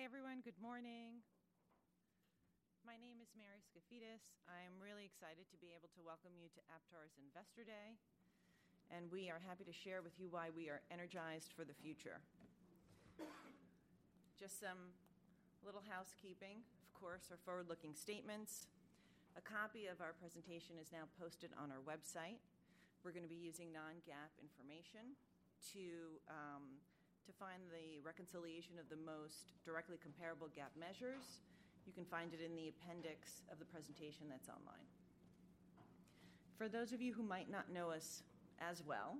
Hey, everyone. Good morning. My name is Mary Skafidas. I am really excited to be able to welcome you to Aptar's Investor Day, and we are happy to share with you why we are energized for the future. Just some little housekeeping. Of course, our forward-looking statements. A copy of our presentation is now posted on our website. We're gonna be using non-GAAP information to find the reconciliation of the most directly comparable GAAP measures. You can find it in the appendix of the presentation that's online. For those of you who might not know us as well,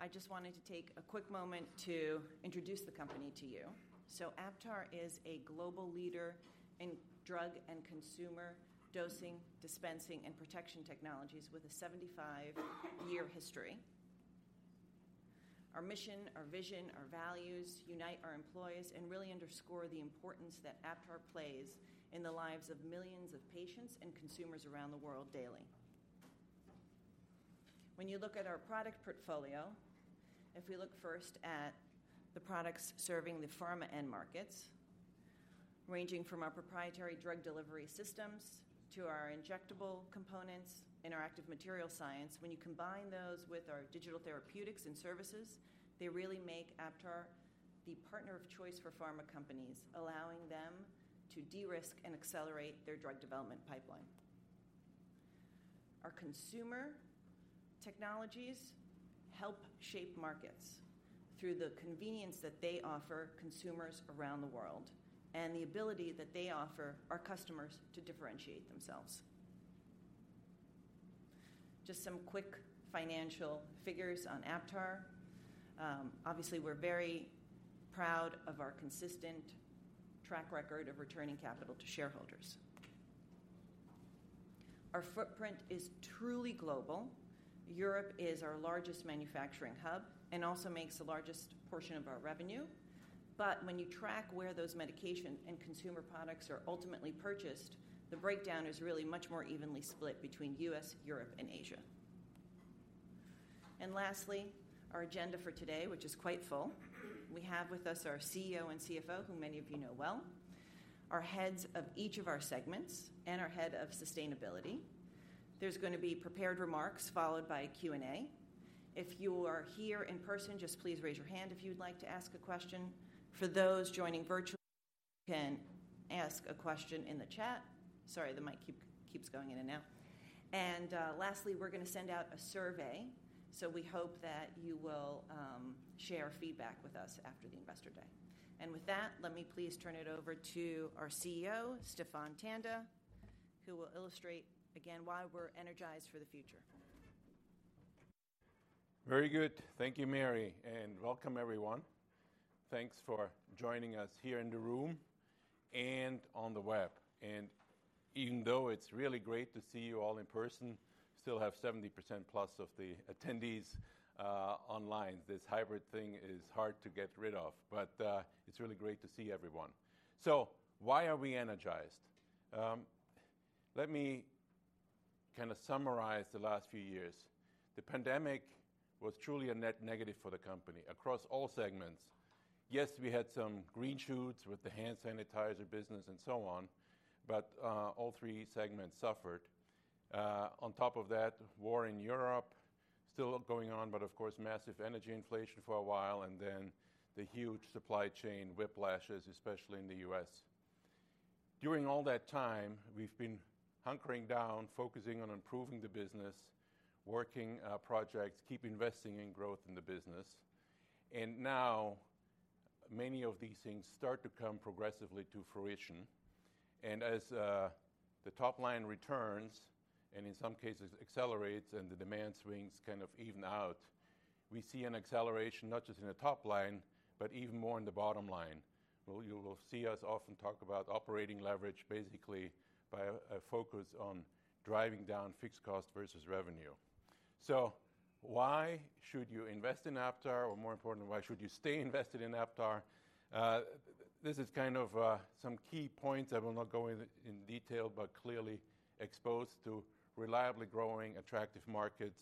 I just wanted to take a quick moment to introduce the company to you. So Aptar is a global leader in drug and consumer dosing, dispensing, and protection technologies with a 75 year history. Our mission, our vision, our values unite our employees and really underscore the importance that Aptar plays in the lives of millions of patients and consumers around the world daily. When you look at our product portfolio, if we look first at the products serving the pharma end markets, ranging from our proprietary drug delivery systems to our injectable components and our Active Material Science, when you combine those with our digital therapeutics and services, they really make Aptar the partner of choice for pharma companies, allowing them to de-risk and accelerate their drug development pipeline. Our consumer technologies help shape markets through the convenience that they offer consumers around the world and the ability that they offer our customers to differentiate themselves. Just some quick financial figures on Aptar. Obviously, we're very proud of our consistent track record of returning capital to shareholders. Our footprint is truly global. Europe is our largest manufacturing hub and also makes the largest portion of our revenue. But when you track where those medication and consumer products are ultimately purchased, the breakdown is really much more evenly split between U.S., Europe, and Asia. And lastly, our agenda for today, which is quite full. We have with us our CEO and CFO, who many of you know well, our heads of each of our segments, and our head of sustainability. There's gonna be prepared remarks, followed by a Q&A. If you are here in person, just please raise your hand if you'd like to ask a question. For those joining virtually, you can ask a question in the chat. Sorry, the mic keeps going in and out. And lastly, we're gonna send out a survey, so we hope that you will share feedback with us after the Investor Day. With that, let me please turn it over to our CEO, Stephan Tanda, who will illustrate again why we're energized for the future. Very good. Thank you, Mary, and welcome everyone. Thanks for joining us here in the room and on the web. Even though it's really great to see you all in person, we still have 70% plus of the attendees online. This hybrid thing is hard to get rid of, but it's really great to see everyone. Why are we energized? Let me kind of summarize the last few years. The pandemic was truly a net negative for the company across all segments. Yes, we had some green shoots with the hand sanitizer business and so on, but all three segments suffered. On top of that, war in Europe, still going on, but of course, massive energy inflation for a while, and then the huge supply chain whiplashes, especially in the U.S. During all that time, we've been hunkering down, focusing on improving the business, working projects, keep investing in growth in the business, and now many of these things start to come progressively to fruition. And as the top line returns, and in some cases accelerates, and the demand swings kind of even out, we see an acceleration, not just in the top line, but even more in the bottom line. Well, you will see us often talk about operating leverage, basically by a focus on driving down fixed cost versus revenue. So why should you invest in Aptar, or more importantly, why should you stay invested in Aptar? This is kind of some key points. I will not go in detail, but clearly exposed to reliably growing attractive markets,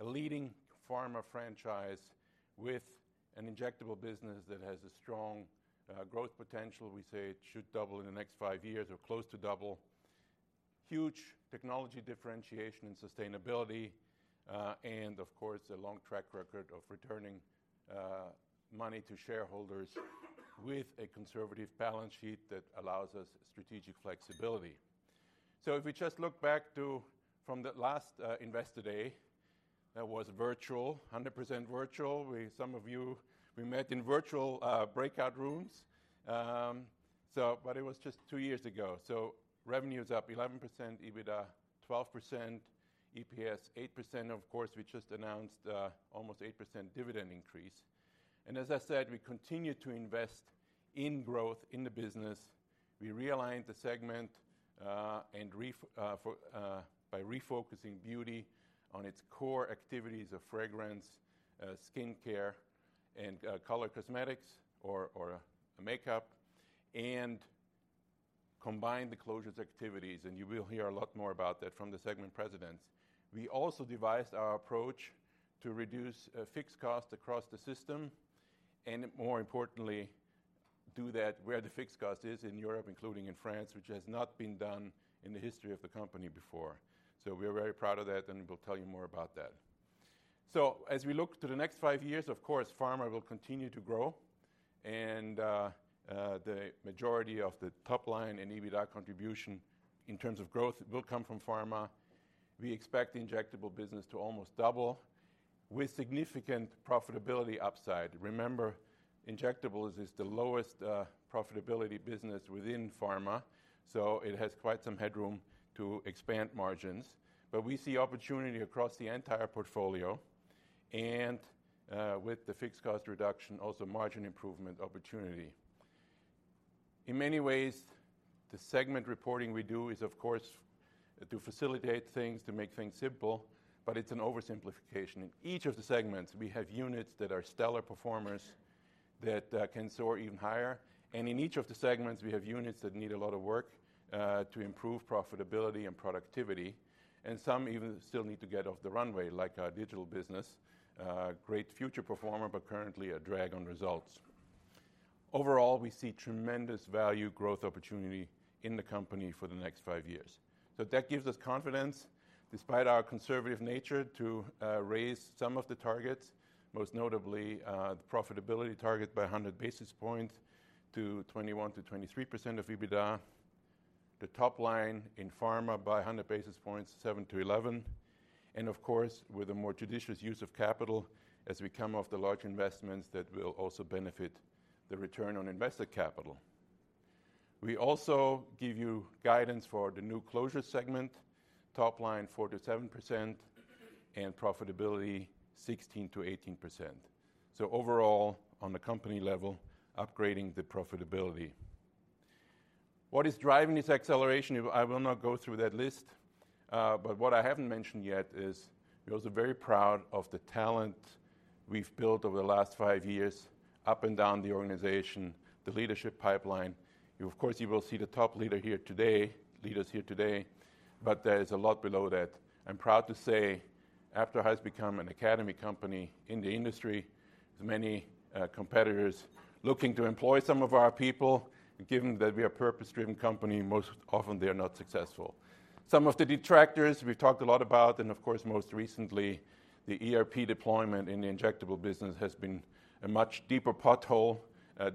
a leading pharma franchise with an injectable business that has a strong growth potential. We say it should double in the next five years or close to double. Huge technology differentiation and sustainability, and of course, a long track record of returning money to shareholders with a conservative balance sheet that allows us strategic flexibility. So if we just look back from the last Investor Day, that was virtual, 100% virtual, we, some of you, we met in virtual breakout rooms. But it was just two years ago. So revenue is up 11%, EBITDA 12%, EPS 8%. Of course, we just announced almost 8% dividend increase. And as I said, we continue to invest in growth in the business. We realigned the segment, and by refocusing beauty on its core activities of fragrance, skincare, and color cosmetics or makeup. And combined the closures activities, and you will hear a lot more about that from the segment presidents. We also devised our approach to reduce fixed costs across the system, and more importantly, do that where the fixed cost is in Europe, including in France, which has not been done in the history of the company before. So we are very proud of that, and we'll tell you more about that. So as we look to the next five years, of course, pharma will continue to grow, and the majority of the top line and EBITDA contribution in terms of growth will come from pharma. We expect the injectable business to almost double with significant profitability upside. Remember, injectables is the lowest profitability business within pharma, so it has quite some headroom to expand margins. But we see opportunity across the entire portfolio and, with the fixed cost reduction, also margin improvement opportunity. In many ways, the segment reporting we do is, of course, to facilitate things, to make things simple, but it's an oversimplification. In each of the segments, we have units that are stellar performers that can soar even higher, and in each of the segments, we have units that need a lot of work to improve profitability and productivity, and some even still need to get off the runway, like our digital business. Great future performer, but currently a drag on results. Overall, we see tremendous value growth opportunity in the company for the next five years. So that gives us confidence, despite our conservative nature, to raise some of the targets, most notably, the profitability target by 100 basis points to 21% to 23% of EBITDA. The top line in pharma by 100 basis points, 7% to 11%, and of course, with a more judicious use of capital as we come off the large investments that will also benefit the return on invested capital. We also give you guidance for the new closure segment, top line, 4% to 7%, and profitability, 16% to 18%. So overall, on the company level, upgrading the profitability. What is driving this acceleration? I will not go through that list, but what I haven't mentioned yet is we're also very proud of the talent we've built over the last five years, up and down the organization, the leadership pipeline. You, of course, you will see the top leader here today, leaders here today, but there is a lot below that. I'm proud to say Aptar has become an acclaimed company in the industry, with many competitors looking to employ some of our people. Given that we are a purpose-driven company, most often they are not successful. Some of the detractors we've talked a lot about, and of course, most recently, the ERP deployment in the injectable business has been a much deeper pothole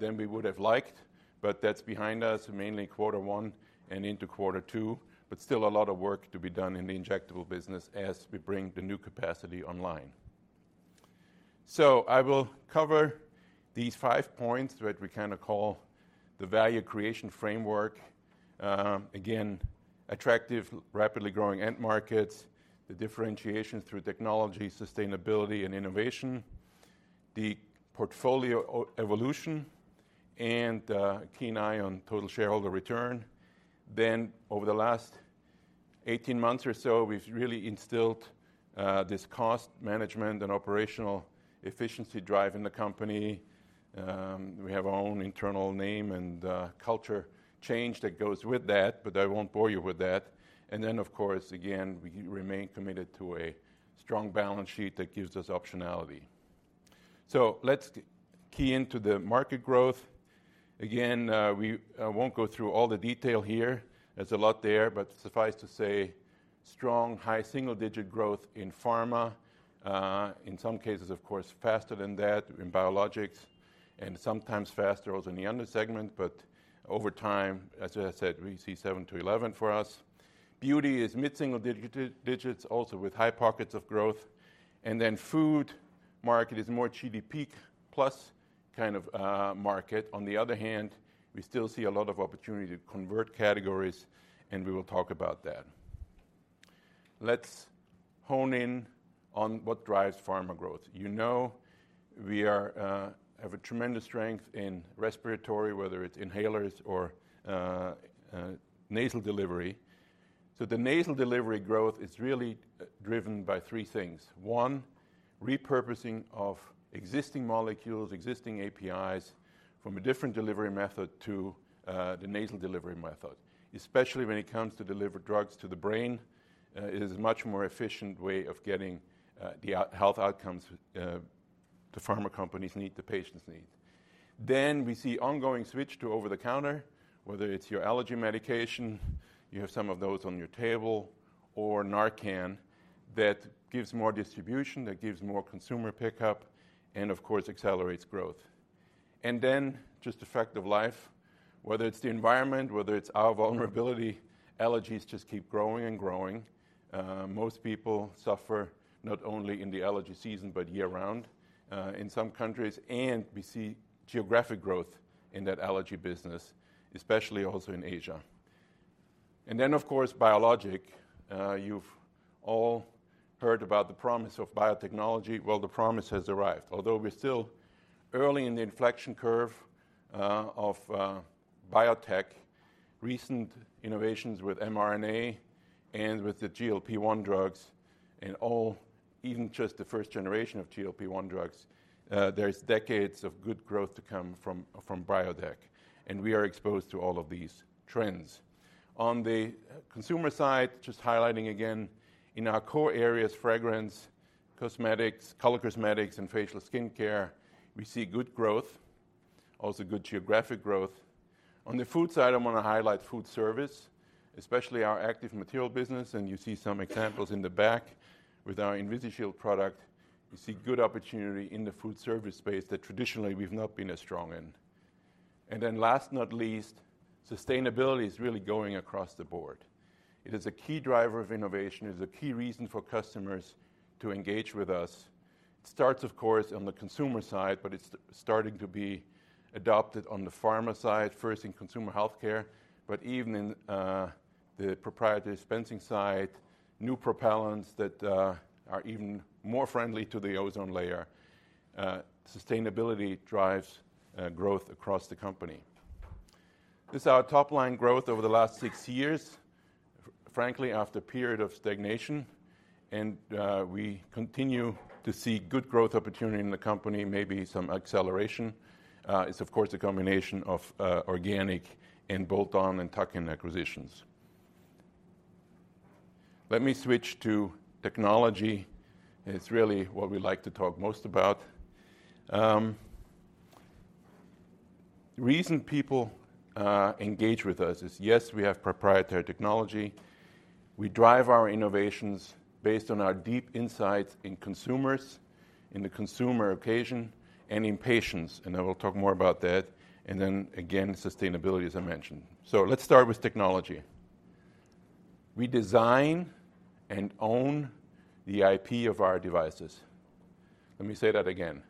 than we would have liked, but that's behind us, mainly quarter one and into quarter two, but still a lot of work to be done in the injectable business as we bring the new capacity online. So I will cover these five points that we kinda call the value creation framework. Again, attractive, rapidly growing end markets, the differentiation through technology, sustainability and innovation, the portfolio evolution, and keen eye on total shareholder return. Then, over the last 18 months or so, we've really instilled this cost management and operational efficiency drive in the company. We have our own internal name and culture change that goes with that, but I won't bore you with that. And then, of course, again, we remain committed to a strong balance sheet that gives us optionality. So let's key into the market growth. Again, we won't go through all the detail here. There's a lot there, but suffice to say, strong, high, single-digit growth in pharma, in some cases, of course, faster than that in biologics, and sometimes faster also in the other segment. But over time, as I said, we see 7 to 11 for us. Beauty is mid-single digits, also with high pockets of growth. And then food market is more mid-teens peak plus kind of market. On the other hand, we still see a lot of opportunity to convert categories, and we will talk about that. Let's hone in on what drives pharma growth. You know, we have a tremendous strength in respiratory, whether it's inhalers or nasal delivery. So the nasal delivery growth is really driven by three things. One, repurposing of existing molecules, existing APIs, from a different delivery method to the nasal delivery method. Especially when it comes to deliver drugs to the brain, it is a much more efficient way of getting the health outcomes, the pharma companies need, the patients need. Then we see ongoing switch to over-the-counter, whether it's your allergy medication, you have some of those on your table, or Narcan, that gives more distribution, that gives more consumer pickup, and of course, accelerates growth. And then just a fact of life, whether it's the environment, whether it's our vulnerability, allergies just keep growing and growing. Most people suffer not only in the allergy season, but year-round, in some countries, and we see geographic growth in that allergy business, especially also in Asia. And then, of course, biologic. You've all heard about the promise of biotechnology. Well, the promise has arrived. Although we're still early in the inflection curve, of biotech, recent innovations with mRNA. And with the GLP-1 drugs and all, even just the first generation of GLP-1 drugs, there's decades of good growth to come, from Bidose, and we are exposed to all of these trends. On the consumer side, just highlighting again, in our core areas, fragrance, cosmetics, color cosmetics, and facial skincare, we see good growth, also good geographic growth. On the food side, I wanna highlight food service, especially our active material business, and you see some examples in the back with our InvisiShield product. You see good opportunity in the food service space that traditionally we've not been as strong in. Then last, not least, sustainability is really going across the board. It is a key driver of innovation, it is a key reason for customers to engage with us. It starts, of course, on the consumer side, but it's starting to be adopted on the pharma side, first in consumer healthcare, but even in the proprietary dispensing side, new propellants that are even more friendly to the ozone layer. Sustainability drives growth across the company. This is our top-line growth over the last six years, frankly, after a period of stagnation, and we continue to see good growth opportunity in the company, maybe some acceleration. It's of course a combination of organic and bolt-on and tuck-in acquisitions. Let me switch to technology. It's really what we like to talk most about. The reason people engage with us is, yes, we have proprietary technology, we drive our innovations based on our deep insights in consumers, in the consumer occasion, and in patients, and I will talk more about that, and then again, sustainability, as I mentioned. So let's start with technology. We design and own the IP of our devices. Let me say that again.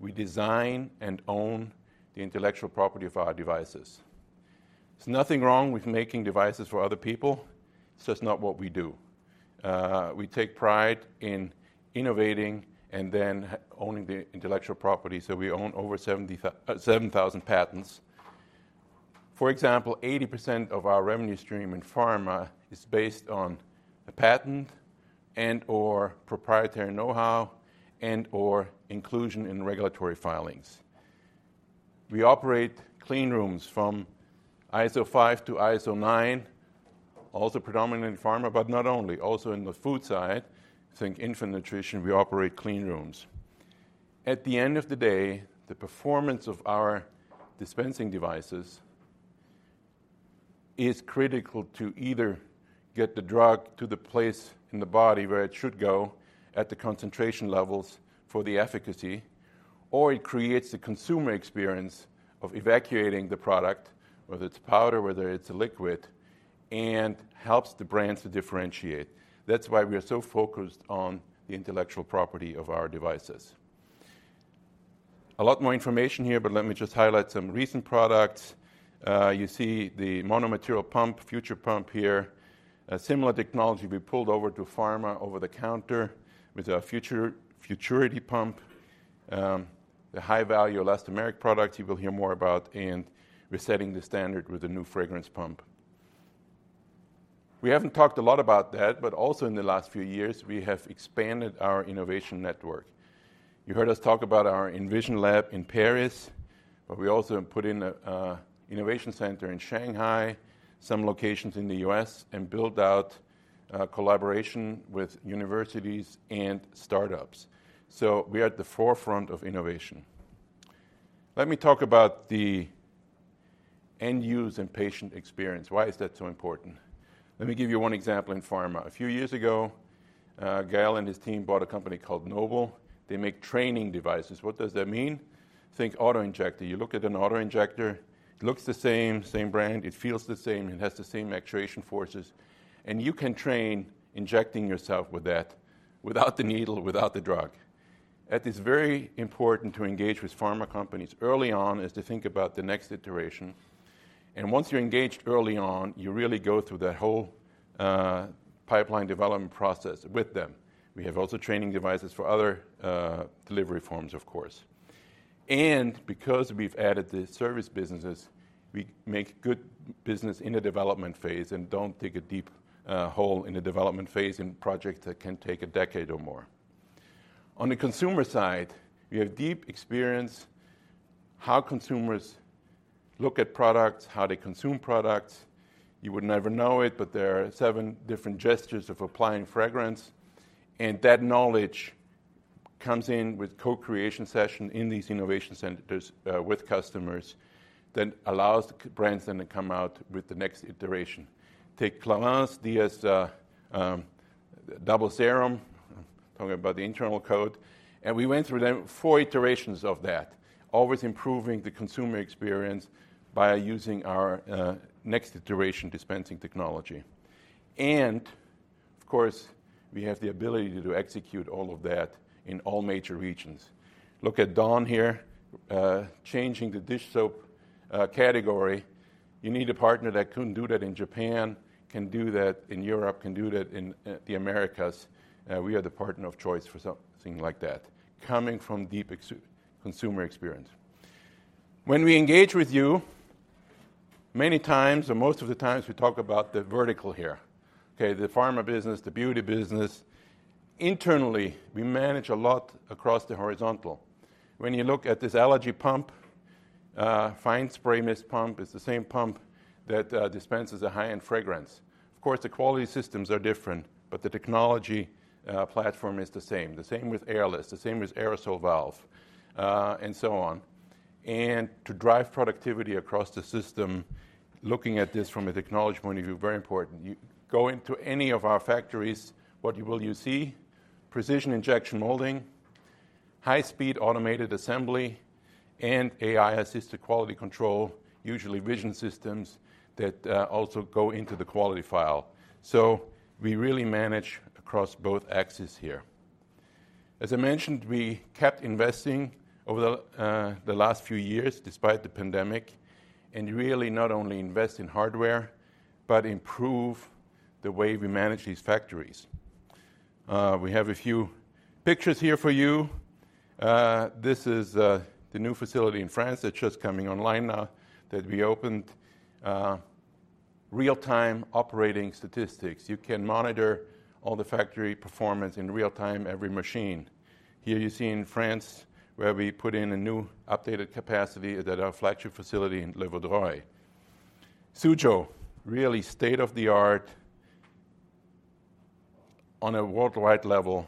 We design and own the intellectual property of our devices. There's nothing wrong with making devices for other people. It's just not what we do. We take pride in innovating and then owning the intellectual property. So we own over 7,000 patents. For example, 80% of our revenue stream in pharma is based on a patent and/or proprietary know-how and/or inclusion in regulatory filings. We operate clean rooms from ISO 5 to ISO 9, also predominant in pharma, but not only, also in the food side, think infant nutrition, we operate clean rooms. At the end of the day, the performance of our dispensing devices is critical to either get the drug to the place in the body where it should go at the concentration levels for the efficacy, or it creates a consumer experience of evacuating the product, whether it's powder, whether it's a liquid, and helps the brands to differentiate. That's why we are so focused on the intellectual property of our devices. A lot more information here, but let me just highlight some recent products. You see the mono-material pump, Future pump here. A similar technology we pulled over to pharma over-the-counter with our Future- Futurity pump, the high-value elastomeric product you will hear more about, and we're setting the standard with the new fragrance pump. We haven't talked a lot about that, but also in the last few years, we have expanded our innovation network. You heard us talk about our Envision lab in Paris, but we also put in a innovation center in Shanghai, some locations in the U.S., and built out collaboration with universities and startups. So we are at the forefront of innovation. Let me talk about the end use and patient experience. Why is that so important? Let me give you one example in pharma. A few years ago, Gael and his team bought a company called Noble. They make training devices. What does that mean? Think auto-injector. You look at an auto-injector, it looks the same, same brand, it feels the same, it has the same actuation forces, and you can train injecting yourself with that without the needle, without the drug. That is very important to engage with pharma companies early on, is to think about the next iteration, and once you're engaged early on, you really go through the whole, pipeline development process with them. We have also training devices for other, delivery forms, of course. And because we've added the service businesses, we make good business in the development phase and don't dig a deep, hole in the development phase in projects that can take a decade or more. On the consumer side, we have deep experience, how consumers look at products, how they consume products. You would never know it, but there are seven different gestures of applying fragrance, and that knowledge comes in with co-creation session in these innovation centers with customers, then allows the brands then to come out with the next iteration. Take Clarins as the Double Serum, talking about the internal code, and we went through the four iterations of that, always improving the consumer experience by using our next iteration dispensing technology. And of course, we have the ability to execute all of that in all major regions. Look at Dawn here, changing the dish soap category. You need a partner that can do that in Japan, can do that in Europe, can do that in the Americas. We are the partner of choice for something like that, coming from deep ex-consumer experience. When we engage with you, many times, or most of the times, we talk about the vertical here, okay? The pharma business, the beauty business. Internally, we manage a lot across the horizontal. When you look at this allergy pump, fine spray mist pump, it's the same pump that dispenses a high-end fragrance. Of course, the quality systems are different, but the technology platform is the same. The same with airless, the same with aerosol valve, and so on. And to drive productivity across the system, looking at this from a technology point of view, very important. You go into any of our factories, what will you see? Precision injection molding, high-speed automated assembly, and AI-assisted quality control, usually vision systems that also go into the quality file. So we really manage across both axes here. As I mentioned, we kept investing over the last few years despite the pandemic, and really not only invest in hardware, but improve the way we manage these factories. We have a few pictures here for you. This is the new facility in France that's just coming online now, that we opened. Real-time operating statistics. You can monitor all the factory performance in real time, every machine. Here you see in France, where we put in a new updated capacity at our flagship facility in Le Vaudreuil. Suzhou, really state-of-the-art on a worldwide level,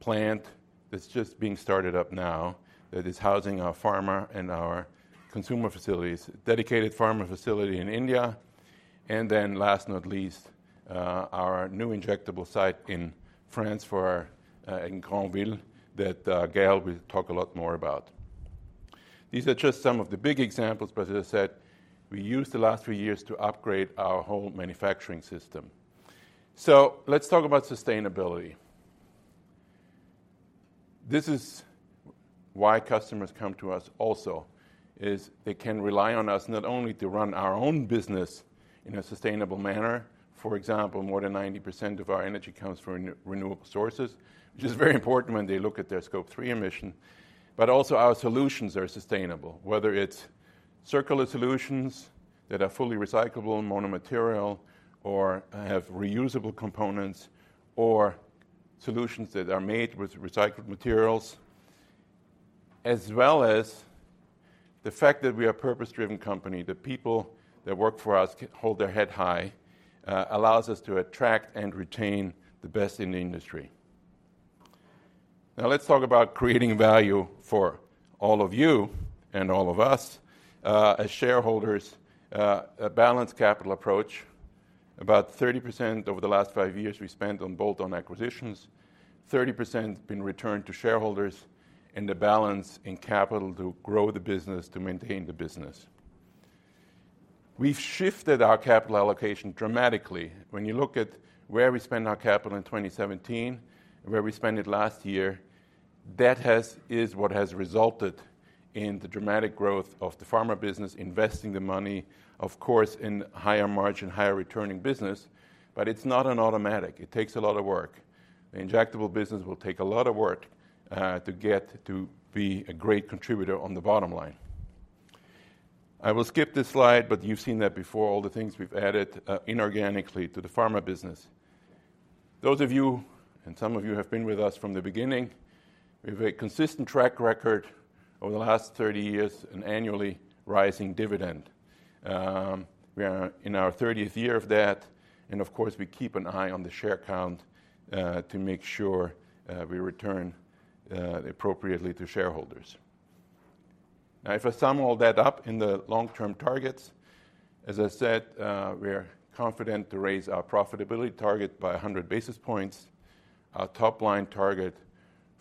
plant that's just being started up now, that is housing our pharma and our consumer facilities, dedicated pharma facility in India. Then last but not least, our new injectable site in France for in Granville, that Gael will talk a lot more about. These are just some of the big examples, but as I said, we used the last three years to upgrade our whole manufacturing system. So let's talk about sustainability. This is why customers come to us also, is they can rely on us not only to run our own business in a sustainable manner, for example, more than 90% of our energy comes from renewable sources, which is very important when they look at their Scope 3 emissions, but also our solutions are sustainable, whether it's circular solutions that are fully recyclable and mono-material, or have reusable components, or solutions that are made with recycled materials, as well as the fact that we are a purpose-driven company. The people that work for us can hold their head high, allows us to attract and retain the best in the industry. Now, let's talk about creating value for all of you and all of us, as shareholders. A balanced capital approach. About 30% over the last five years we spent on bolt-on acquisitions, 30% has been returned to shareholders, and the balance in capital to grow the business, to maintain the business. We've shifted our capital allocation dramatically. When you look at where we spent our capital in 2017 and where we spent it last year, that is what has resulted in the dramatic growth of the pharma business, investing the money, of course, in higher margin, higher returning business, but it's not an automatic. It takes a lot of work. The injectable business will take a lot of work to get to be a great contributor on the bottom line. I will skip this slide, but you've seen that before, all the things we've added inorganically to the pharma business. Those of you, and some of you have been with us from the beginning, we have a consistent track record over the last 30 years, an annually rising dividend. We are in our 30th year of that, and of course, we keep an eye on the share count to make sure we return appropriately to shareholders. Now, if I sum all that up in the long-term targets, as I said, we are confident to raise our profitability target by 100 basis points, our top line target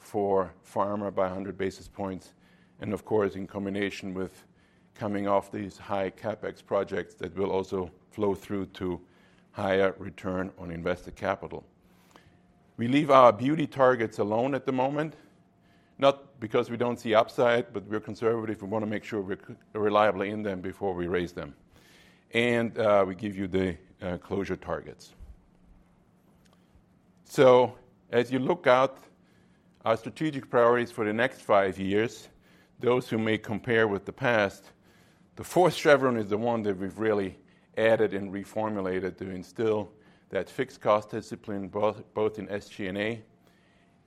for pharma by 100 basis points, and of course, in combination with coming off these high CapEx projects, that will also flow through to higher return on invested capital. We leave our beauty targets alone at the moment, not because we don't see upside, but we're conservative. We wanna make sure we're reliably in them before we raise them. And we give you the closure targets. As you look out our strategic priorities for the next five years, those who may compare with the past, the fourth chevron is the one that we've really added and reformulated to instill that fixed cost discipline, both, both in SG&A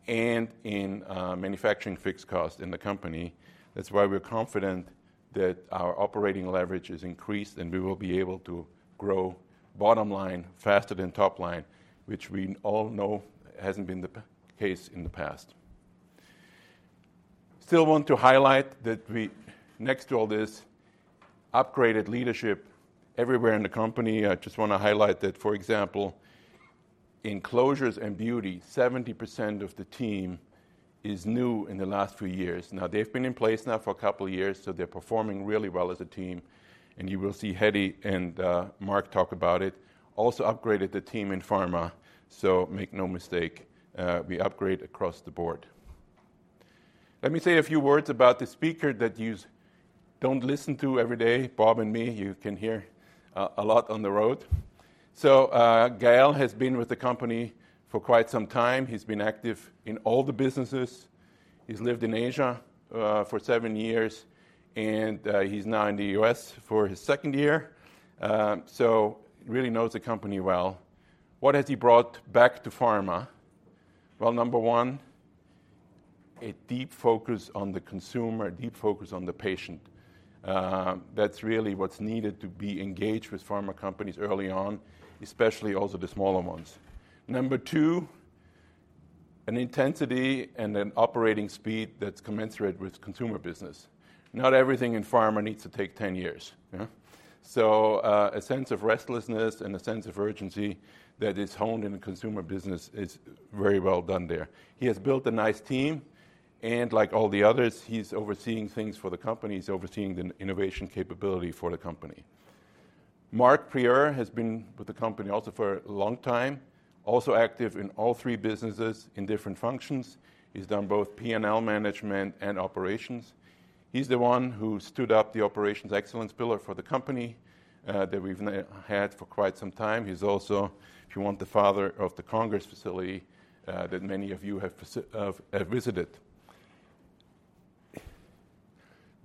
and in manufacturing fixed cost in the company. That's why we're confident that our operating leverage is increased, and we will be able to grow bottom line faster than top line, which we all know hasn't been the case in the past. Still want to highlight that we, next to all this, upgraded leadership everywhere in the company. I just wanna highlight that, for example, in closures and beauty, 70% of the team is new in the last few years. Now, they've been in place now for a couple of years, so they're performing really well as a team, and you will see Hedi and Marc talk about it. Also upgraded the team in pharma, so make no mistake, we upgrade across the board. Let me say a few words about the speaker that yous don't listen to every day, Bob and me, you can hear a lot on the road. So, Gael has been with the company for quite some time. He's been active in all the businesses. He's lived in Asia for seven years, and he's now in the U.S. for his second year. So he really knows the company well. What has he brought back to pharma? Well, number one, a deep focus on the consumer, a deep focus on the patient. That's really what's needed to be engaged with pharma companies early on, especially also the smaller ones. Number two, an intensity and an operating speed that's commensurate with consumer business. Not everything in pharma needs to take 10 years. Yeah? So, a sense of restlessness and a sense of urgency that is honed in the consumer business is very well done there. He has built a nice team, and like all the others, he's overseeing things for the company. He's overseeing the innovation capability for the company. Marc Prieur has been with the company also for a long time, also active in all three businesses in different functions. He's done both P&L management and operations. He's the one who stood up the operations excellence pillar for the company, that we've now had for quite some time. He's also, if you want, the father of the Congers facility that many of you have visited.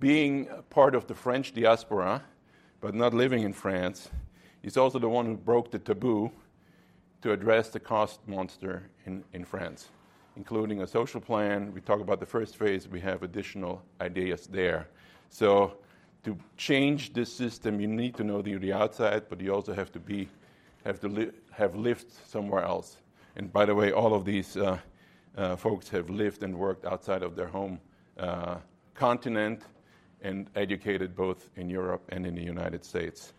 Being part of the French diaspora, but not living in France, he's also the one who broke the taboo to address the cost monster in France, including a social plan. We talk about the first phase. We have additional ideas there. So to change the system, you need to know the outside, but you also have to live, have lived somewhere else. And by the way, all of these folks have lived and worked outside of their home continent, and educated both in Europe and in the United States.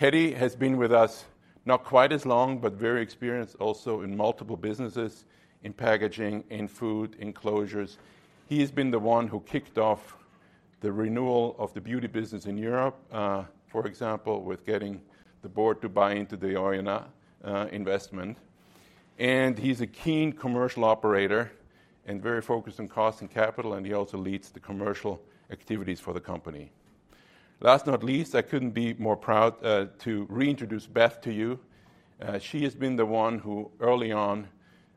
Hedi has been with us not quite as long, but very experienced also in multiple businesses, in packaging, in food, in closures. He has been the one who kicked off the renewal of the beauty business in Europe, for example, with getting the board to buy into the Oyonnax investment. And he's a keen commercial operator and very focused on cost and capital, and he also leads the commercial activities for the company. Last, not least, I couldn't be more proud to reintroduce Beth to you. She has been the one who, early on,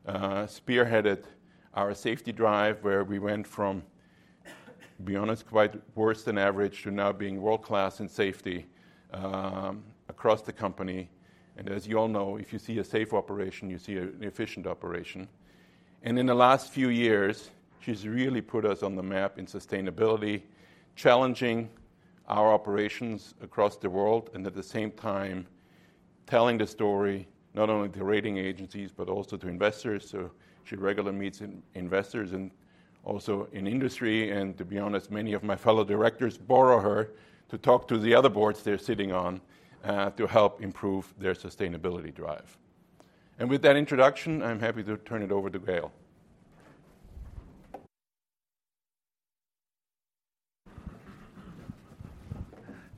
spearheaded our safety drive, where we went from, to be honest, quite worse than average, to now being world-class in safety across the company. And as you all know, if you see a safe operation, you see an efficient operation. In the last few years, she's really put us on the map in sustainability, challenging our operations across the world and at the same time, telling the story not only to rating agencies, but also to investors. She regularly meets investors and also in industry, and to be honest, many of my fellow directors borrow her to talk to the other boards they're sitting on, to help improve their sustainability drive. With that introduction, I'm happy to turn it over to Gael.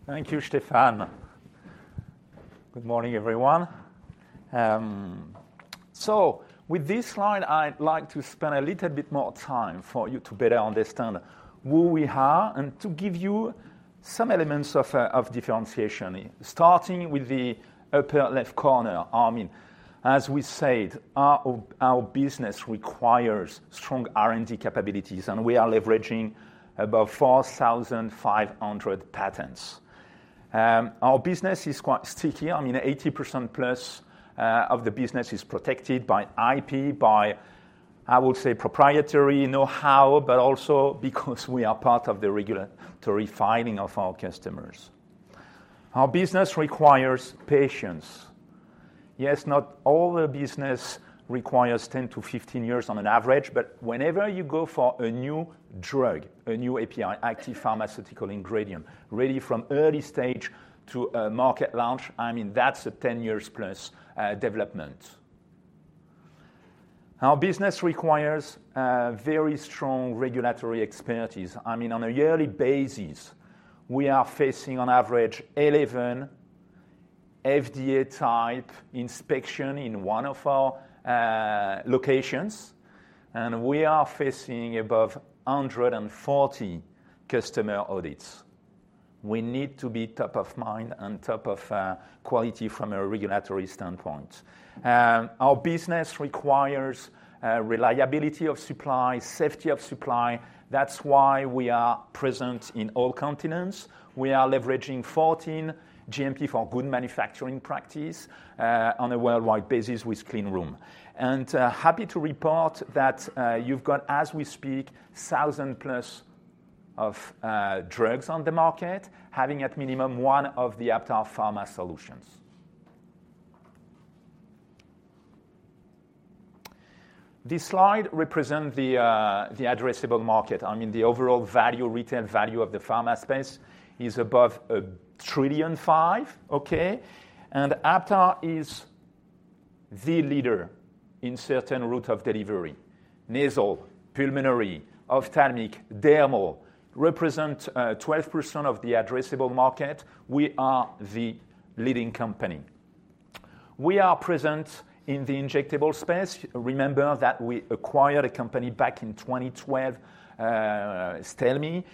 Thank you, Stephan. Good morning, everyone. With this slide, I'd like to spend a little bit more time for you to better understand who we are and to give you some elements of differentiation, starting with the upper left corner. I mean, as we said, our business requires strong R&D capabilities, and we are leveraging about 4,500 patents. Our business is quite sticky. I mean, 80% plus of the business is protected by IP, by, I would say, proprietary know-how, but also because we are part of the regulatory filing of our customers. Our business requires patience. Yes, not all the business requires 10 to 15 years on an average, but whenever you go for a new drug, a new API, active pharmaceutical ingredient, really from early stage to a market launch, I mean, that's 10+ years development. Our business requires, very strong regulatory expertise. I mean, on a yearly basis, we are facing on average 11 FDA-type inspections in one of our, locations, and we are facing above 140 customer audits. We need to be top of mind and top of, quality from a regulatory standpoint. Our business requires, reliability of supply, safety of supply. That's why we are present in all continents. We are leveraging 14 GMP for Good Manufacturing Practice, on a worldwide basis with clean room. Happy to report that, as we speak, 1,000+ drugs on the market, having at minimum one of the Aptar Pharma solutions. This slide represent the, the addressable market. I mean, the overall value, retail value of the pharma space is above $1.5 trillion, okay? Aptar is the leader in certain route of delivery. Nasal, pulmonary, ophthalmic, dermal, represent, 12% of the addressable market. We are the leading company. We are present in the injectable space. Remember that we acquired a company back in 2012, Stelmi.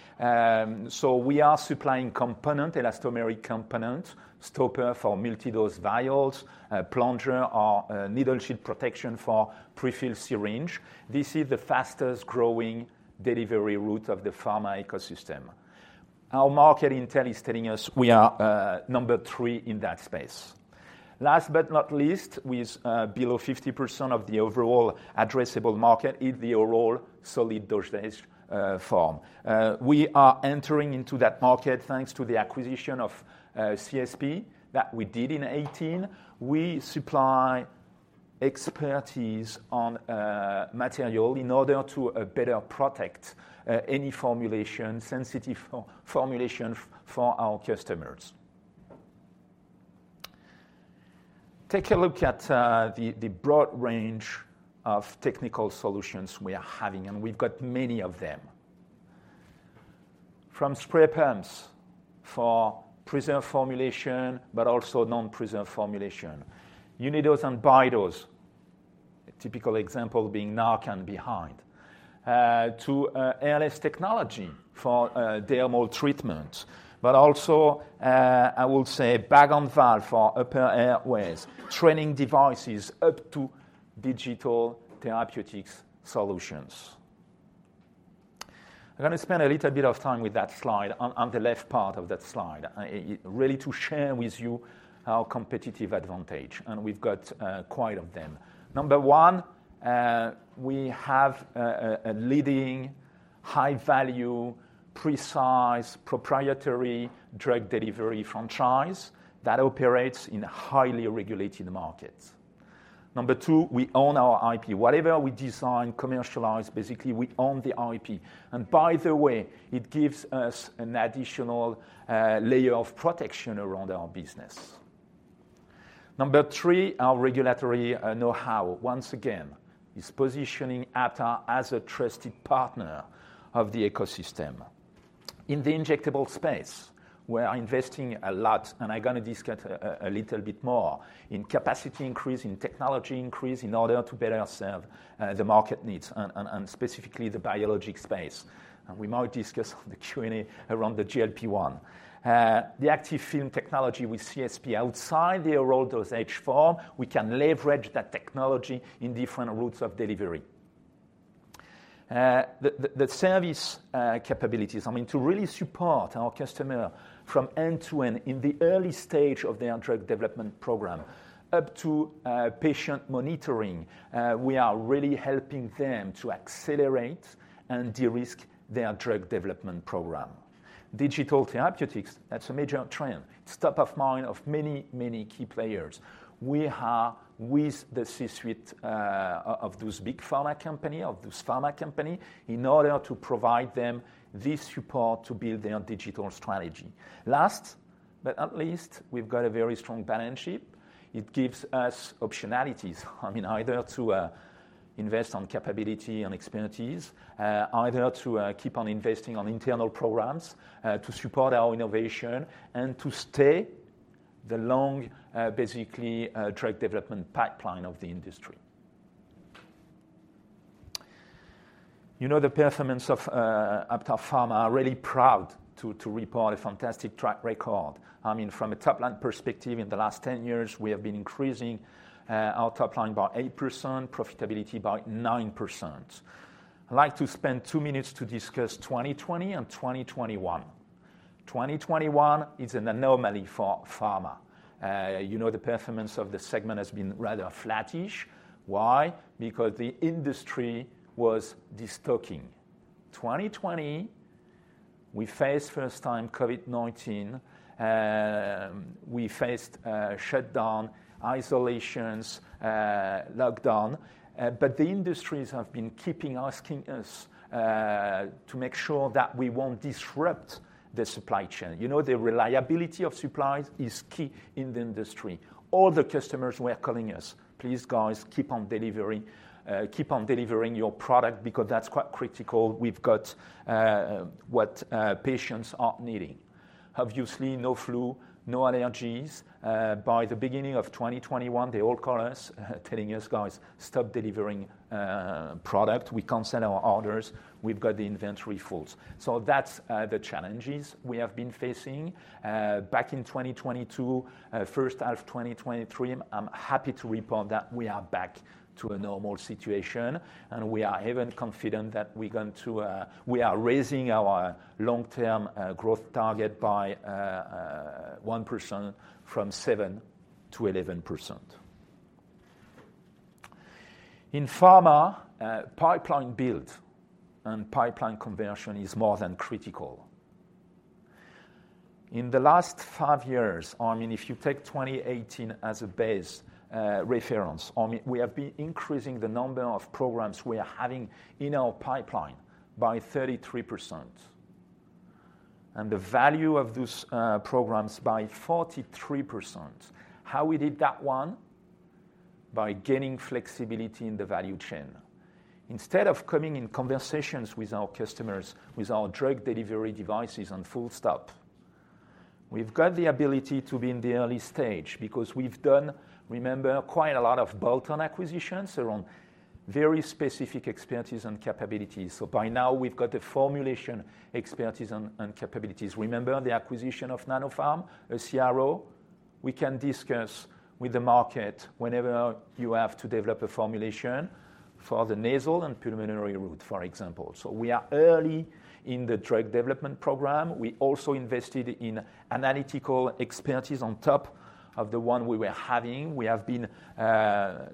So we are supplying component, elastomeric component, stopper for multi-dose vials, plunger or, needle shield protection for pre-filled syringe. This is the fastest growing delivery route of the pharma ecosystem. Our market intel is telling us we are, number three in that space. Last but not least, with below 50% of the overall addressable market is the oral solid dosage form. We are entering into that market, thanks to the acquisition of CSP that we did in 2018. We supply expertise on material in order to better protect any formulation, sensitive formulation for our customers. Take a look at the broad range of technical solutions we are having, and we've got many of them. From spray pumps for preserved formulation, but also non-preserved formulation. Unidose and Bidose, a typical example being Narcan behind. To ALS technology for dermal treatment. But also, I will say bag-on-valve for upper airways, training devices up to digital therapeutics solutions. I'm gonna spend a little bit of time with that slide, on the left part of that slide, really to share with you our competitive advantage, and we've got quite of them. Number one, we have a leading high-value, precise, proprietary drug delivery franchise that operates in highly regulated markets. Number two, we own our IP. Whatever we design, commercialize, basically, we own the IP. And by the way, it gives us an additional layer of protection around our business. Number three, our regulatory know-how, once again, is positioning Aptar as a trusted partner of the ecosystem. In the injectable space, we are investing a lot, and I'm gonna discuss a little bit more, in capacity increase, in technology increase, in order to better serve the market needs and specifically the biologic space. We might discuss the Q&A around the GLP-1. The active film technology with CSP outside the oral dosage form, we can leverage that technology in different routes of delivery. The service capabilities, I mean, to really support our customer from end to end in the early stage of their drug development program, up to patient monitoring, we are really helping them to accelerate and de-risk their drug development program. Digital therapeutics, that's a major trend, top of mind of many, many key players. We are with the C-suite of those big pharma company, of those pharma company, in order to provide them this support to build their digital strategy. Last, but not least, we've got a very strong balance sheet. It gives us optionalities, I mean, either to invest on capability and expertise, either to keep on investing on internal programs to support our innovation and to stay the long, basically, drug development pipeline of the industry. You know, the performance of Aptar Pharma are really proud to report a fantastic track record. I mean, from a top-line perspective, in the last 10 years, we have been increasing our top line by 8%, profitability by 9%. I'd like to spend 2 minutes to discuss 2020 and 2021. 2021 is an anomaly for pharma. You know, the performance of the segment has been rather flattish. Why? Because the industry was destocking. 2020, we faced first-time COVID-19. We faced shutdown, isolations, lockdown, but the industries have been keeping asking us to make sure that we won't disrupt the supply chain. You know, the reliability of supplies is key in the industry. All the customers were calling us, "Please, guys, keep on delivering, keep on delivering your product, because that's quite critical. We've got, what, patients are needing." Obviously, no flu, no allergies. By the beginning of 2021, they all call us, telling us: "Guys, stop delivering product. We can't send our orders. We've got the inventory full." So that's the challenges we have been facing. Back in 2022, first half of 2023, I'm happy to report that we are back to a normal situation, and we are even confident that we're going to... We are raising our long-term growth target by 1% from 7%-11%. In pharma, pipeline build and pipeline conversion is more than critical. In the last five years, I mean, if you take 2018 as a base reference, I mean, we have been increasing the number of programs we are having in our pipeline by 33%, and the value of those programs by 43%. How we did that one? By gaining flexibility in the value chain. Instead of coming in conversations with our customers, with our drug delivery devices on full stop, we've got the ability to be in the early stage because we've done, remember, quite a lot of bolt-on acquisitions around very specific expertise and capabilities. So by now, we've got the formulation expertise and capabilities. Remember the acquisition of Nanopharm, a CRO? We can discuss with the market whenever you have to develop a formulation for the nasal and pulmonary route, for example. So we are early in the drug development program. We also invested in analytical expertise on top of the one we were having. We have been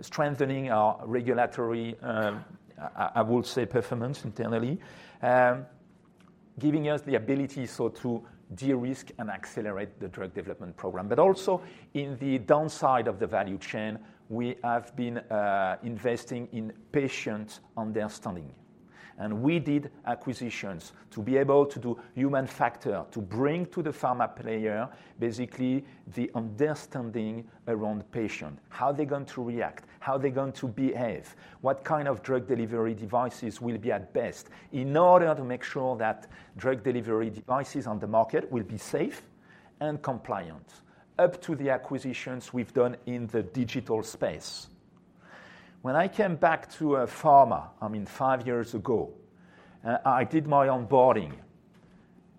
strengthening our regulatory, I would say, performance internally, giving us the ability so to de-risk and accelerate the drug development program. But also in the downside of the value chain, we have been investing in patient understanding, and we did acquisitions to be able to do human factor, to bring to the pharma player, basically, the understanding around patient. How they're going to react, how they're going to behave, what kind of drug delivery devices will be at best, in order to make sure that drug delivery devices on the market will be safe and compliant, up to the acquisitions we've done in the digital space. When I came back to pharma, I mean, five years ago, I did my onboarding.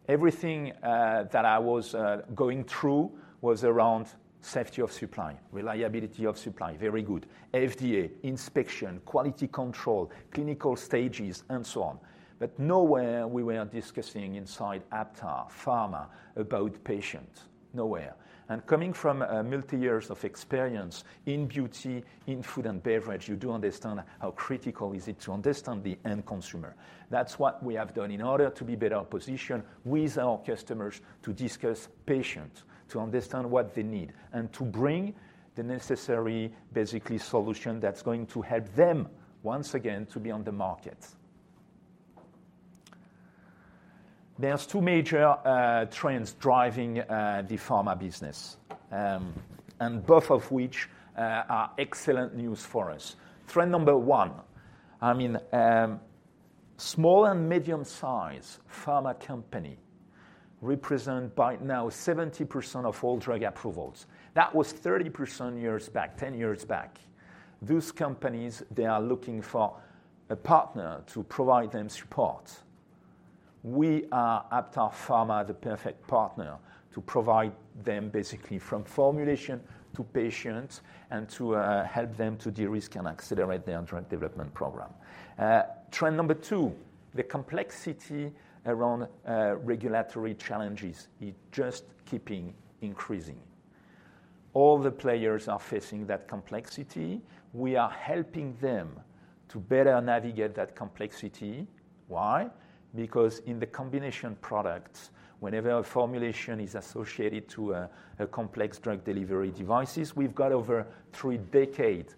Everything that I was going through was around safety of supply, reliability of supply, very good. FDA inspection, quality control, clinical stages, and so on. But nowhere we were discussing inside Aptar Pharma about patient. Nowhere. And coming from multi years of experience in beauty, in food and beverage, you do understand how critical is it to understand the end consumer. That's what we have done in order to be better positioned with our customers, to discuss patient, to understand what they need, and to bring the necessary, basically, solution that's going to help them, once again, to be on the market. There's two major trends driving the pharma business, and both of which are excellent news for us. Trend number one, I mean, small and medium size pharma company represent by now 70% of all drug approvals. That was 30% years back, 10 years back. These companies, they are looking for a partner to provide them support. We are, Aptar Pharma, the perfect partner to provide them basically from formulation to patient and to help them to de-risk and accelerate their drug development program. Trend number two, the complexity around regulatory challenges is just keeping increasing. All the players are facing that complexity. We are helping them to better navigate that complexity. Why? Because in the combination products, whenever a formulation is associated to a complex drug delivery devices, we've got over three decades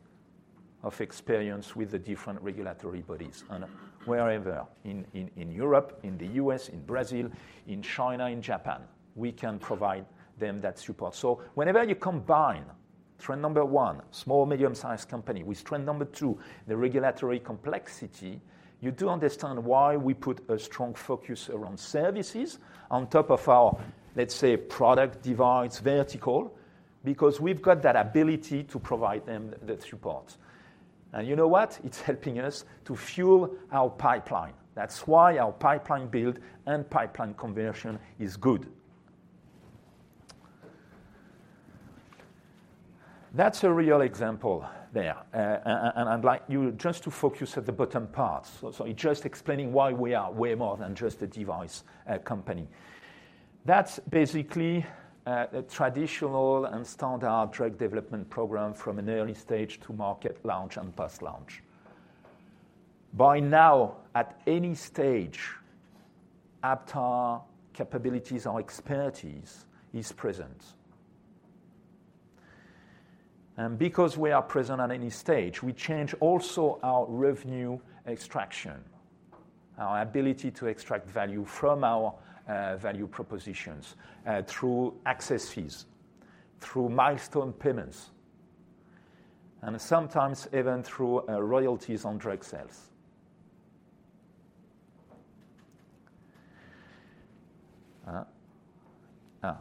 of experience with the different regulatory bodies and wherever in Europe, in the U.S., in Brazil, in China, in Japan, we can provide them that support. So whenever you combine trend number one, small, medium sized company, with trend number two, the regulatory complexity, you do understand why we put a strong focus around services on top of our, let's say, product device vertical, because we've got that ability to provide them the support. And you know what? It's helping us to fuel our pipeline. That's why our pipeline build and pipeline conversion is good. That's a real example there. And I'd like you just to focus at the bottom part. So it just explaining why we are way more than just a device company. That's basically a traditional and standard drug development program from an early stage to market launch and post-launch. By now, at any stage, Aptar capabilities or expertise is present. And because we are present at any stage, we change also our revenue extraction, our ability to extract value from our value propositions through access fees, through milestone payments, and sometimes even through royalties on drug sales.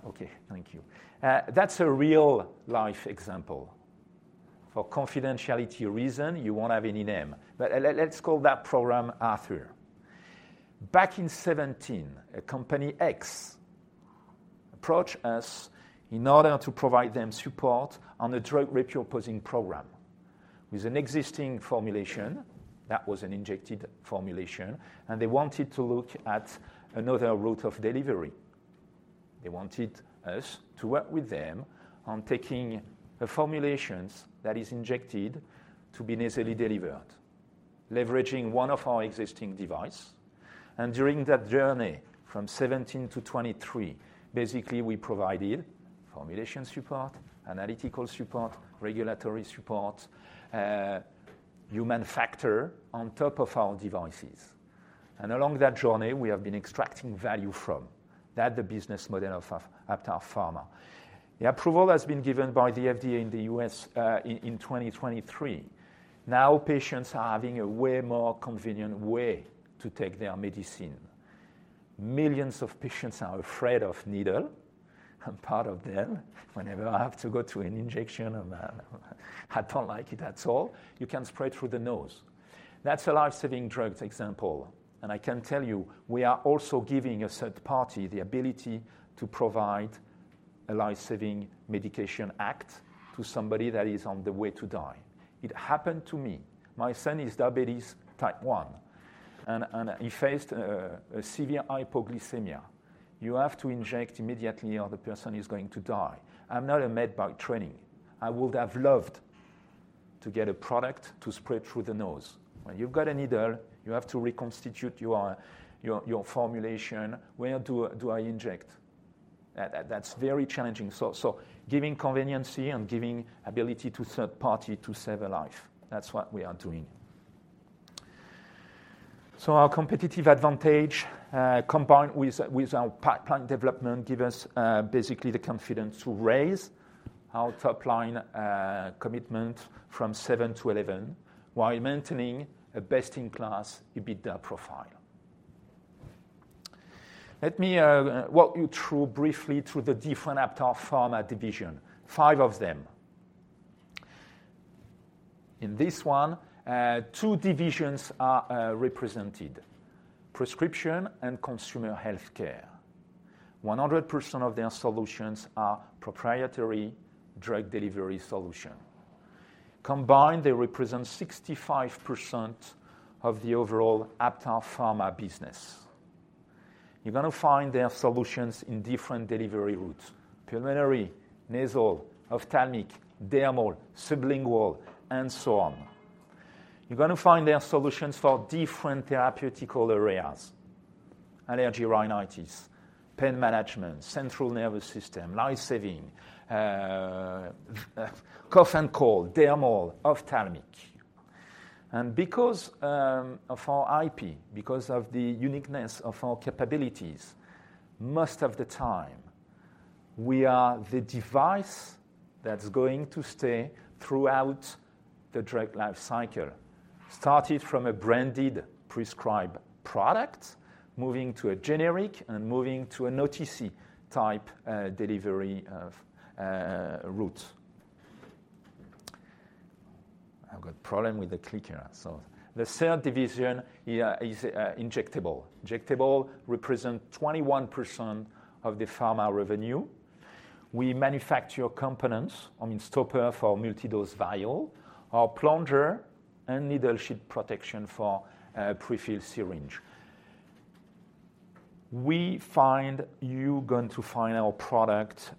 Okay, thank you. That's a real-life example. For confidentiality reason, you won't have any name, but let's call that program Arthur. Back in 2017, a company X approached us in order to provide them support on a drug repurposing program with an existing formulation that was an injected formulation, and they wanted to look at another route of delivery. They wanted us to work with them on taking the formulations that is injected to be nasally delivered, leveraging one of our existing device. During that journey from 2017 to 2023, basically, we provided formulation support, analytical support, regulatory support, human factor on top of our devices. And along that journey, we have been extracting value from. That's the business model of, of Aptar Pharma. The approval has been given by the FDA in the U.S., in 2023. Now, patients are having a way more convenient way to take their medicine. Millions of patients are afraid of needle. I'm part of them. Whenever I have to go to an injection, I don't like it at all. You can spray it through the nose. That's a life-saving drugs example, and I can tell you, we are also giving a third party the ability to provide a life-saving medication act to somebody that is on the way to die. It happened to me. My son is diabetes type 1, and he faced a severe hypoglycemia. You have to inject immediately, or the person is going to die. I'm not a med by training. I would have loved to get a product to spray through the nose. When you've got a needle, you have to reconstitute your formulation. Where do I inject? That's very challenging. So giving conveniency and giving ability to third party to save a life, that's what we are doing. So our competitive advantage, combined with our pipeline development, gives us basically the confidence to raise our top line commitment from 7 to 11 while maintaining a best-in-class EBITDA profile. Let me walk you through briefly the different Aptar Pharma divisions. Five of them. In this one, two divisions are represented: prescription and consumer healthcare. 100% of their solutions are proprietary drug delivery solutions. Combined, they represent 65% of the overall Aptar Pharma business. You're gonna find their solutions in different delivery routes: pulmonary, nasal, ophthalmic, dermal, sublingual, and so on. You're gonna find their solutions for different therapeutic areas: allergy, rhinitis, pain management, central nervous system, life-saving, cough and cold, dermal, ophthalmic. Because of our IP, because of the uniqueness of our capabilities, most of the time, we are the device that's going to stay throughout the drug life cycle. Started from a branded prescribed product, moving to a generic, and moving to an OTC type delivery route. I've got problem with the clicker. So the third division here is injectable. Injectable represent 21% of the pharma revenue. We manufacture components, I mean, stopper for multi-dose vial, or plunger and needle shield protection for pre-filled syringe. You'll find our product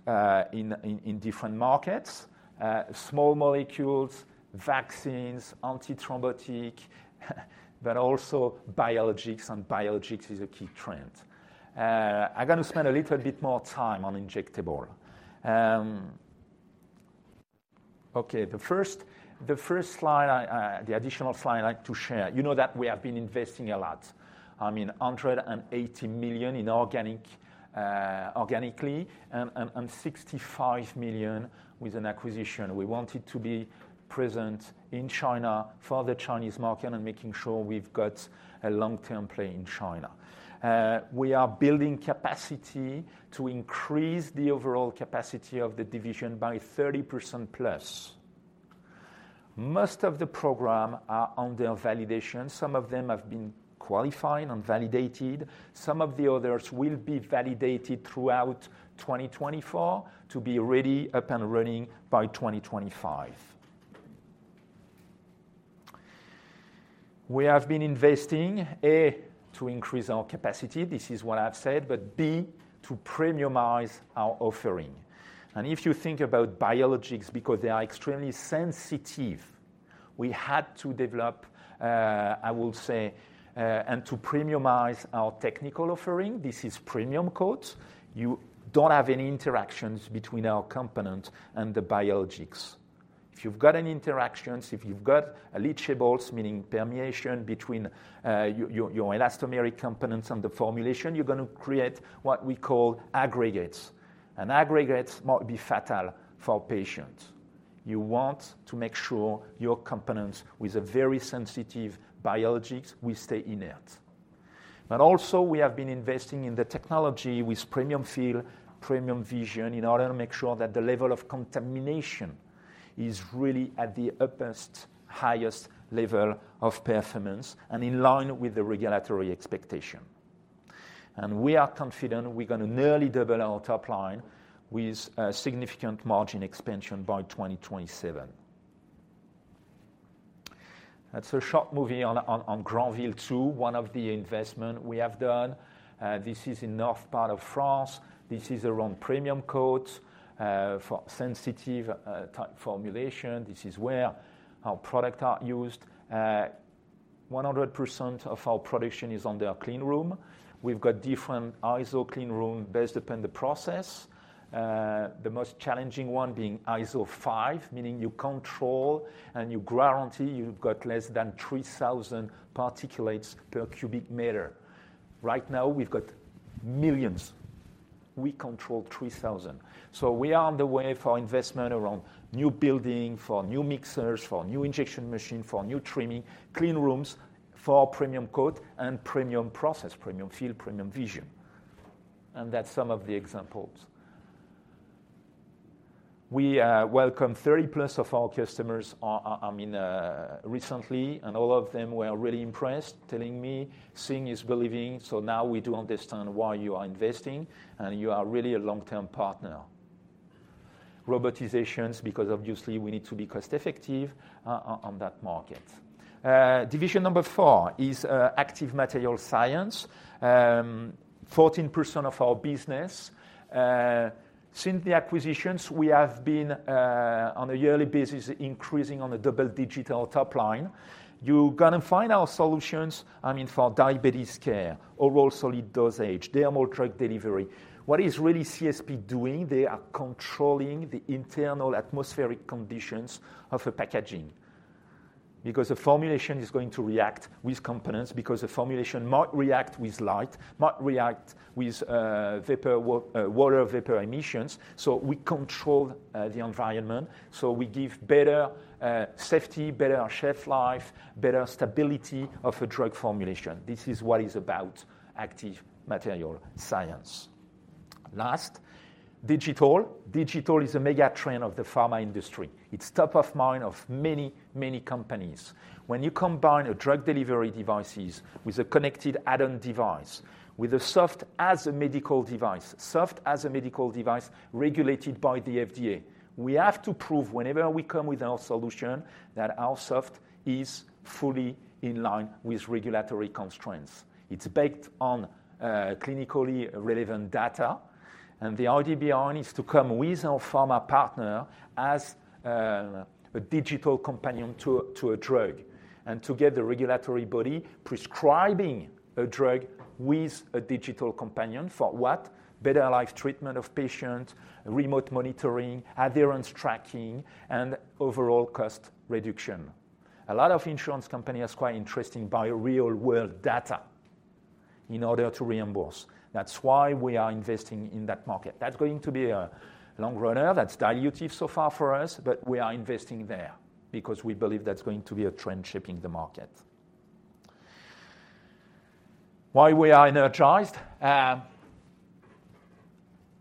in different markets: small molecules, vaccines, antithrombotic, but also biologics, and biologics is a key trend. I'm gonna spend a little bit more time on injectable. Okay, the first slide, the additional slide I'd like to share. You know that we have been investing a lot, I mean, $180 million organically, and $65 million with an acquisition. We wanted to be present in China for the Chinese market and making sure we've got a long-term play in China. We are building capacity to increase the overall capacity of the division by 30% plus. Most of the program are under validation. Some of them have been qualified and validated. Some of the others will be validated throughout 2024 to be ready, up and running by 2025. We have been investing, A, to increase our capacity, this is what I've said, but B, to premiumize our offering. And if you think about biologics, because they are extremely sensitive, we had to develop, I will say, and to premiumize our technical offering, this is Premium Coat. You don't have any interactions between our component and the biologics. If you've got any interactions, if you've got a leachables, meaning permeation between your elastomeric components and the formulation, you're gonna create what we call aggregates. And aggregates might be fatal for patients. You want to make sure your components with a very sensitive biologics will stay inert. But also, we have been investing in the technology with Premium Fill, Premium Vision, in order to make sure that the level of contamination is really at the utmost highest level of performance and in line with the regulatory expectation. And we are confident we're gonna nearly double our top line with a significant margin expansion by 2027. That's a short movie on Granville 2, one of the investment we have done. This is in north part of France. This is around Premium Coat, for sensitive, type formulation. This is where our product are used. 100% of our production is under a clean room. We've got different ISO clean room based upon the process, the most challenging one being ISO 5, meaning you control and you guarantee you've got less than 3,000 particulates per cubic meter. Right now, we've got millions... we control 3,000. So we are on the way for investment around new building, for new mixers, for new injection machine, for new trimming, clean rooms for Premium Coat and Premium Process, Premium Fill, Premium Vision, and that's some of the examples. We welcomed 30+ of our customers, I mean, recently, and all of them were really impressed, telling me, "Seeing is believing, so now we do understand why you are investing, and you are really a long-term partner." Robotizations, because obviously we need to be cost-effective on that market. Division number 4 is active material science. 14% of our business. Since the acquisitions, we have been, on a yearly basis, increasing on a double-digit top line. You're gonna find our solutions, I mean, for diabetes care, overall solid dosage, they are more drug delivery. What is really CSP doing? They are controlling the internal atmospheric conditions of a packaging. Because the formulation is going to react with components, because the formulation might react with light, might react with vapor, water vapor emissions, so we control the environment, so we give better safety, better shelf life, better stability of a drug formulation. This is what is about active material science. Last, digital. Digital is a mega trend of the pharma industry. It's top of mind of many, many companies. When you combine a drug delivery devices with a connected add-on device, with a software as a medical device, software as a medical device, regulated by the FDA. We have to prove whenever we come with our solution, that our software is fully in line with regulatory constraints. It's based on, clinically relevant data, and the idea behind is to come with our pharma partner as, a digital companion to, to a drug, and to get the regulatory body prescribing a drug with a digital companion. For what? Better life treatment of patient, remote monitoring, adherence tracking, and overall cost reduction. A lot of insurance company is quite interested in by real-world data in order to reimburse. That's why we are investing in that market. That's going to be a long runner that's dilutive so far for us, but we are investing there because we believe that's going to be a trend shaping the market. Why we are energized?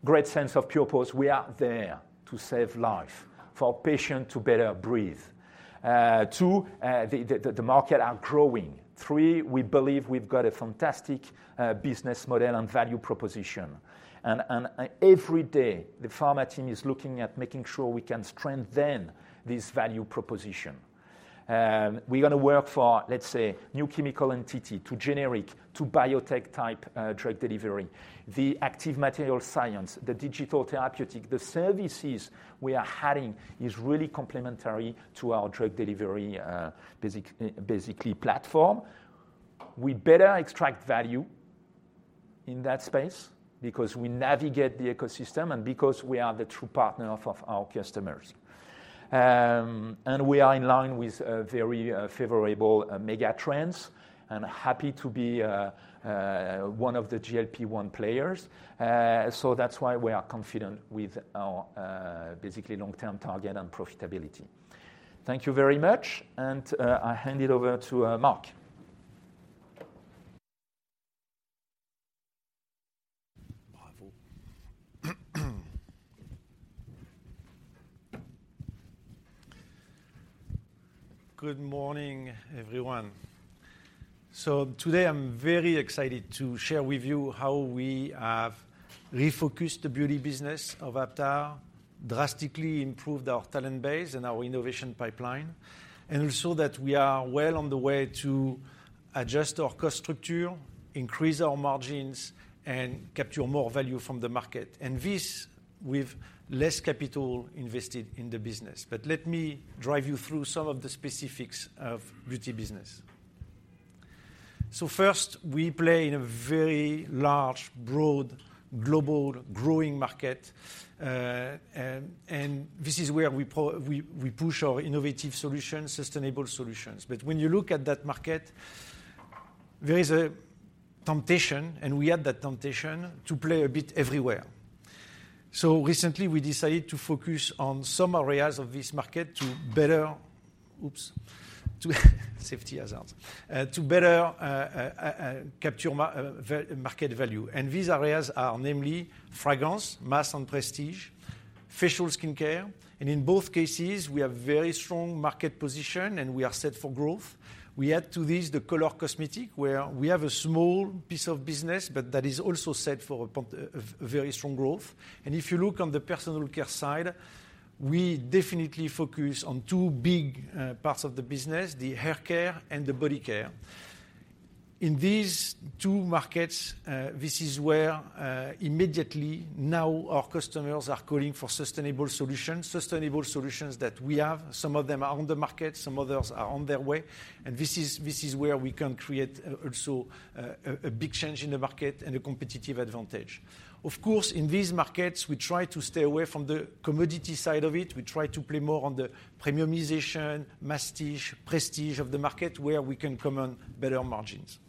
Great sense of purpose. We are there to save life, for patient to better breathe. Two, the market are growing. Three, we believe we've got a fantastic business model and value proposition, and every day, the pharma team is looking at making sure we can strengthen this value proposition. We're gonna work for, let's say, new chemical entity to generic, to biotech-type drug delivery. The active material science, the digital therapeutic, the services we are adding is really complementary to our drug delivery, basically platform. We better extract value in that space because we navigate the ecosystem and because we are the true partner of our customers. And we are in line with very favorable mega trends, and happy to be one of the GLP-1 players. So that's why we are confident with our basically long-term target and profitability. Thank you very much, and I hand it over to Marc. Bravo. Good morning, everyone. So today, I'm very excited to share with you how we have refocused the beauty business of Aptar, drastically improved our talent base and our innovation pipeline. And also, that we are well on the way to adjust our cost structure, increase our margins, and capture more value from the market, and this with less capital invested in the business. But let me drive you through some of the specifics of beauty business. So first, we play in a very large, broad, global, growing market, and this is where we push our innovative solutions, sustainable solutions. But when you look at that market, there is a temptation, and we had that temptation, to play a bit everywhere. So recently, we decided to focus on some areas of this market to better... Oops! To safety hazard. To better capture market value, and these areas are namely fragrance, mass and prestige, facial skincare, and in both cases, we have very strong market position, and we are set for growth. We add to this the color cosmetic, where we have a small piece of business, but that is also set for very strong growth. If you look on the personal care side, we definitely focus on two big parts of the business, the hair care and the body care. In these two markets, this is where immediately now our customers are calling for sustainable solutions. Sustainable solutions that we have. Some of them are on the market, some others are on their way, and this is, this is where we can create also a big change in the market and a competitive advantage. Of course, in these markets, we try to stay away from the commodity side of it. We try to play more on the premiumization, masstige, prestige of the market, where we can command better margins.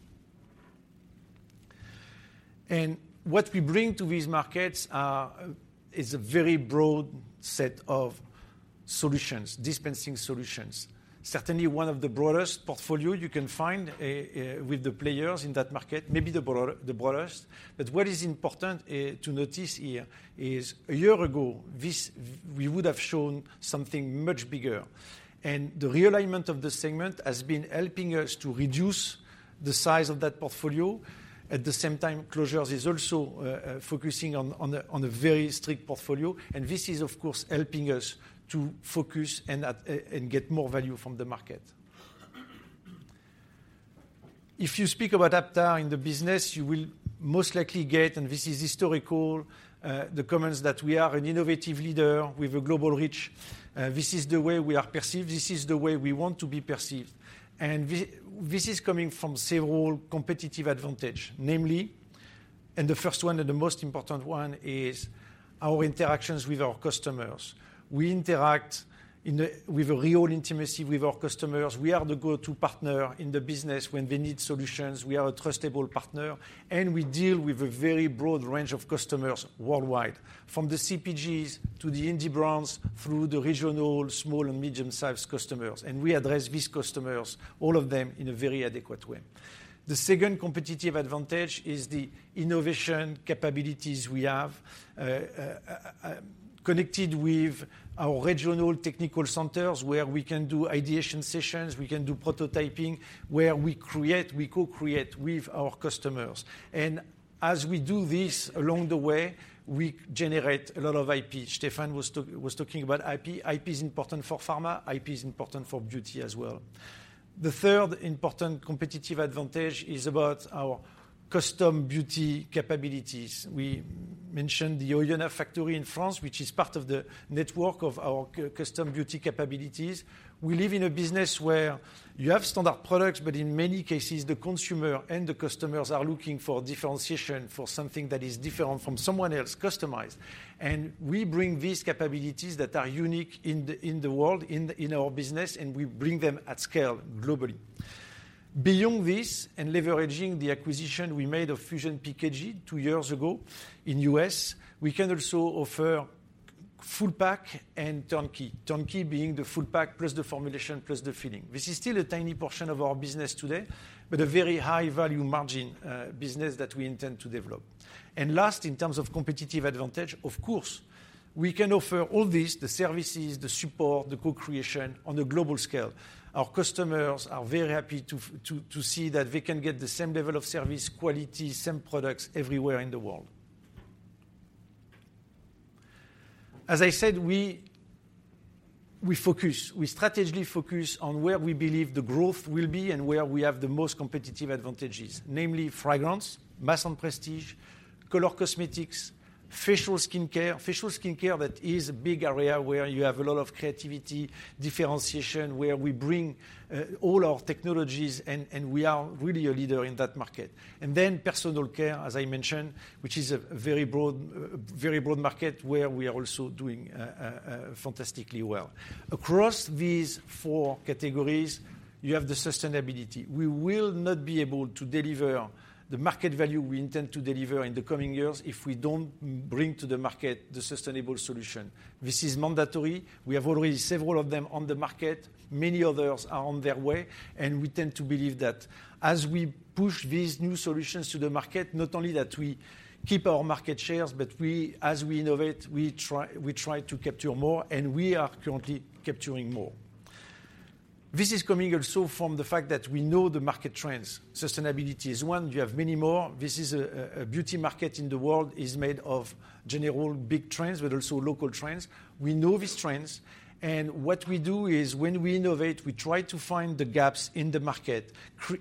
And what we bring to these markets are, is a very broad set of solutions, dispensing solutions. Certainly, one of the broadest portfolio you can find with the players in that market, maybe the broadest. But what is important to notice here is, a year ago, this we would have shown something much bigger. And the realignment of the segment has been helping us to reduce the size of that portfolio. At the same time, Closures is also focusing on a very strict portfolio, and this is, of course, helping us to focus and get more value from the market. If you speak about Aptar in the business, you will most likely get, and this is historical, the comments that we are an innovative leader with a global reach. This is the way we are perceived, this is the way we want to be perceived. And this is coming from several competitive advantage, namely, and the first one and the most important one is our interactions with our customers. We interact with a real intimacy with our customers. We are the go-to partner in the business when they need solutions. We are a trustable partner, and we deal with a very broad range of customers worldwide, from the CPGs to the indie brands, through the regional, small, and medium-sized customers, and we address these customers, all of them, in a very adequate way. The second competitive advantage is the innovation capabilities we have connected with our regional technical centers, where we can do ideation sessions, we can do prototyping, where we create, we co-create with our customers. And as we do this, along the way, we generate a lot of IP. Stephan was talking about IP. IP is important for pharma, IP is important for beauty as well. The third important competitive advantage is about our custom beauty capabilities. We mentioned the Oyonnax factory in France, which is part of the network of our custom beauty capabilities. We live in a business where you have standard products, but in many cases, the consumer and the customers are looking for differentiation, for something that is different from someone else, customized. And we bring these capabilities that are unique in the, in the world, in, in our business, and we bring them at scale globally. Beyond this, and leveraging the acquisition we made of Fusion PKG two years ago in U.S., we can also offer full pack and turn-key. Turn-key being the full pack, plus the formulation, plus the filling. This is still a tiny portion of our business today, but a very high-value margin business that we intend to develop. And last, in terms of competitive advantage, of course, we can offer all this, the services, the support, the co-creation, on a global scale. Our customers are very happy to see that they can get the same level of service quality, same products everywhere in the world. As I said, we strategically focus on where we believe the growth will be and where we have the most competitive advantages, namely fragrance, mass and prestige, color cosmetics, facial skincare. Facial skincare, that is a big area where you have a lot of creativity, differentiation, where we bring all our technologies, and we are really a leader in that market. And then personal care, as I mentioned, which is a very broad market, where we are also doing fantastically well. Across these four categories, you have the sustainability. We will not be able to deliver the market value we intend to deliver in the coming years if we don't bring to the market the sustainable solution. This is mandatory. We have already several of them on the market. Many others are on their way, and we tend to believe that as we push these new solutions to the market, not only that we keep our market shares, but as we innovate, we try to capture more, and we are currently capturing more. This is coming also from the fact that we know the market trends. Sustainability is one. You have many more. This is a beauty market in the world is made of general big trends, but also local trends. We know these trends, and what we do is, when we innovate, we try to find the gaps in the market,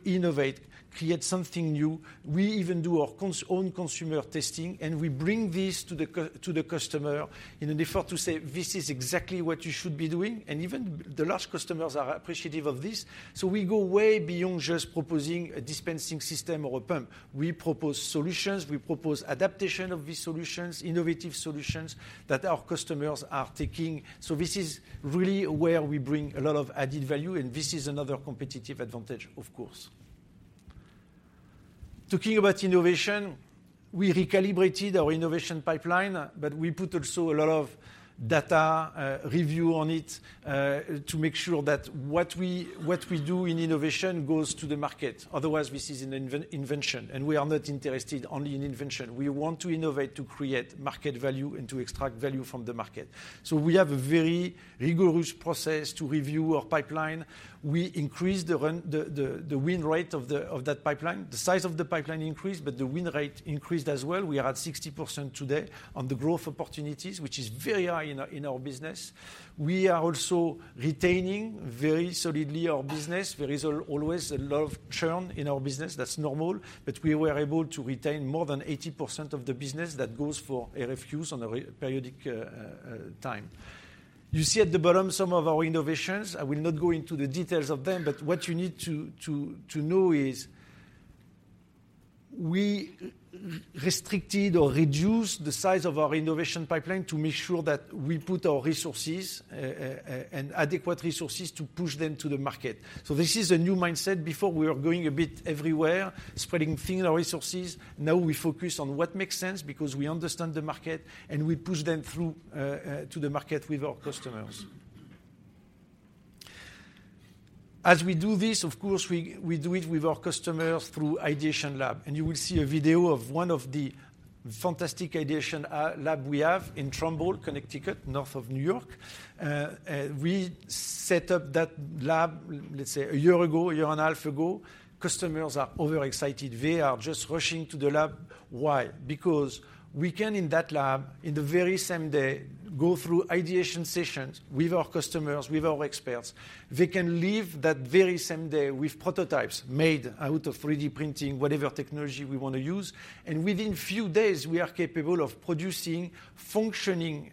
innovate, create something new. We even do our own consumer testing, and we bring this to the customer in an effort to say, "This is exactly what you should be doing." And even the large customers are appreciative of this. So we go way beyond just proposing a dispensing system or a pump. We propose solutions, we propose adaptation of these solutions, innovative solutions that our customers are taking. So this is really where we bring a lot of added value, and this is another competitive advantage, of course. Talking about innovation, we recalibrated our innovation pipeline, but we put also a lot of data review on it to make sure that what we do in innovation goes to the market. Otherwise, this is an invention, and we are not interested only in invention. We want to innovate to create market value and to extract value from the market. So we have a very rigorous process to review our pipeline. We increased the win rate of that pipeline. The size of the pipeline increased, but the win rate increased as well. We are at 60% today on the growth opportunities, which is very high in our business. We are also retaining very solidly our business. There is always a lot of churn in our business. That's normal, but we were able to retain more than 80% of the business that goes for a review on a periodic time. You see at the bottom some of our innovations. I will not go into the details of them, but what you need to know is we restricted or reduced the size of our innovation pipeline to make sure that we put our resources and adequate resources to push them to the market. So this is a new mindset. Before, we were going a bit everywhere, spreading thin our resources. Now we focus on what makes sense because we understand the market, and we push them through to the market with our customers. As we do this, of course, we do it with our customers through ideation lab, and you will see a video of one of the fantastic ideation lab we have in Trumbull, Connecticut, north of New York. We set up that lab, let's say, a year ago, a year and a half ago. Customers are overexcited. They are just rushing to the lab. Why? Because we can, in that lab, in the very same day, go through ideation sessions with our customers, with our experts. They can leave that very same day with prototypes made out of 3D printing, whatever technology we want to use, and within few days, we are capable of producing functioning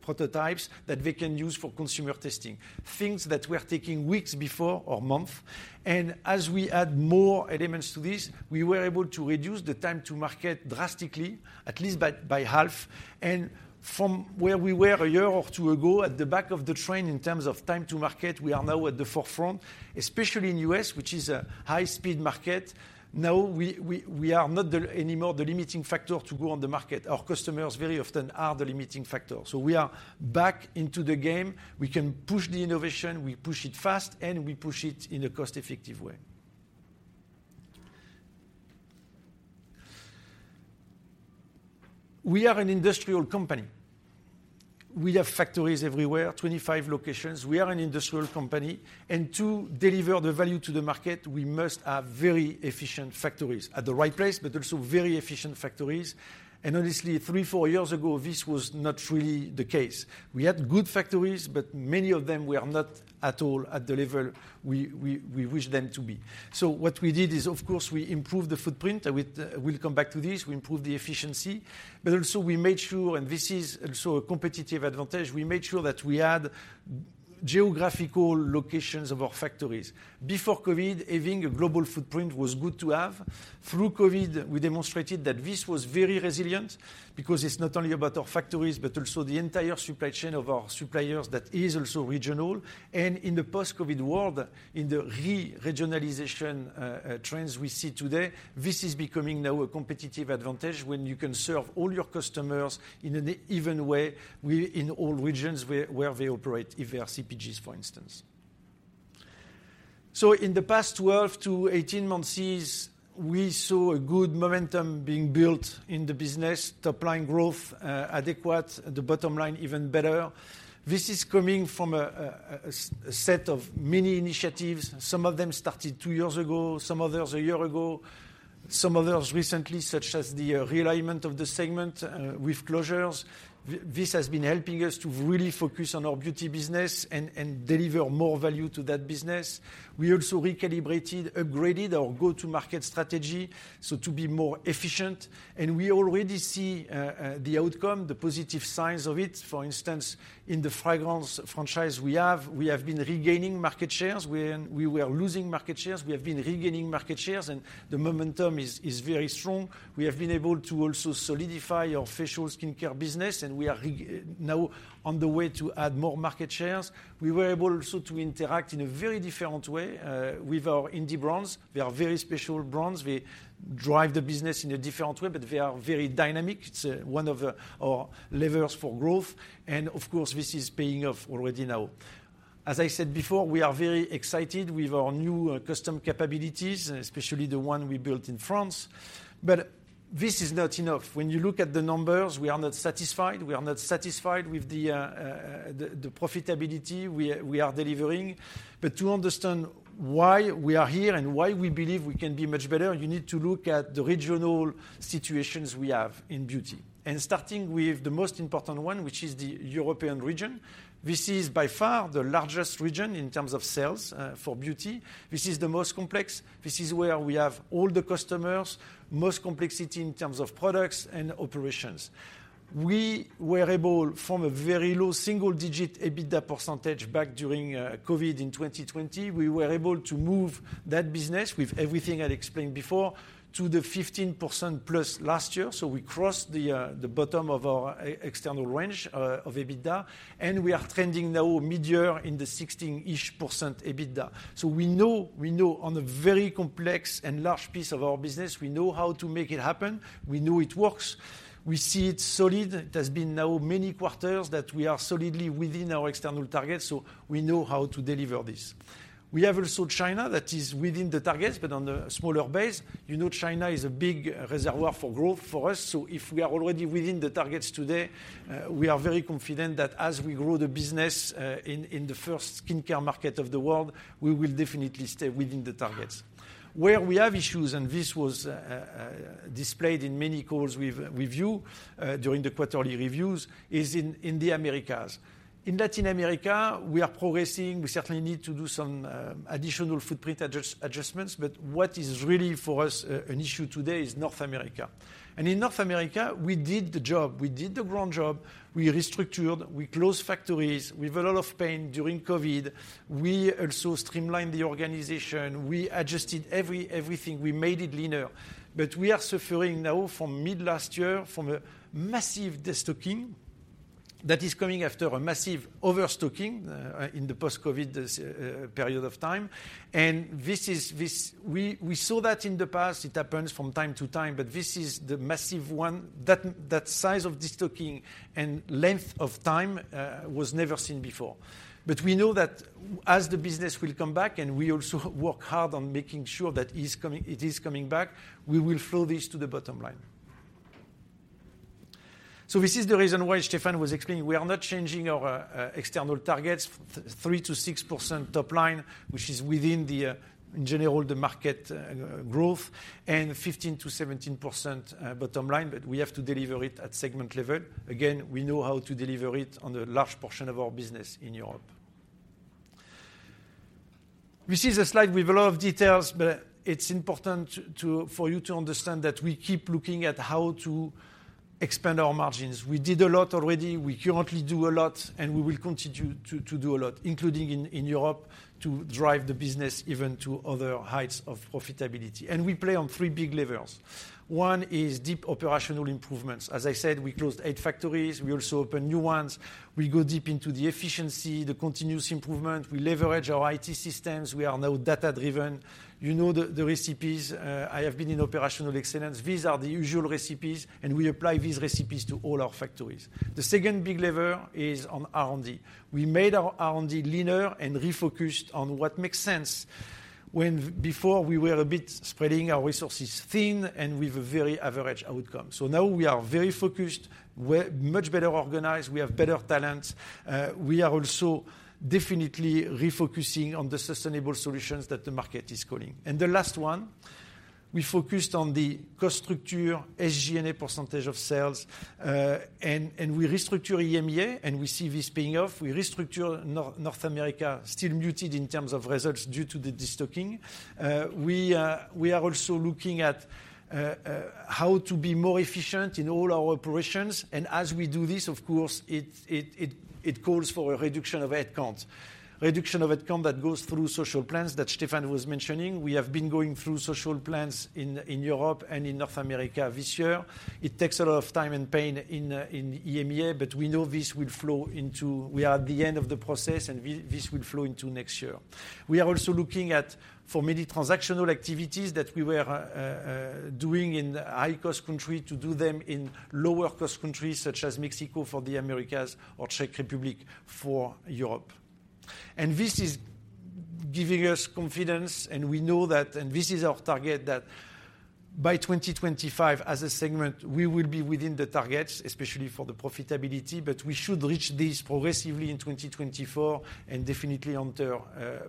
prototypes that we can use for consumer testing, things that were taking weeks before or month. As we add more elements to this, we were able to reduce the time to market drastically, at least by half. From where we were a year or two ago, at the back of the train in terms of time to market, we are now at the forefront, especially in U.S., which is a high-speed market. Now, we are not anymore the limiting factor to go on the market. Our customers very often are the limiting factor, so we are back into the game. We can push the innovation, we push it fast, and we push it in a cost-effective way. We are an industrial company. We have factories everywhere, 25 locations. We are an industrial company, and to deliver the value to the market, we must have very efficient factories. At the right place, but also very efficient factories. Honestly, three to four years ago, this was not really the case. We had good factories, but many of them were not at all at the level we wish them to be. So what we did is, of course, we improved the footprint. We'll come back to this. We improved the efficiency, but also we made sure, and this is also a competitive advantage, we made sure that we had geographical locations of our factories. Before COVID, having a global footprint was good to have. Through COVID, we demonstrated that this was very resilient because it's not only about our factories, but also the entire supply chain of our suppliers that is also regional. In the post-COVID world, in the re-regionalization trends we see today, this is becoming now a competitive advantage when you can serve all your customers in an even way in all regions where they operate, if they are CPGs, for instance. So in the past 12 to 18 months, we saw a good momentum being built in the business. Top-line growth adequate, the bottom line, even better. This is coming from a set of many initiatives. Some of them started two years ago, some others a year ago, some others recently, such as the realignment of the segment with closures. This has been helping us to really focus on our beauty business and deliver more value to that business. We also recalibrated, upgraded our go-to-market strategy, so to be more efficient, and we already see the outcome, the positive signs of it. For instance, in the fragrance franchise we have, we have been regaining market shares. When we were losing market shares, we have been regaining market shares, and the momentum is very strong. We have been able to also solidify our facial skincare business, and we are now on the way to add more market shares. We were able also to interact in a very different way with our indie brands. They are very special brands. They drive the business in a different way, but they are very dynamic. It's one of our levers for growth, and of course, this is paying off already now. As I said before, we are very excited with our new custom capabilities, especially the one we built in France. This is not enough. When you look at the numbers, we are not satisfied. We are not satisfied with the profitability we are delivering. To understand why we are here and why we believe we can be much better, you need to look at the regional situations we have in beauty. Starting with the most important one, which is the European region, this is by far the largest region in terms of sales for beauty. This is the most complex. This is where we have all the customers, most complexity in terms of products and operations. We were able, from a very low single-digit EBITDA percentage back during COVID in 2020, we were able to move that business with everything I explained before, to the 15% plus last year. So we crossed the bottom of our external range of EBITDA, and we are trending now midyear in the 16-ish% EBITDA. So we know, we know on a very complex and large piece of our business, we know how to make it happen. We know it works. We see it solid. It has been now many quarters that we are solidly within our external targets, so we know how to deliver this. We have also China, that is within the targets, but on a smaller base. You know, China is a big reservoir for growth for us, so if we are already within the targets today, we are very confident that as we grow the business, in the first skincare market of the world, we will definitely stay within the targets. Where we have issues, and this was displayed in many calls we've reviewed, during the quarterly reviews, is in the Americas. In Latin America, we are progressing. We certainly need to do some additional footprint adjustments, but what is really, for us, an issue today is North America. And in North America, we did the job. We did the ground job, we restructured, we closed factories with a lot of pain during COVID. We also streamlined the organization. We adjusted everything. We made it leaner. But we are suffering now from mid-last year from a massive destocking that is coming after a massive overstocking in the post-COVID period of time. And this is, this we saw that in the past. It happens from time to time, but this is the massive one. That size of destocking and length of time was never seen before. But we know that as the business will come back, and we also work hard on making sure that is coming it is coming back, we will flow this to the bottom line. So this is the reason why Stephan was explaining, we are not changing our external targets, 3%-6% top line, which is within the in general the market growth, and 15%-17% bottom line, but we have to deliver it at segment level. Again, we know how to deliver it on a large portion of our business in Europe. This is a slide with a lot of details, but it's important for you to understand that we keep looking at how to expand our margins. We did a lot already, we currently do a lot, and we will continue to do a lot, including in Europe, to drive the business even to other heights of profitability. We play on three big levels. One is deep operational improvements. As I said, we closed eight factories, we also opened new ones. We go deep into the efficiency, the continuous improvement. We leverage our IT systems. We are now data-driven. You know the recipes. I have been in operational excellence. These are the usual recipes, and we apply these recipes to all our factories. The second big lever is on R&D. We made our R&D leaner and refocused on what makes sense. When before we were a bit spreading our resources thin and with a very average outcome. So now we are very focused, we're much better organized, we have better talents. We are also definitely refocusing on the sustainable solutions that the market is calling. And the last one, we focused on the cost structure, SG&A percentage of sales, and we restructure EMEA, and we see this paying off. We restructure North America, still muted in terms of results due to the destocking. We are also looking at how to be more efficient in all our operations, and as we do this, of course, it calls for a reduction of headcounts. Reduction of headcount that goes through social plans that Stephan was mentioning. We have been going through social plans in Europe and in North America this year. It takes a lot of time and pain in EMEA, but we know this will flow into—we are at the end of the process, and this will flow into next year. We are also looking at, for many transactional activities that we were doing in high-cost country to do them in lower-cost countries, such as Mexico for the Americas or Czech Republic for Europe. And this is giving us confidence, and we know that, and this is our target, that by 2025, as a segment, we will be within the targets, especially for the profitability, but we should reach this progressively in 2024 and definitely on to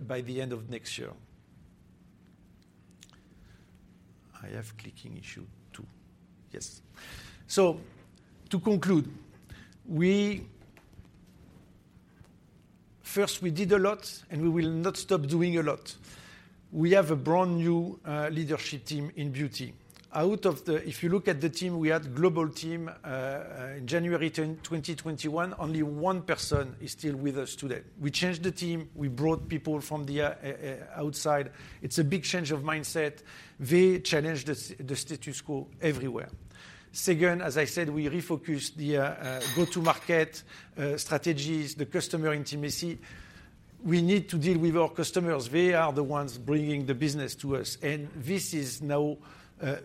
by the end of next year. I have clicking issue, too. Yes. So to conclude, first, we did a lot, and we will not stop doing a lot. We have a brand-new leadership team in beauty. Out of the, If you look at the team, we had global team in January 10, 2021, only one person is still with us today. We changed the team. We brought people from the outside. It's a big change of mindset. We challenged the status quo everywhere. Second, as I said, we refocused the go-to-market strategies, the customer intimacy. We need to deal with our customers. They are the ones bringing the business to us, and this is now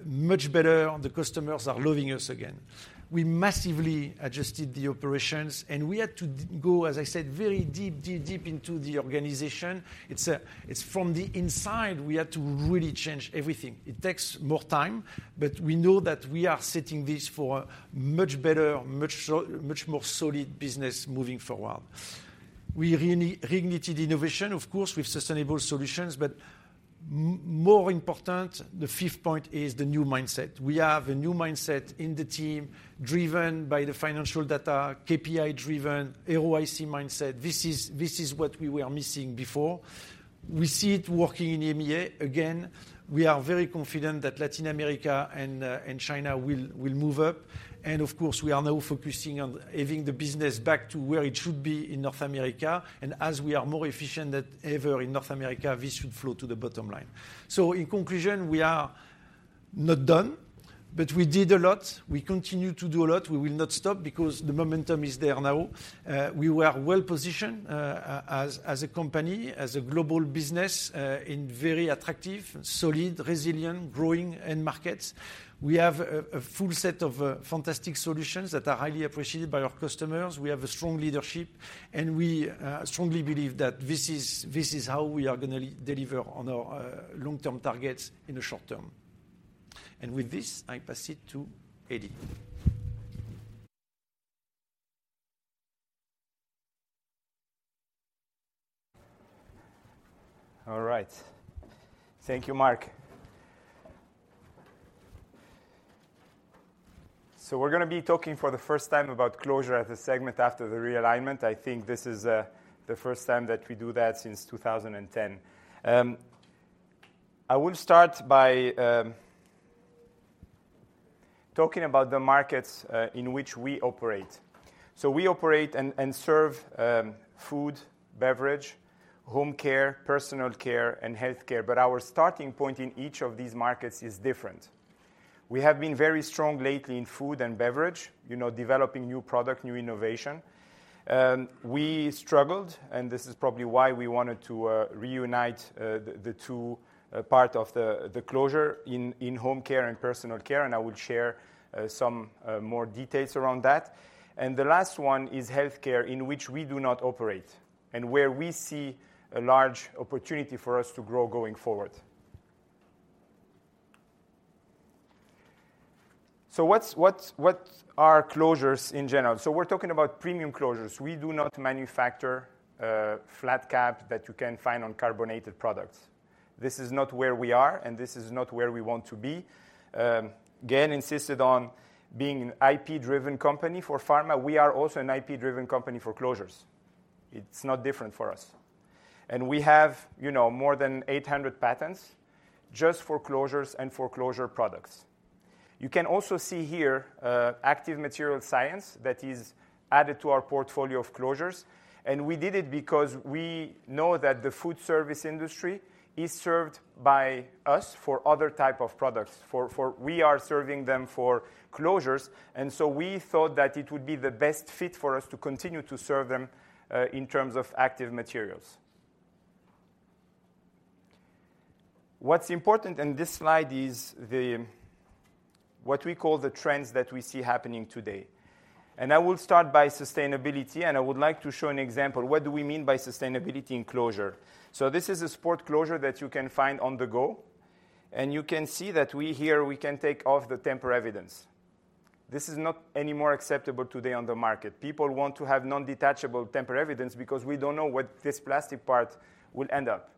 much better, and the customers are loving us again. We massively adjusted the operations, and we had to go, as I said, very deep, deep, deep into the organization. It's, it's from the inside, we had to really change everything. It takes more time, but we know that we are setting this for much better, much more solid business moving forward. We reignited innovation, of course, with sustainable solutions, but more important, the fifth point is the new mindset. We have a new mindset in the team, driven by the financial data, KPI-driven, ROIC mindset. This is, this is what we were missing before. We see it working in EMEA. Again, we are very confident that Latin America and China will move up. And of course, we are now focusing on having the business back to where it should be in North America. And as we are more efficient than ever in North America, this should flow to the bottom line. So in conclusion, we are not done, but we did a lot. We continue to do a lot. We will not stop because the momentum is there now. We were well-positioned, as, as a company, as a global business, in very attractive, solid, resilient, growing end markets. We have a full set of fantastic solutions that are highly appreciated by our customers. We have a strong leadership, and we strongly believe that this is, this is how we are gonna deliver on our long-term targets in the short term. And with this, I pass it to Hedi. All right. Thank you, Marc. So we're gonna be talking for the first time about closure as a segment after the realignment. I think this is the first time that we do that since 2010. I will start by talking about the markets in which we operate. So we operate and serve food, beverage, home care, personal care, and healthcare, but our starting point in each of these markets is different We have been very strong lately in food and beverage, you know, developing new product, new innovation. And we struggled, and this is probably why we wanted to reunite the two part of the closure in home care and personal care, and I will share some more details around that. The last one is healthcare, in which we do not operate, and where we see a large opportunity for us to grow going forward. So what are closures in general? So we're talking about premium closures. We do not manufacture flat caps that you can find on carbonated products. This is not where we are, and this is not where we want to be. Gael insisted on being an IP-driven company for pharma. We are also an IP-driven company for closures. It's not different for us. And we have, you know, more than 800 patents just for closures and for closure products. You can also see here active material science that is added to our portfolio of closures, and we did it because we know that the food service industry is served by us for other type of products. We are serving them for closures, and so we thought that it would be the best fit for us to continue to serve them in terms of active materials. What's important in this slide is the... what we call the trends that we see happening today. I will start by sustainability, and I would like to show an example. What do we mean by sustainability in closure? So this is a sport closure that you can find on the go, and you can see that we here, we can take off the tamper evidence. This is not anymore acceptable today on the market. People want to have non-detachable tamper evidence because we don't know where this plastic part will end up.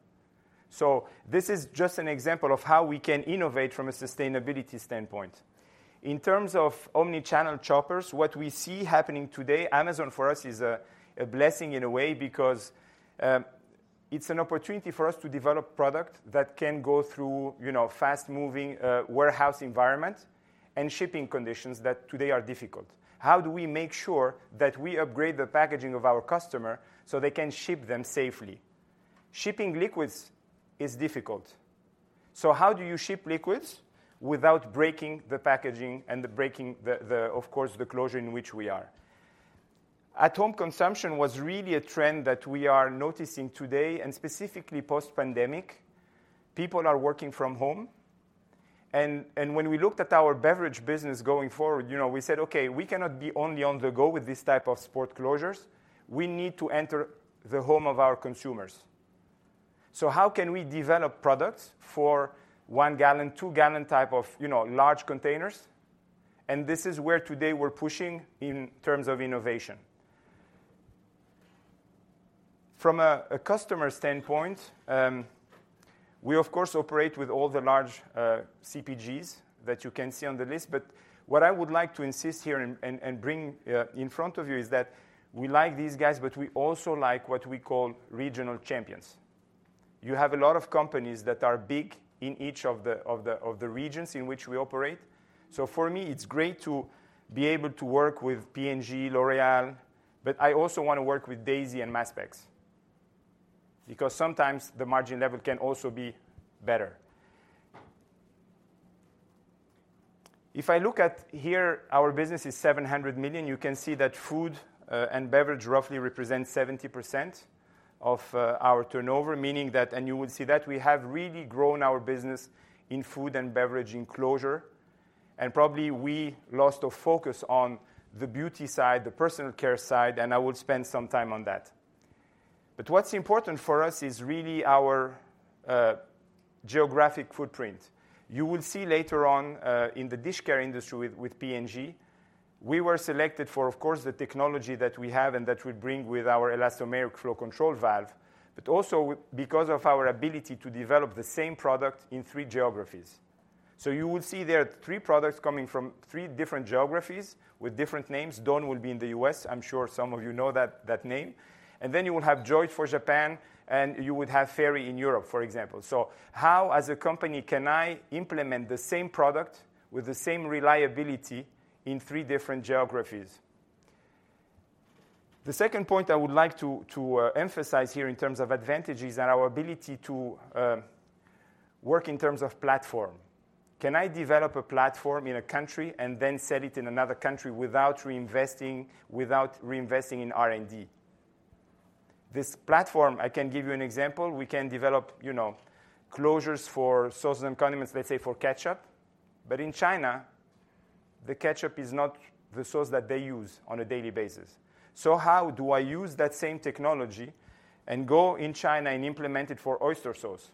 So this is just an example of how we can innovate from a sustainability standpoint. In terms of omni-channel shoppers, what we see happening today, Amazon, for us, is a blessing in a way because it's an opportunity for us to develop product that can go through, you know, fast-moving warehouse environment and shipping conditions that today are difficult. How do we make sure that we upgrade the packaging of our customer so they can ship them safely? Shipping liquids is difficult. So how do you ship liquids without breaking the packaging and breaking the, of course, the closure in which we are? At-home consumption was really a trend that we are noticing today, and specifically post-pandemic, people are working from home. And when we looked at our beverage business going forward, you know, we said, "Okay, we cannot be only on the go with this type of sport closures. We need to enter the home of our consumers." So how can we develop products for 1-gallon, 2-gallon type of, you know, large containers? And this is where today we're pushing in terms of innovation. From a customer standpoint, we of course operate with all the large CPGs that you can see on the list, but what I would like to insist here and bring in front of you is that we like these guys, but we also like what we call regional champions. You have a lot of companies that are big in each of the regions in which we operate. So for me, it's great to be able to work with P&G, L'Oréal, but I also want to work with Daisy and Maspex, because sometimes the margin level can also be better. If I look at here, our business is $700 million. You can see that food and beverage roughly represents 70% of our turnover, meaning that and you will see that we have really grown our business in food and beverage in closure, and probably we lost our focus on the beauty side, the personal care side, and I will spend some time on that. But what's important for us is really our geographic footprint. You will see later on in the dish care industry with P&G, we were selected for, of course, the technology that we have and that we bring with our elastomeric flow control valve, but also because of our ability to develop the same product in three geographies. So you will see there are three products coming from three different geographies with different names. Dawn will be in the U.S. I'm sure some of you know that, that name. And then you will have Joy for Japan, and you would have Fairy in Europe, for example. So how, as a company, can I implement the same product with the same reliability in three different geographies? The second point I would like to emphasize here in terms of advantages are our ability to work in terms of platform. Can I develop a platform in a country and then sell it in another country without reinvesting, without reinvesting in R&D? This platform, I can give you an example. We can develop, you know, closures for sauces and condiments, let's say, for ketchup. But in China, the ketchup is not the sauce that they use on a daily basis. So how do I use that same technology and go in China and implement it for oyster sauce,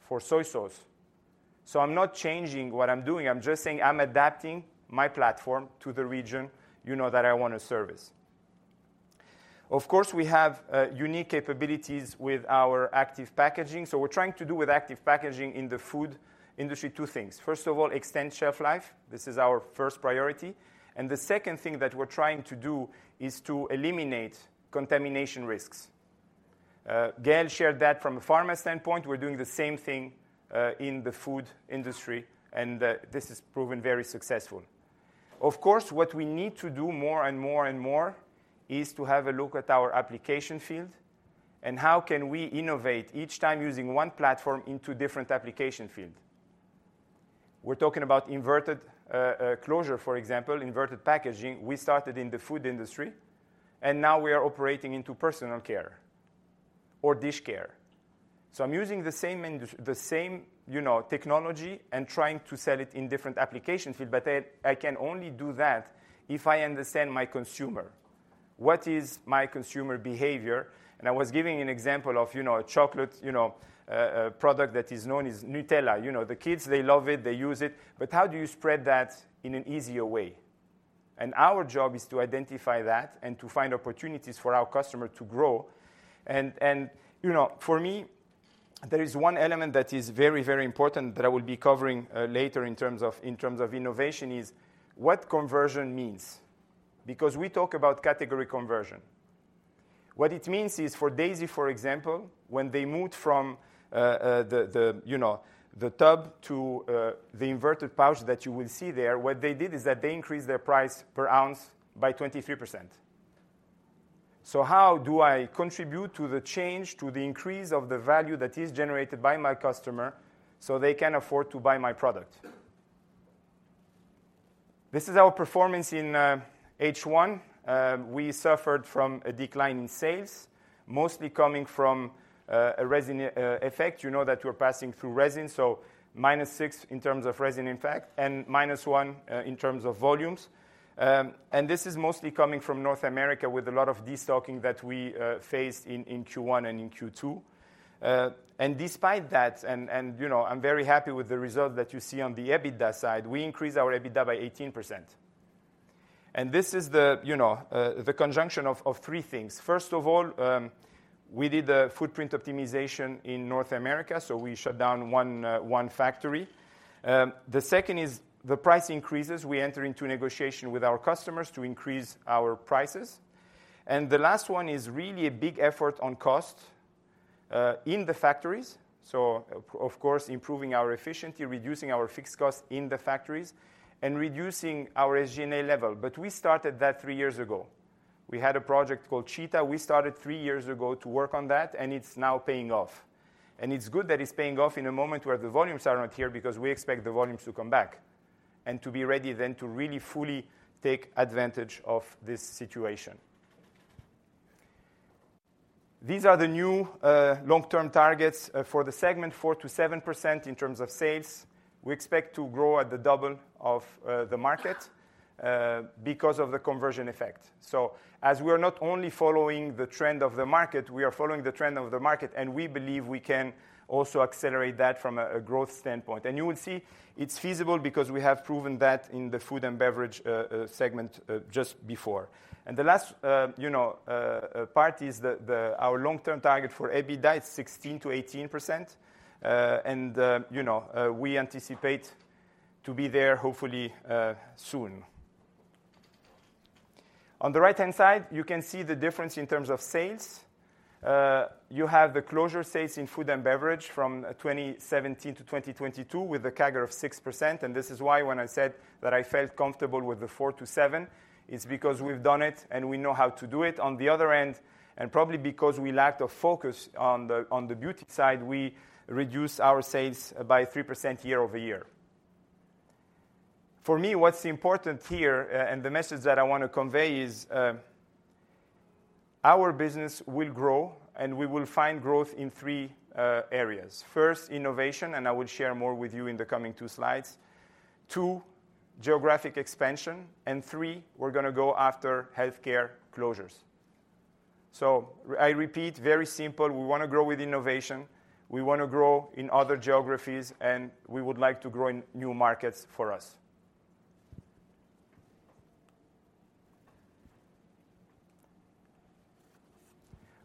for soy sauce? So I'm not changing what I'm doing. I'm just saying I'm adapting my platform to the region, you know, that I want to service. Of course, we have unique capabilities with our active packaging. So we're trying to do with active packaging in the food industry, two things. First of all, extend shelf life. This is our first priority. And the second thing that we're trying to do is to eliminate contamination risks. Gael shared that from a pharma standpoint. We're doing the same thing in the food industry, and this has proven very successful. Of course, what we need to do more and more and more is to have a look at our application field, and how can we innovate each time using one platform into different application field? We're talking about inverted closure, for example, inverted packaging. We started in the food industry, and now we are operating into personal care or dish care. So I'm using the same, you know, technology and trying to sell it in different application field, but I can only do that if I understand my consumer. What is my consumer behavior? And I was giving an example of, you know, a chocolate, you know, a product that is known as Nutella. You know, the kids, they love it, they use it, but how do you spread that in an easier way? And our job is to identify that and to find opportunities for our customer to grow. And, you know, for me, there is one element that is very, very important that I will be covering later in terms of innovation, is what conversion means. Because we talk about category conversion. What it means is for Daisy, for example, when they moved from the tub to the inverted pouch that you will see there, what they did is that they increased their price per ounce by 23%. So how do I contribute to the change, to the increase of the value that is generated by my customer so they can afford to buy my product? This is our performance in H1. We suffered from a decline in sales, mostly coming from a resin effect. You know that we're passing through resin, so -6 in terms of resin effect and -1 in terms of volumes. And this is mostly coming from North America with a lot of destocking that we faced in Q1 and in Q2. And despite that, and, and, you know, I'm very happy with the result that you see on the EBITDA side, we increased our EBITDA by 18%. And this is the, you know, the conjunction of, of three things. First of all, we did a footprint optimization in North America, so we shut down one, one factory. The second is the price increases. We enter into a negotiation with our customers to increase our prices. And the last one is really a big effort on cost, in the factories. So of, of course, improving our efficiency, reducing our fixed cost in the factories, and reducing our SG&A level. But we started that three years ago. We had a project called Cheetah. We started three years ago to work on that, and it's now paying off. It's good that it's paying off in a moment where the volumes are not here because we expect the volumes to come back, and to be ready then to really fully take advantage of this situation. These are the new long-term targets for the segment, 4%-7% in terms of sales. We expect to grow at the double of the market because of the conversion effect. So as we are not only following the trend of the market, we are following the trend of the market, and we believe we can also accelerate that from a growth standpoint. You will see it's feasible because we have proven that in the food and beverage segment just before. The last, you know, part is our long-term target for EBITDA is 16%-18%. And, you know, we anticipate to be there hopefully, soon. On the right-hand side, you can see the difference in terms of sales. You have the closure sales in food and beverage from 2017 to 2022, with a CAGR of 6%, and this is why when I said that I felt comfortable with the 4-7, it's because we've done it and we know how to do it. On the other end, and probably because we lacked a focus on the beauty side, we reduced our sales by 3% year-over-year. For me, what's important here, and the message that I want to convey is, our business will grow, and we will find growth in three areas. First, innovation, and I will share more with you in the coming two slides. 2, geographic expansion, and 3, we're gonna go after healthcare closures. So I repeat, very simple. We wanna grow with innovation, we wanna grow in other geographies, and we would like to grow in new markets for us.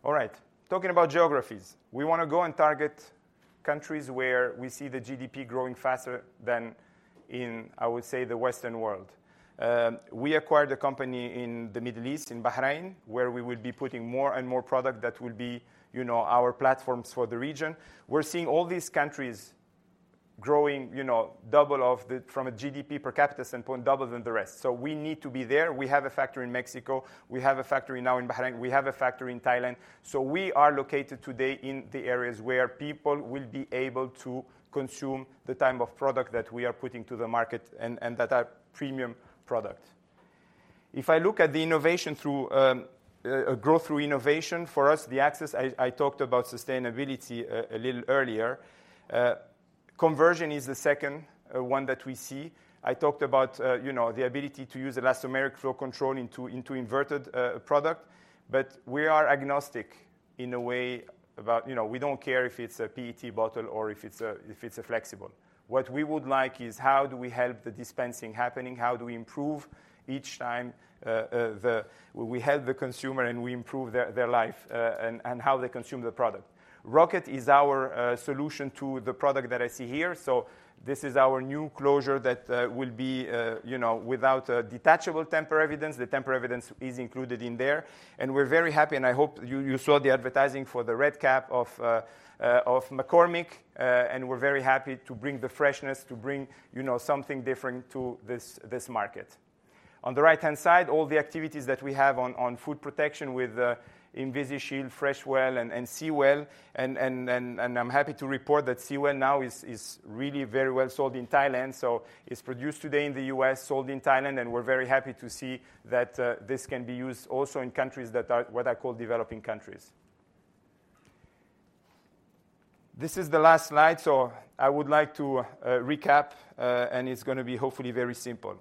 All right, talking about geographies. We wanna go and target countries where we see the GDP growing faster than in, I would say, the Western world. We acquired a company in the Middle East, in Bahrain, where we will be putting more and more product that will be, you know, our platforms for the region. We're seeing all these countries growing, you know, double of the from a GDP per capita standpoint, double than the rest. So we need to be there. We have a factory in Mexico, we have a factory now in Bahrain, we have a factory in Thailand. So we are located today in the areas where people will be able to consume the type of product that we are putting to the market and that are premium product. If I look at the innovation through a growth through innovation, for us, the axis, I talked about sustainability a little earlier. Conversion is the second one that we see. I talked about, you know, the ability to use elastomeric flow control into inverted product. But we are agnostic in a way about, you know, we don't care if it's a PET bottle or if it's a flexible. What we would like is, how do we help the dispensing happening? How do we improve each time we help the consumer, and we improve their life and how they consume the product? Rocket is our solution to the product that I see here. So this is our new closure that will be, you know, without a detachable tamper evidence. The tamper evidence is included in there, and we're very happy, and I hope you saw the advertising for the red cap of McCormick, and we're very happy to bring the freshness, you know, something different to this market. On the right-hand side, all the activities that we have on food protection with Invisi-Shield, FreshWell, and I'm happy to report that SeaWell now is really very well sold in Thailand. So it's produced today in the U.S., sold in Thailand, and we're very happy to see that this can be used also in countries that are what I call developing countries. This is the last slide, so I would like to recap, and it's gonna be hopefully very simple.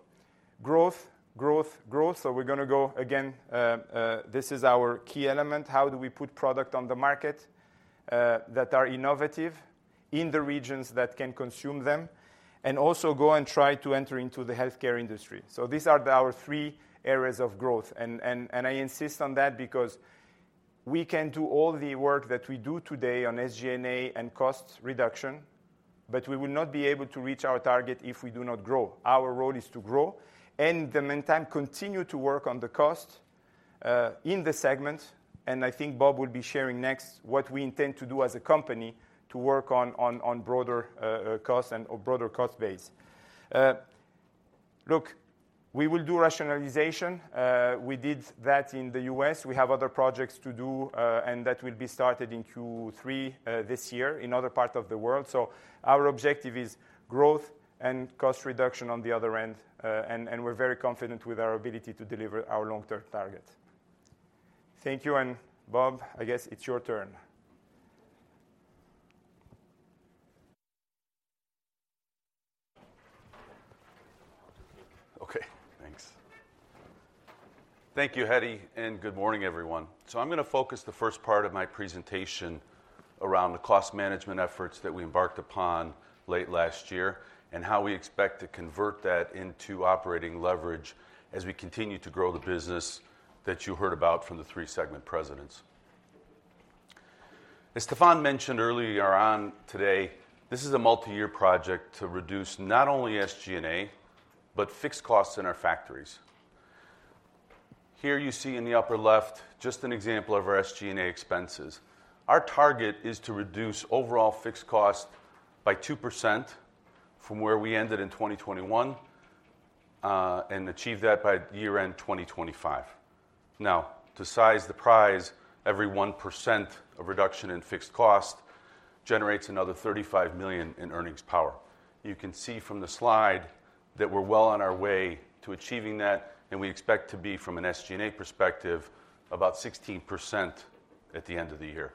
Growth, growth, growth. So we're gonna go again, this is our key element. How do we put product on the market that are innovative in the regions that can consume them, and also go and try to enter into the healthcare industry? So these are our three areas of growth, and, and, and I insist on that because we can do all the work that we do today on SG&A and cost reduction, but we will not be able to reach our target if we do not grow. Our role is to grow and, in the meantime, continue to work on the cost in the segment. And I think Bob will be sharing next what we intend to do as a company to work on broader cost and or broader cost base. Look, we will do rationalization. We did that in the U.S. We have other projects to do, and that will be started in Q3 this year in other part of the world. So our objective is growth and cost reduction on the other end, and we're very confident with our ability to deliver our long-term target. Thank you, and Bob, I guess it's your turn. Okay, thanks. Thank you, Hedi, and good morning, everyone. So I'm gonna focus the first part of my presentation around the cost management efforts that we embarked upon late last year, and how we expect to convert that into operating leverage as we continue to grow the business that you heard about from the three segment presidents. As Stephan mentioned earlier on today, this is a multiyear project to reduce not only SG&A, but fixed costs in our factories. Here you see in the upper left, just an example of our SG&A expenses. Our target is to reduce overall fixed cost by 2% from where we ended in 2021, and achieve that by year-end 2025. Now, to size the prize, every 1% of reduction in fixed cost generates another $35 million in earnings power. You can see from the slide that we're well on our way to achieving that, and we expect to be, from an SG&A perspective, about 16% at the end of the year.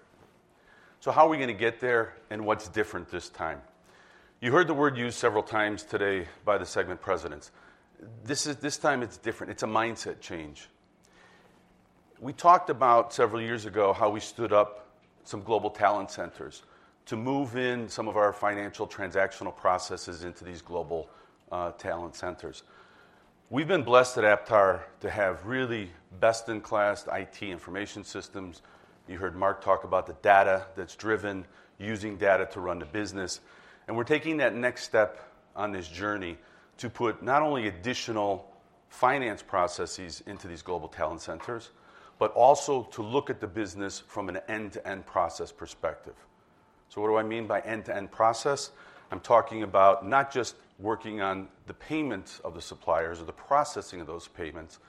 So how are we gonna get there, and what's different this time? You heard the word used several times today by the segment presidents. This time it's different. It's a mindset change. We talked about several years ago how we stood up some global talent centers to move in some of our financial transactional processes into these global talent centers. We've been blessed at Aptar to have really best-in-class IT information systems. You heard Marc talk about the data that's driven, using data to run the business, and we're taking that next step on this journey to put not only additional finance processes into these global talent centers, but also to look at the business from an end-to-end process perspective. So what do I mean by end-to-end process? I'm talking about not just working on the payments of the suppliers or the processing of those payments,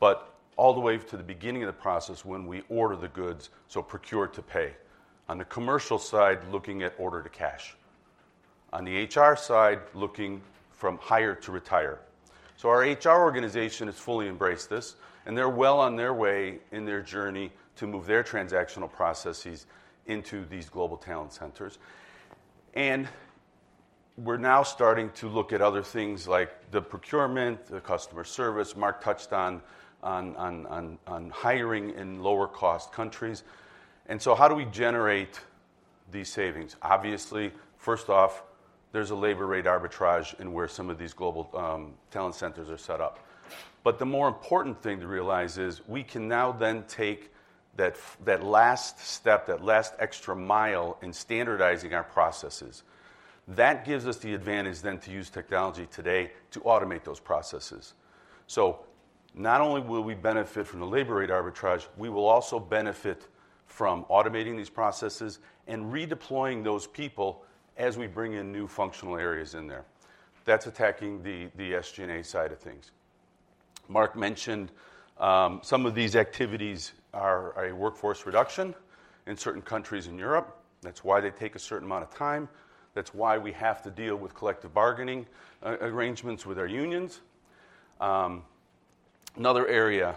but all the way to the beginning of the process when we order the goods, so procure to pay. On the commercial side, looking at order to cash. On the HR side, looking from hire to retire. So our HR organization has fully embraced this, and they're well on their way in their journey to move their transactional processes into these global talent centers. We're now starting to look at other things like the procurement, the customer service. Marc touched on hiring in lower cost countries. So how do we generate these savings? Obviously, first off, there's a labor rate arbitrage in where some of these global talent centers are set up. But the more important thing to realize is we can now then take that last step, that last extra mile in standardizing our processes. That gives us the advantage then to use technology today to automate those processes. So not only will we benefit from the labor rate arbitrage, we will also benefit from automating these processes and redeploying those people as we bring in new functional areas in there. That's attacking the SG&A side of things. Mark mentioned some of these activities are a workforce reduction in certain countries in Europe. That's why they take a certain amount of time. That's why we have to deal with collective bargaining arrangements with our unions. Another area,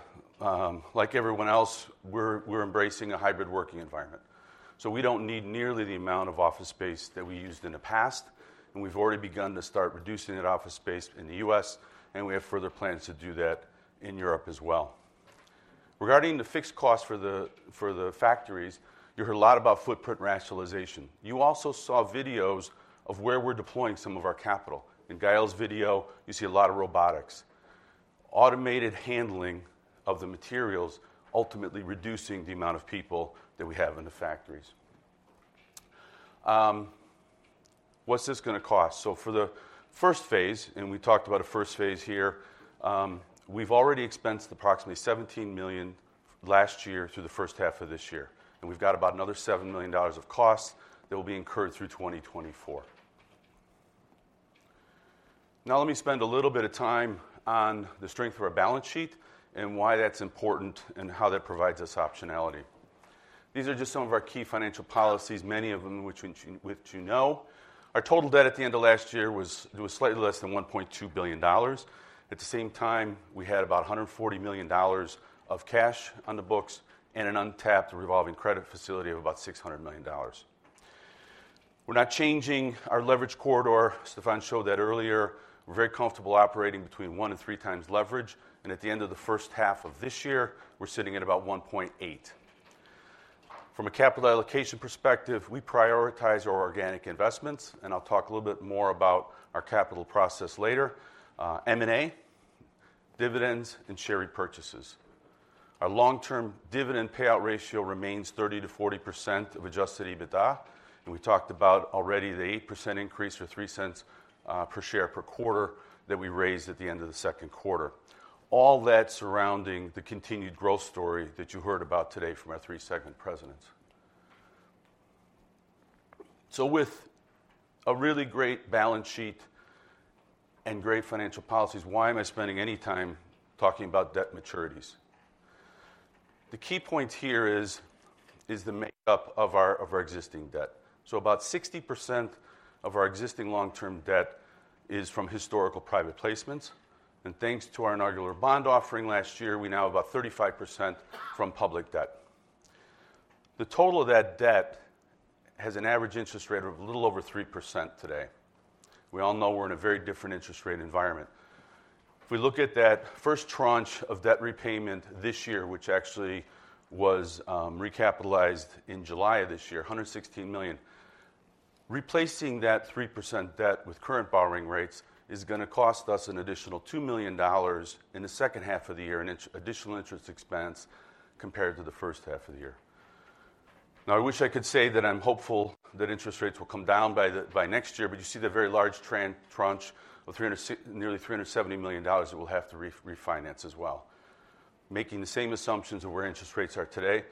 like everyone else, we're embracing a hybrid working environment. So we don't need nearly the amount of office space that we used in the past, and we've already begun to start reducing that office space in the US, and we have further plans to do that in Europe as well. Regarding the fixed cost for the factories, you heard a lot about footprint rationalization. You also saw videos of where we're deploying some of our capital. In Gael's video, you see a lot of robotics. Automated handling of the materials, ultimately reducing the amount of people that we have in the factories. What's this gonna cost? So for the first phase, and we talked about a first phase here, we've already expensed approximately $17 million last year through the first half of this year, and we've got about another $7 million of costs that will be incurred through 2024. Now let me spend a little bit of time on the strength of our balance sheet and why that's important, and how that provides us optionality. These are just some of our key financial policies, many of them which, which you know. Our total debt at the end of last year was, it was slightly less than $1.2 billion. At the same time, we had about $140 million of cash on the books and an untapped revolving credit facility of about $600 million. We're not changing our leverage corridor. Stefan showed that earlier. We're very comfortable operating between 1-3 times leverage, and at the end of the first half of this year, we're sitting at about 1.8. From a capital allocation perspective, we prioritize our organic investments, and I'll talk a little bit more about our capital process later, M&A, dividends, and share repurchases. Our long-term dividend payout ratio remains 30%-40% of Adjusted EBITDA, and we talked about already the 8% increase or three cents, per share per quarter that we raised at the end of the second quarter. All that surrounding the continued growth story that you heard about today from our three segment presidents. So with a really great balance sheet and great financial policies, why am I spending any time talking about debt maturities? The key point here is the makeup of our existing debt. So about 60% of our existing long-term debt is from historical private placements, and thanks to our inaugural bond offering last year, we now have about 35% from public debt. The total of that debt has an average interest rate of a little over 3% today. We all know we're in a very different interest rate environment. If we look at that first tranche of debt repayment this year, which actually was recapitalized in July of this year, $116 million. Replacing that 3% debt with current borrowing rates is gonna cost us an additional $2 million in the second half of the year in additional interest expense compared to the first half of the year. Now, I wish I could say that I'm hopeful that interest rates will come down by next year, but you see the very large tranche of nearly $370 million that we'll have to refinance as well. Making the same assumptions of where interest rates are today,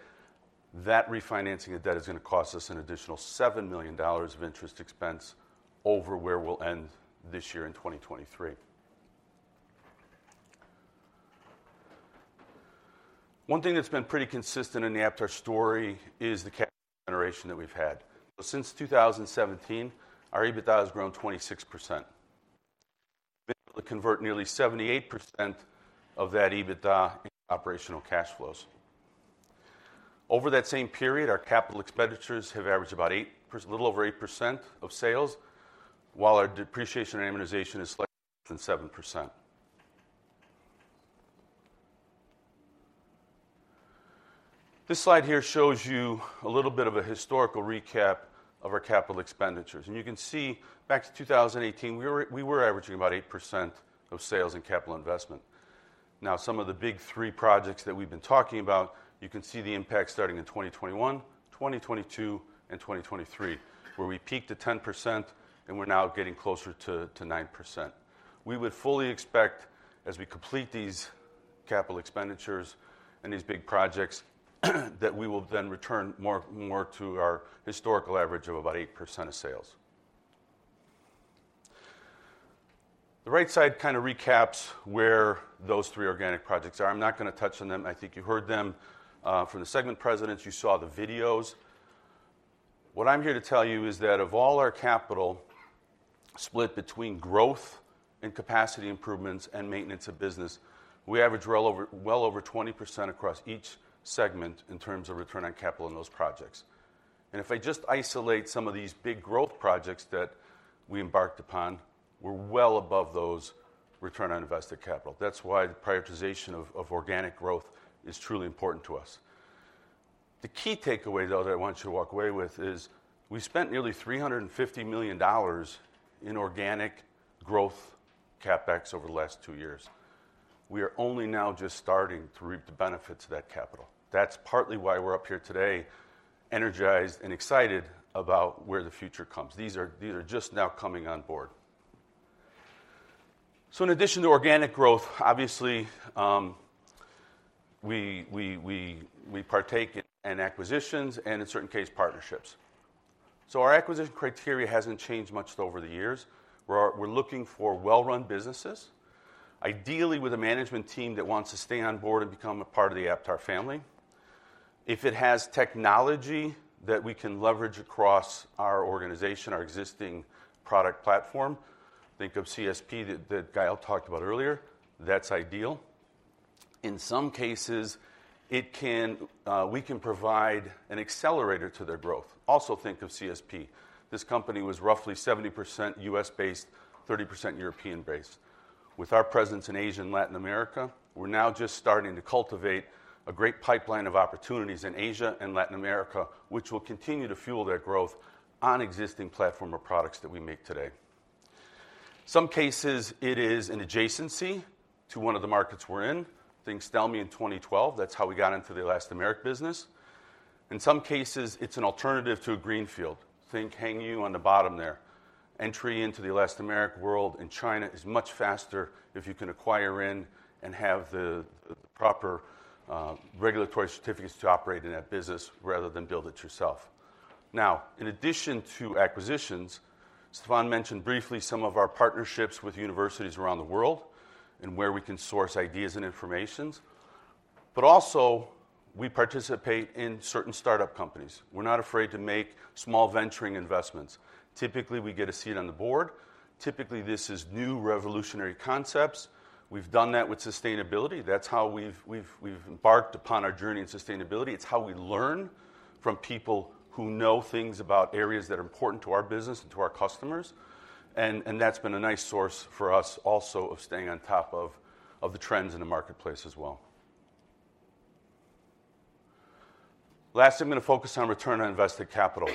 that refinancing of debt is gonna cost us an additional $7 million of interest expense over where we'll end this year in 2023. One thing that's been pretty consistent in the Aptar story is the cash generation that we've had. Since 2017, our EBITDA has grown 26%. Been able to convert nearly 78% of that EBITDA into operational cash flows. Over that same period, our capital expenditures have averaged about eight, a little over 8% of sales, while our depreciation and amortization is less than 7%. This slide here shows you a little bit of a historical recap of our capital expenditures. And you can see back to 2018, we were, we were averaging about 8% of sales and capital investment. Now, some of the big three projects that we've been talking about, you can see the impact starting in 2021, 2022, and 2023, where we peaked at 10%, and we're now getting closer to, to 9%. We would fully expect, as we complete these capital expenditures and these big projects, that we will then return more, more to our historical average of about 8% of sales. The right side kinda recaps where those three organic projects are. I'm not gonna touch on them. I think you heard them from the segment presidents, you saw the videos. What I'm here to tell you is that of all our capital split between growth and capacity improvements and maintenance of business, we average well over, well over 20% across each segment in terms of return on capital in those projects. And if I just isolate some of these big growth projects that we embarked upon, we're well above those return on invested capital. That's why the prioritization of organic growth is truly important to us. The key takeaway, though, that I want you to walk away with is, we spent nearly $350 million in organic growth CapEx over the last two years. We are only now just starting to reap the benefits of that capital. That's partly why we're up here today, energized and excited about where the future comes. These are just now coming on board. So in addition to organic growth, obviously, we partake in acquisitions and in certain cases, partnerships. So our acquisition criteria hasn't changed much over the years. We're looking for well-run businesses, ideally with a management team that wants to stay on board and become a part of the Aptar family. If it has technology that we can leverage across our organization, our existing product platform, think of CSP that Gael talked about earlier, that's ideal. In some cases, we can provide an accelerator to their growth. Also, think of CSP. This company was roughly 70% U.S.-based, 30% European-based. With our presence in Asia and Latin America, we're now just starting to cultivate a great pipeline of opportunities in Asia and Latin America, which will continue to fuel their growth on existing platform or products that we make today. In some cases, it is an adjacency to one of the markets we're in. Think Stelmi in 2012, that's how we got into the elastomeric business. In some cases, it's an alternative to a greenfield. Think Hengyu on the bottom there. Entry into the elastomeric world in China is much faster if you can acquire in and have the proper regulatory certificates to operate in that business rather than build it yourself. Now, in addition to acquisitions, Stephan mentioned briefly some of our partnerships with universities around the world and where we can source ideas and information, but also we participate in certain startup companies. We're not afraid to make small venturing investments. Typically, we get a seat on the board. Typically, this is new revolutionary concepts. We've done that with sustainability. That's how we've embarked upon our journey in sustainability. It's how we learn from people who know things about areas that are important to our business and to our customers, and that's been a nice source for us also of staying on top of the trends in the marketplace as well. Last, I'm gonna focus on return on invested capital.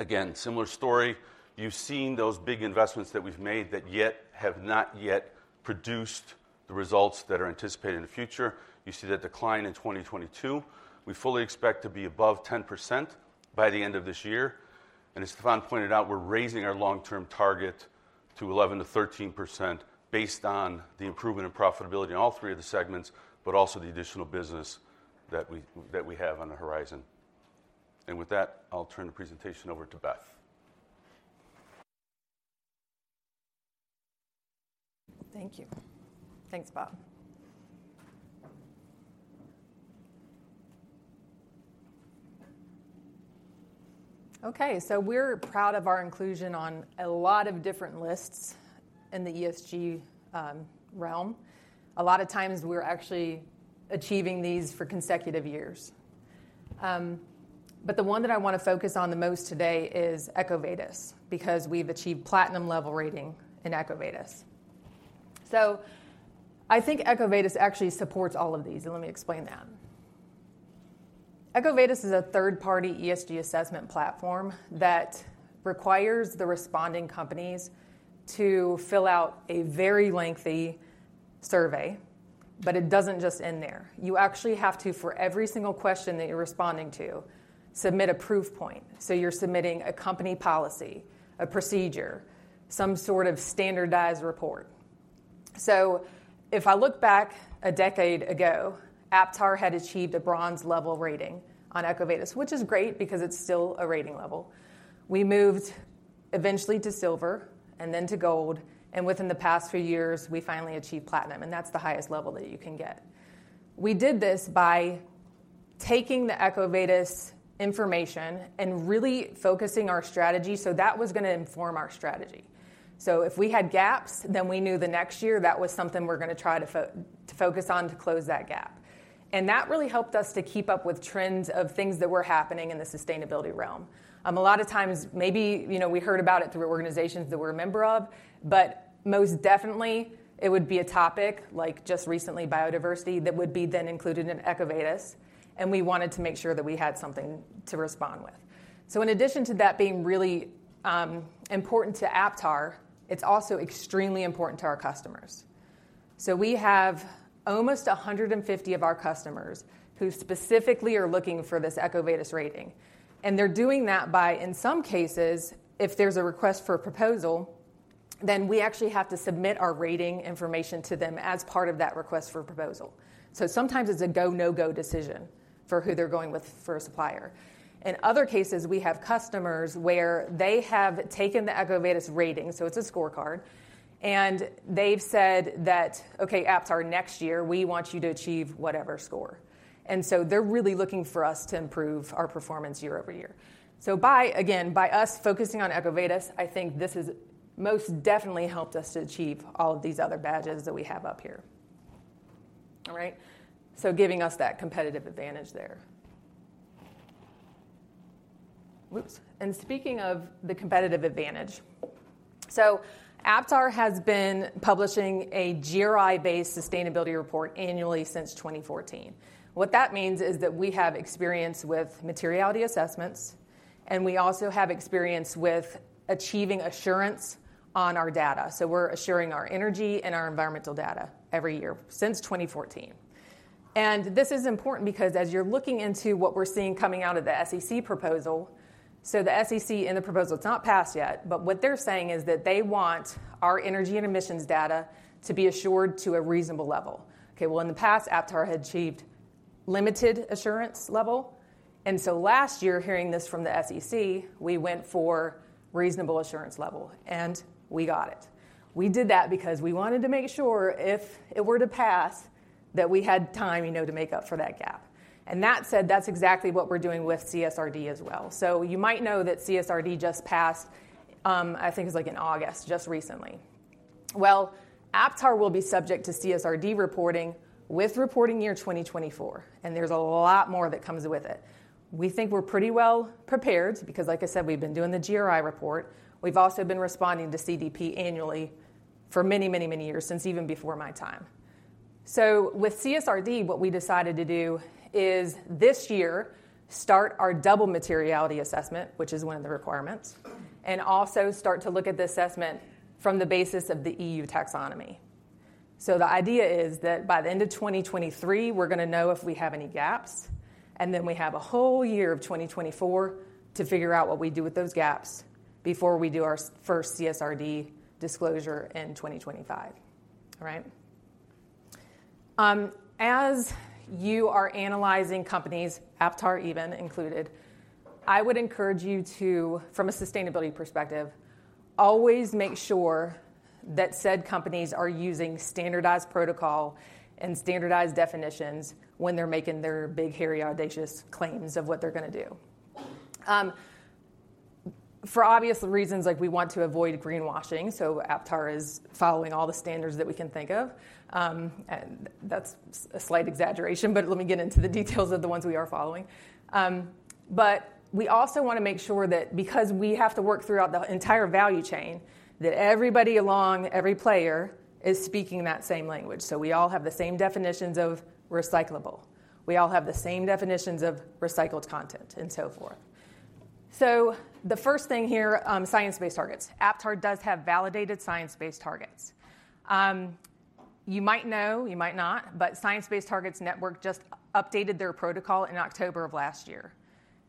Again, similar story, you've seen those big investments that we've made that yet have not yet produced the results that are anticipated in the future. You see that decline in 2022. We fully expect to be above 10% by the end of this year, and as Stephan pointed out, we're raising our long-term target to 11%-13% based on the improvement in profitability in all three of the segments, but also the additional business that we, that we have on the horizon. With that, I'll turn the presentation over to Beth. Thank you. Thanks, Bob. Okay, so we're proud of our inclusion on a lot of different lists in the ESG realm. A lot of times we're actually achieving these for consecutive years. But the one that I wanna focus on the most today is EcoVadis, because we've achieved platinum level rating in EcoVadis. So I think EcoVadis actually supports all of these, and let me explain that. EcoVadis is a third-party ESG assessment platform that requires the responding companies to fill out a very lengthy survey, but it doesn't just end there. You actually have to, for every single question that you're responding to, submit a proof point. So you're submitting a company policy, a procedure, some sort of standardized report. So if I look back a decade ago, Aptar had achieved a bronze level rating on EcoVadis, which is great because it's still a rating level. We moved eventually to silver and then to gold, and within the past few years, we finally achieved platinum, and that's the highest level that you can get. We did this by taking the EcoVadis information and really focusing our strategy, so that was gonna inform our strategy. So if we had gaps, then we knew the next year, that was something we're gonna try to focus on to close that gap. And that really helped us to keep up with trends of things that were happening in the sustainability realm. A lot of times, maybe, you know, we heard about it through organizations that we're a member of, but most definitely, it would be a topic, like just recently, biodiversity, that would be then included in EcoVadis, and we wanted to make sure that we had something to respond with. So in addition to that being really, important to Aptar, it's also extremely important to our customers. So we have almost 150 of our customers who specifically are looking for this EcoVadis rating, and they're doing that by, in some cases, if there's a request for a proposal, then we actually have to submit our rating information to them as part of that request for a proposal. So sometimes it's a go, no-go decision for who they're going with for a supplier. In other cases, we have customers where they have taken the EcoVadis rating, so it's a scorecard, and they've said that: "Okay, Aptar, next year, we want you to achieve whatever score." And so they're really looking for us to improve our performance year over year. So by, again, by us focusing on EcoVadis, I think this has most definitely helped us to achieve all of these other badges that we have up here. All right? So giving us that competitive advantage there. Whoops! And speaking of the competitive advantage, so Aptar has been publishing a GRI-based sustainability report annually since 2014. What that means is that we have experience with materiality assessments, and we also have experience with achieving assurance on our data. So we're assuring our energy and our environmental data every year since 2014. And this is important because as you're looking into what we're seeing coming out of the SEC proposal... So the SEC in the proposal, it's not passed yet, but what they're saying is that they want our energy and emissions data to be assured to a reasonable level. Okay, well, in the past, Aptar had achieved limited assurance level, and so last year, hearing this from the SEC, we went for reasonable assurance level, and we got it. We did that because we wanted to make sure if it were to pass, that we had time, you know, to make up for that gap. And that said, that's exactly what we're doing with CSRD as well. So you might know that CSRD just passed, I think it was like in August, just recently. Well, Aptar will be subject to CSRD reporting with reporting year 2024, and there's a lot more that comes with it. We think we're pretty well prepared because, like I said, we've been doing the GRI report. We've also been responding to CDP annually for many, many, many years, since even before my time. So with CSRD, what we decided to do is, this year, start our double materiality assessment, which is one of the requirements, and also start to look at the assessment from the basis of the EU taxonomy. So the idea is that by the end of 2023, we're gonna know if we have any gaps, and then we have a whole year of 2024 to figure out what we do with those gaps before we do our first CSRD disclosure in 2025. All right?... as you are analyzing companies, Aptar even included, I would encourage you to, from a sustainability perspective, always make sure that said companies are using standardized protocol and standardized definitions when they're making their big, hairy, audacious claims of what they're gonna do. For obvious reasons, like we want to avoid greenwashing, so Aptar is following all the standards that we can think of. That's a slight exaggeration, but let me get into the details of the ones we are following. We also wanna make sure that because we have to work throughout the entire value chain, that everybody along, every player, is speaking that same language. So we all have the same definitions of recyclable, we all have the same definitions of recycled content, and so forth. So the first thing here, science-based targets. Aptar does have validated science-based targets. You might know, you might not, but Science Based Targets Network just updated their protocol in October of last year.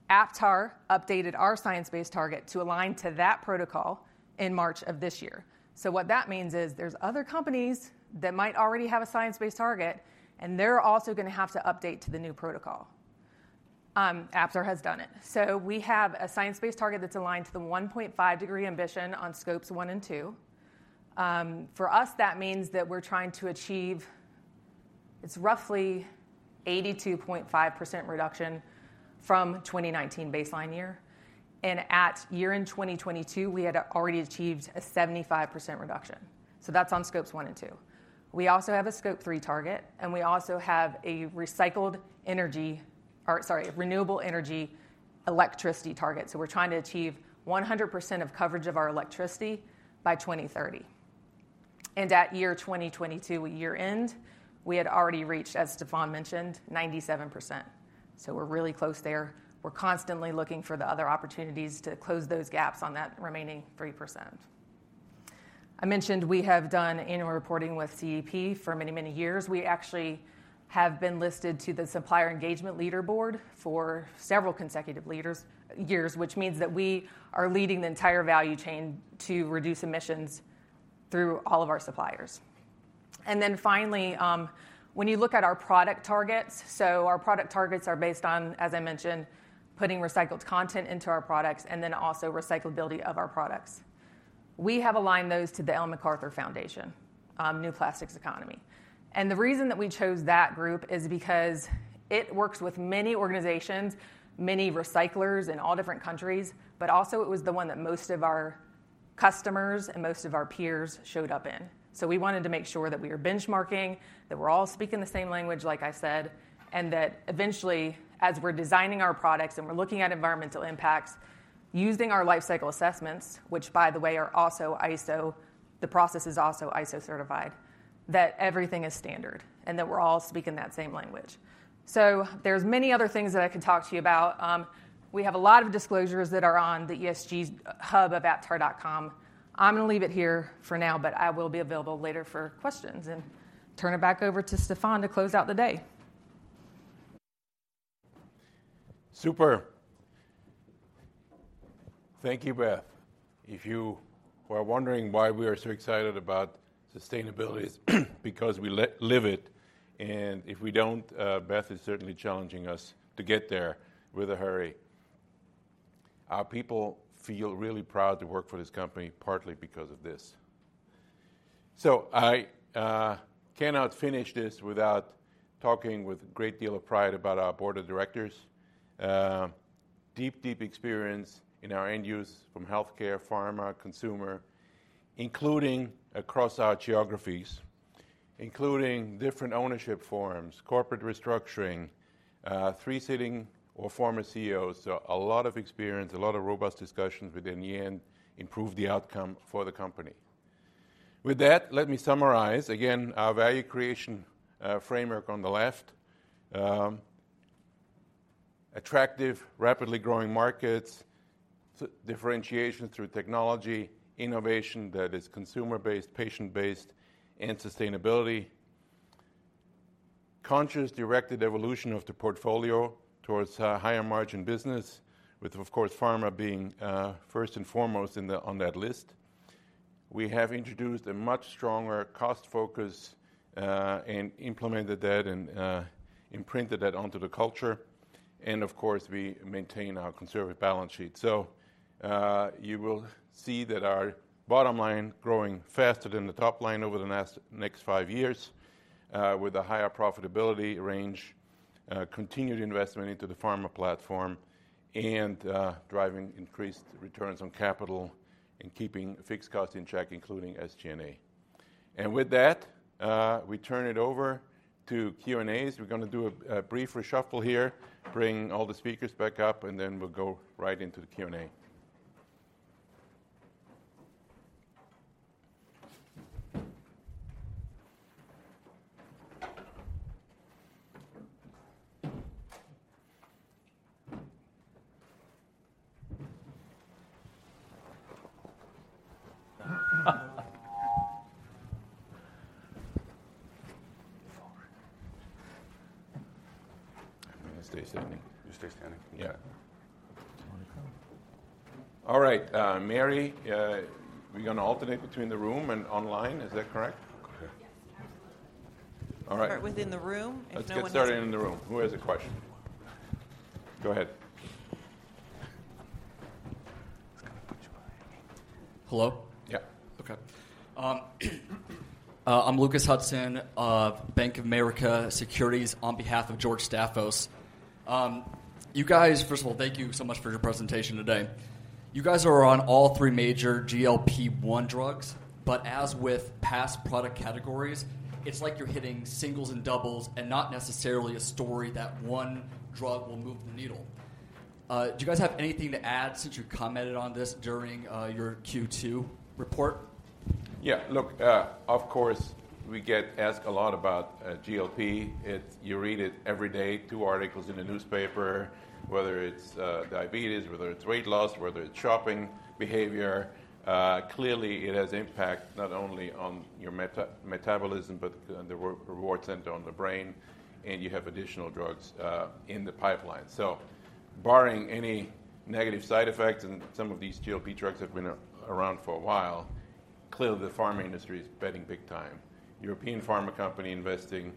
Aptar updated our science-based target to align to that protocol in March of this year. So what that means is, there's other companies that might already have a science-based target, and they're also gonna have to update to the new protocol. Aptar has done it. So we have a science-based target that's aligned to the 1.5 degree ambition on Scope 1 and 2. For us, that means that we're trying to achieve... it's roughly 82.5% reduction from 2019 baseline year, and at year-end 2022, we had already achieved a 75% reduction. So that's on Scope 1 and 2. We also have a Scope 3 target, and we also have a recycled energy, or sorry, renewable energy electricity target. So we're trying to achieve 100% of coverage of our electricity by 2030. And at year 2022, year-end, we had already reached, as Stephan mentioned, 97%. So we're really close there. We're constantly looking for the other opportunities to close those gaps on that remaining 3%. I mentioned we have done annual reporting with CDP for many, many years. We actually have been listed to the Supplier Engagement Leaderboard for several consecutive years, which means that we are leading the entire value chain to reduce emissions through all of our suppliers. And then finally, when you look at our product targets, so our product targets are based on, as I mentioned, putting recycled content into our products and then also recyclability of our products. We have aligned those to the Ellen MacArthur Foundation, New Plastics Economy. And the reason that we chose that group is because it works with many organizations, many recyclers in all different countries, but also it was the one that most of our customers and most of our peers showed up in. So we wanted to make sure that we are benchmarking, that we're all speaking the same language, like I said, and that eventually, as we're designing our products and we're looking at environmental impacts, using our lifecycle assessments, which by the way, are also ISO—the process is also ISO certified, that everything is standard and that we're all speaking that same language. So there's many other things that I could talk to you about. We have a lot of disclosures that are on the ESG hub of Aptar.com. I'm gonna leave it here for now, but I will be available later for questions, and turn it back over to Stephan to close out the day. Super! Thank you, Beth. If you were wondering why we are so excited about sustainability, it's because we live it, and if we don't, Beth is certainly challenging us to get there with a hurry. Our people feel really proud to work for this company, partly because of this. So I cannot finish this without talking with a great deal of pride about our board of directors. Deep, deep experience in our end use from healthcare, pharma, consumer, including across our geographies, including different ownership forms, corporate restructuring, three sitting or former CEOs. So a lot of experience, a lot of robust discussions within the end, improve the outcome for the company. With that, let me summarize, again, our value creation framework on the left. Attractive, rapidly growing markets, differentiation through technology, innovation that is consumer-based, patient-based, and sustainability. Conscious, directed evolution of the portfolio towards a higher margin business with, of course, pharma being first and foremost on that list. We have introduced a much stronger cost focus and implemented that and imprinted that onto the culture. Of course, we maintain our conservative balance sheet. You will see that our bottom line growing faster than the top line over the next five years with a higher profitability range, continued investment into the pharma platform, and driving increased returns on capital and keeping fixed cost in check, including SG&A. With that, we turn it over to Q&As. We're gonna do a brief reshuffle here, bring all the speakers back up, and then we'll go right into the Q&A. I stay standing. You stay standing? Yeah. All right, Mary, we're gonna alternate between the room and online. Is that correct? Yes, absolutely. All right. Start within the room, and no one- Let's get started in the room. Who has a question? Go ahead. Hello? Yeah. Okay. I'm Lucas Hudson of Bank of America Securities on behalf of George Staphos. You guys—First of all, thank you so much for your presentation today. You guys are on all three major GLP-1 drugs, but as with past product categories, it's like you're hitting singles and doubles and not necessarily a story that one drug will move the needle. Do you guys have anything to add since you commented on this during your Q2 report? Yeah. Look, of course, we get asked a lot about GLP. It's. You read it every day, two articles in the newspaper, whether it's diabetes, whether it's weight loss, whether it's shopping behavior. Clearly, it has impact not only on your metabolism but on the reward center on the brain, and you have additional drugs in the pipeline. So barring any negative side effects, and some of these GLP drugs have been around for a while, clearly, the pharma industry is betting big time. European pharma company investing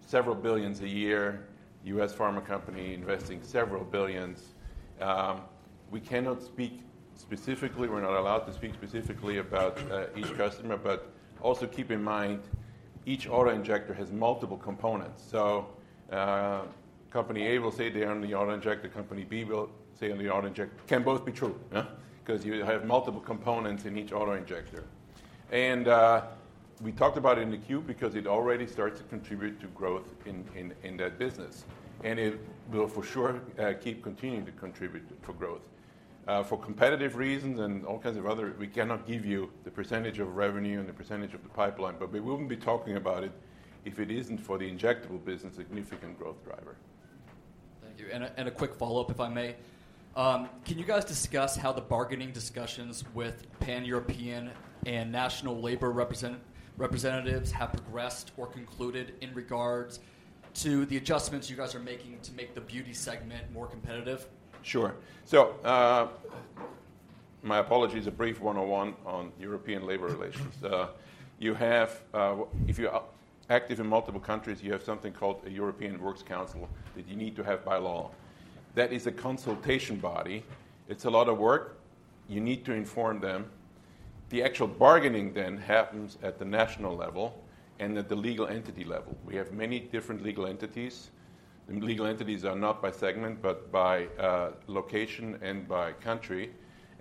several billion a year, U.S. pharma company investing several billion. We cannot speak specifically. We're not allowed to speak specifically about each customer, but also keep in mind, each auto injector has multiple components. Company A will say they own the auto injector, Company B will say own the auto injector. Can both be true, yeah? 'Cause you have multiple components in each auto injector. We talked about it in the queue because it already starts to contribute to growth in that business, and it will for sure keep continuing to contribute for growth. For competitive reasons and all kinds of other, we cannot give you the percentage of revenue and the percentage of the pipeline, but we wouldn't be talking about it if it isn't for the injectable business, a significant growth driver. Thank you. And a quick follow-up, if I may. Can you guys discuss how the bargaining discussions with Pan-European and national labor representatives have progressed or concluded in regards to the adjustments you guys are making to make the beauty segment more competitive? Sure. So, my apologies, a brief one-on-one on European labor relations. If you are active in multiple countries, you have something called a European Works Council that you need to have by law. That is a consultation body. It's a lot of work. You need to inform them. The actual bargaining then happens at the national level and at the legal entity level. We have many different legal entities, and legal entities are not by segment, but by location and by country.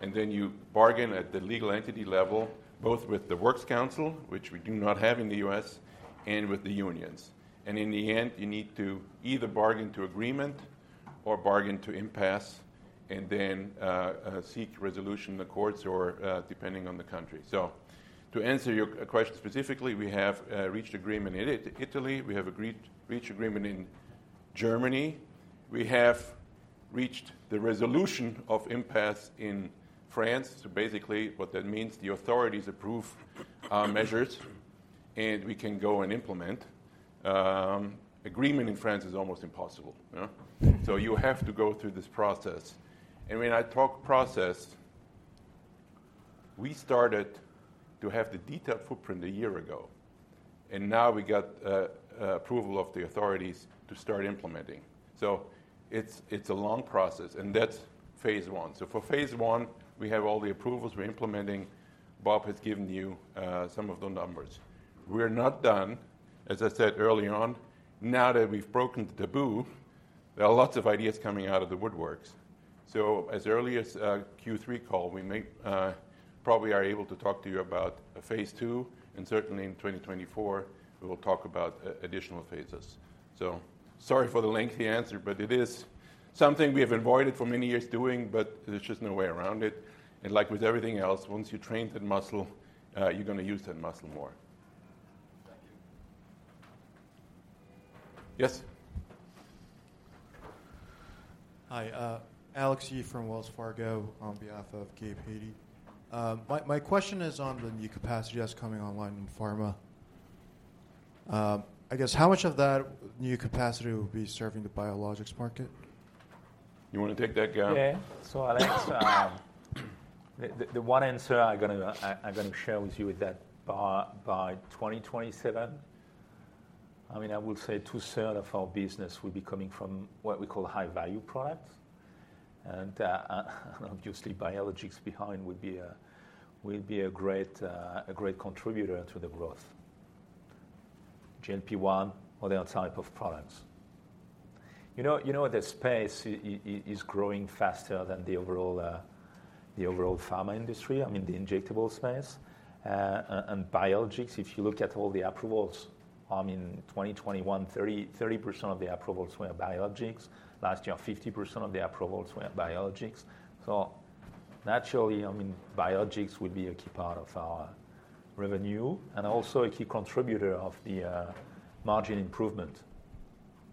And then you bargain at the legal entity level, both with the Works Council, which we do not have in the U.S., and with the unions. And in the end, you need to either bargain to agreement or bargain to impasse and then seek resolution in the courts or, depending on the country. So to answer your question specifically, we have reached agreement in Italy, we have reached agreement in Germany. We have reached the resolution of impasse in France. So basically, what that means, the authorities approve our measures, and we can go and implement. Agreement in France is almost impossible, yeah? So you have to go through this process. And when I talk process, we started to have the detailed footprint a year ago, and now we got approval of the authorities to start implementing. So it's a long process, and that's phase one. So for phase one, we have all the approvals we're implementing. Bob has given you some of the numbers. We're not done. As I said early on, now that we've broken the taboo, there are lots of ideas coming out of the woodworks. So as early as Q3 call, we may probably are able to talk to you about a phase two, and certainly in 2024, we will talk about additional phases. So sorry for the lengthy answer, but it is something we have avoided for many years doing, but there's just no way around it. And like with everything else, once you train that muscle, you're gonna use that muscle more. Thank you. Yes? Hi, Alex Yee from Wells Fargo, on behalf of Gabe Hajde. My question is on the new capacity that's coming online in pharma. I guess, how much of that new capacity will be serving the biologics market? You wanna take that, Gael? Yeah. So Alex, the one answer I'm gonna share with you is that by 2027, I mean, I would say two-thirds of our business will be coming from what we call high-value products. And obviously, biologics will be a great contributor to the growth, GLP-1 or the other type of products. You know, the space is growing faster than the overall pharma industry, I mean, the injectable space and biologics. If you look at all the approvals in 2021, 30% of the approvals were biologics. Last year, 50% of the approvals were biologics. So naturally, I mean, biologics will be a key part of our revenue and also a key contributor of the margin improvement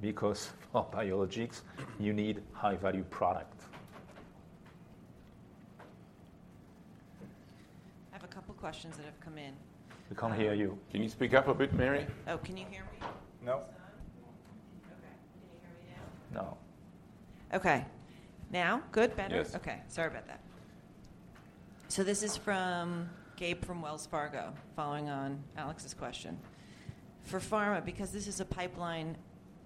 because for biologics, you need high-value product.... questions that have come in. We can't hear you. Can you speak up a bit, Mary? Oh, can you hear me? No. No. Okay. Can you hear me now? No. Okay. Now? Good, better? Yes. Okay, sorry about that. So this is from Gabe, from Wells Fargo, following on Alex's question: "For pharma, because this is a pipeline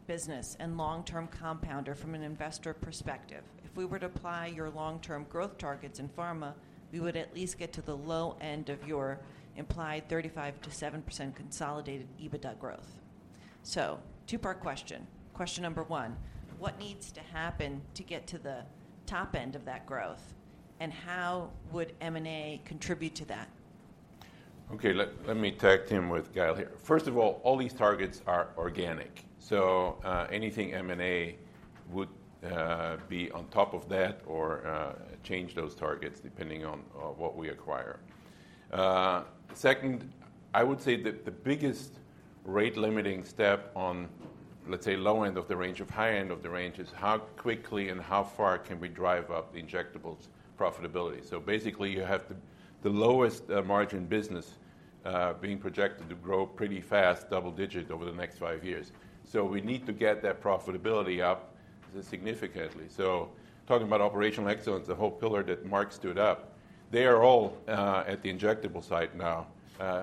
business and long-term compounder from an investor perspective, if we were to apply your long-term growth targets in pharma, we would at least get to the low end of your implied 35%-7% consolidated EBITDA growth." So, 2-part question. Question number 1: What needs to happen to get to the top end of that growth, and how would M&A contribute to that? Okay, let me tag team with Gael here. First of all, all these targets are organic, so anything M&A would be on top of that or change those targets depending on what we acquire. Second, I would say that the biggest rate-limiting step on, let's say, low end of the range or high end of the range, is how quickly and how far can we drive up the injectables profitability. So basically, you have the lowest margin business being projected to grow pretty fast, double digit over the next five years. So we need to get that profitability up significantly. So talking about operational excellence, the whole pillar that Marc stood up, they are all at the injectable side now,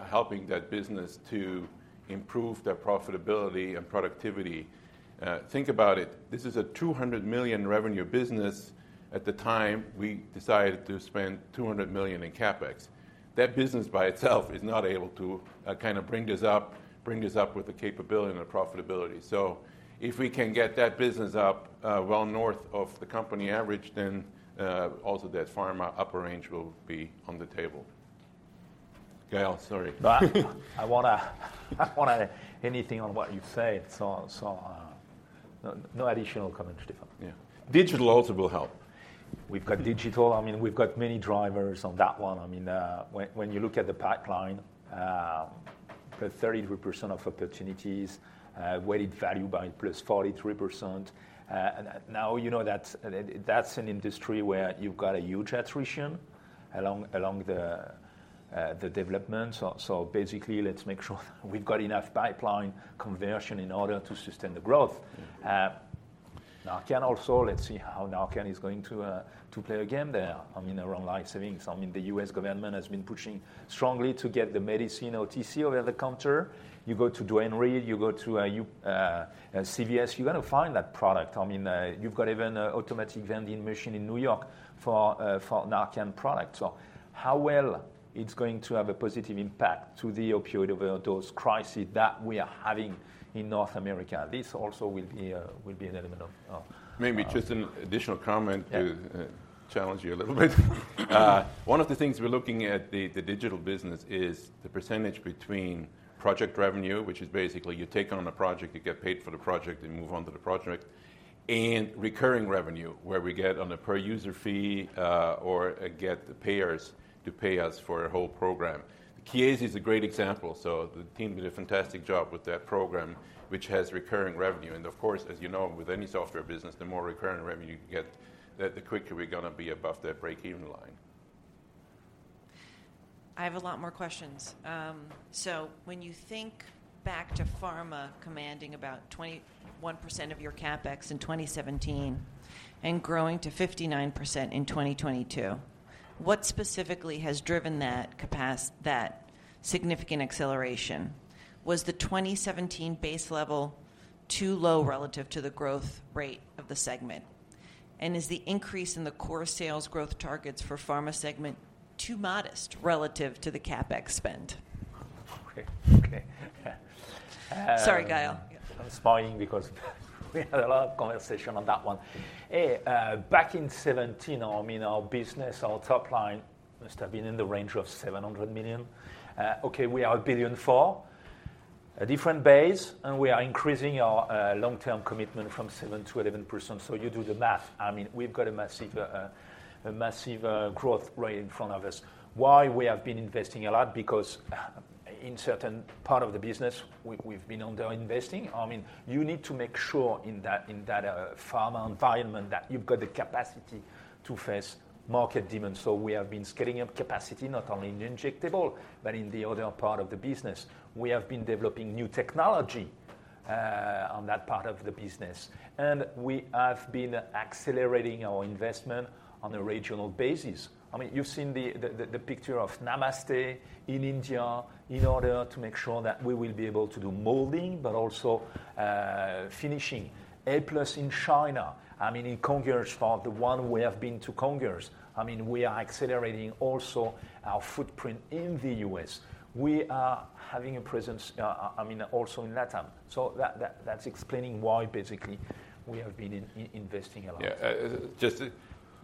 helping that business to improve their profitability and productivity. Think about it. This is a $200 million revenue business at the time we decided to spend $200 million in CapEx. That business by itself is not able to, kind of bring this up, bring this up with the capability and the profitability. So if we can get that business up, well, north of the company average, then, also that pharma upper range will be on the table. Gael, sorry. Well, anything on what you said? So, no additional comment to that. Yeah. Digital also will help. We've got digital. I mean, we've got many drivers on that one. I mean, when you look at the pipeline, 33% of opportunities, weighted value by +43%. And now, you know, that's an industry where you've got a huge attrition along the development. So basically, let's make sure we've got enough pipeline conversion in order to sustain the growth. Narcan also, let's see how Narcan is going to play a game there. I mean, around life savings. I mean, the U.S. government has been pushing strongly to get the medicine OTC, over-the-counter. You go to Duane Reade, you go to a CVS, you're gonna find that product. I mean, you've got even a automatic vending machine in New York for Narcan product. So how well it's going to have a positive impact to the opioid overdose crisis that we are having in North America, this also will be a, will be an element of. Maybe just an additional comment to- Yeah Challenge you a little bit. One of the things we're looking at the digital business is the percentage between project revenue, which is basically you take on a project, you get paid for the project, and move on to the project, and recurring revenue, where we get on a per user fee, or get the payers to pay us for a whole program. Chiesi is a great example. So the team did a fantastic job with that program, which has recurring revenue. And of course, as you know, with any software business, the more recurring revenue you get, the quicker we're gonna be above that break-even line. I have a lot more questions. So when you think back to pharma commanding about 21% of your CapEx in 2017 and growing to 59% in 2022, what specifically has driven that significant acceleration? Was the 2017 base level too low relative to the growth rate of the segment? And is the increase in the core sales growth targets for pharma segment too modest relative to the CapEx spend? Okay, okay. Sorry, Gael. I'm smiling because we had a lot of conversation on that one. A, back in 2017, I mean, our business, our top line, must have been in the range of $700 million. Okay, we are $1.4 billion, a different base, and we are increasing our, long-term commitment from 7% to 11%. So you do the math. I mean, we've got a massive, a massive, growth rate in front of us. Why we have been investing a lot? Because, in certain part of the business, we, we've been underinvesting. I mean, you need to make sure in that, in that, pharma environment, that you've got the capacity to face market demand. So we have been scaling up capacity, not only in the injectable, but in the other part of the business. We have been developing new technology on that part of the business, and we have been accelerating our investment on a regional basis. I mean, you've seen the picture of Namaste in India in order to make sure that we will be able to do molding, but also finishing. Aplus in China, I mean, in Congers, for the one we have been to Congers. I mean, we are accelerating also our footprint in the U.S. We are having a presence, I mean, also in LatAm. So that's explaining why basically we have been investing a lot. Yeah,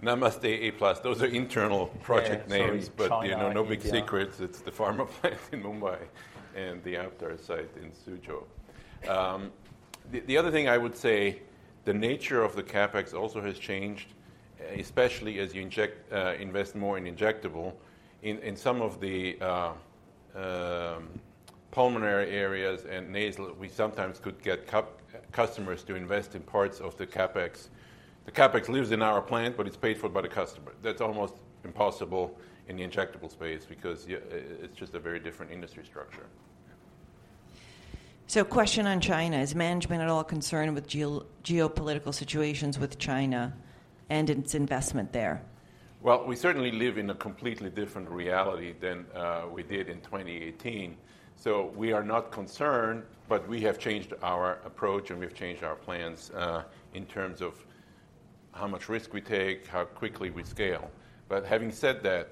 just Namaste, Aplus, those are internal project names- Yeah, sorry. China- But, you know, no big secrets. It's the pharma plant in Mumbai and the Amgen site in Suzhou. The other thing I would say, the nature of the CapEx also has changed, especially as you invest more in injectable. In some of the pulmonary areas and nasal, we sometimes could get customers to invest in parts of the CapEx. The CapEx lives in our plant, but it's paid for by the customer. That's almost impossible in the injectable space because it's just a very different industry structure. Question on China: Is management at all concerned with geopolitical situations with China and its investment there? Well, we certainly live in a completely different reality than we did in 2018. So we are not concerned, but we have changed our approach, and we've changed our plans in terms of how much risk we take, how quickly we scale. But having said that,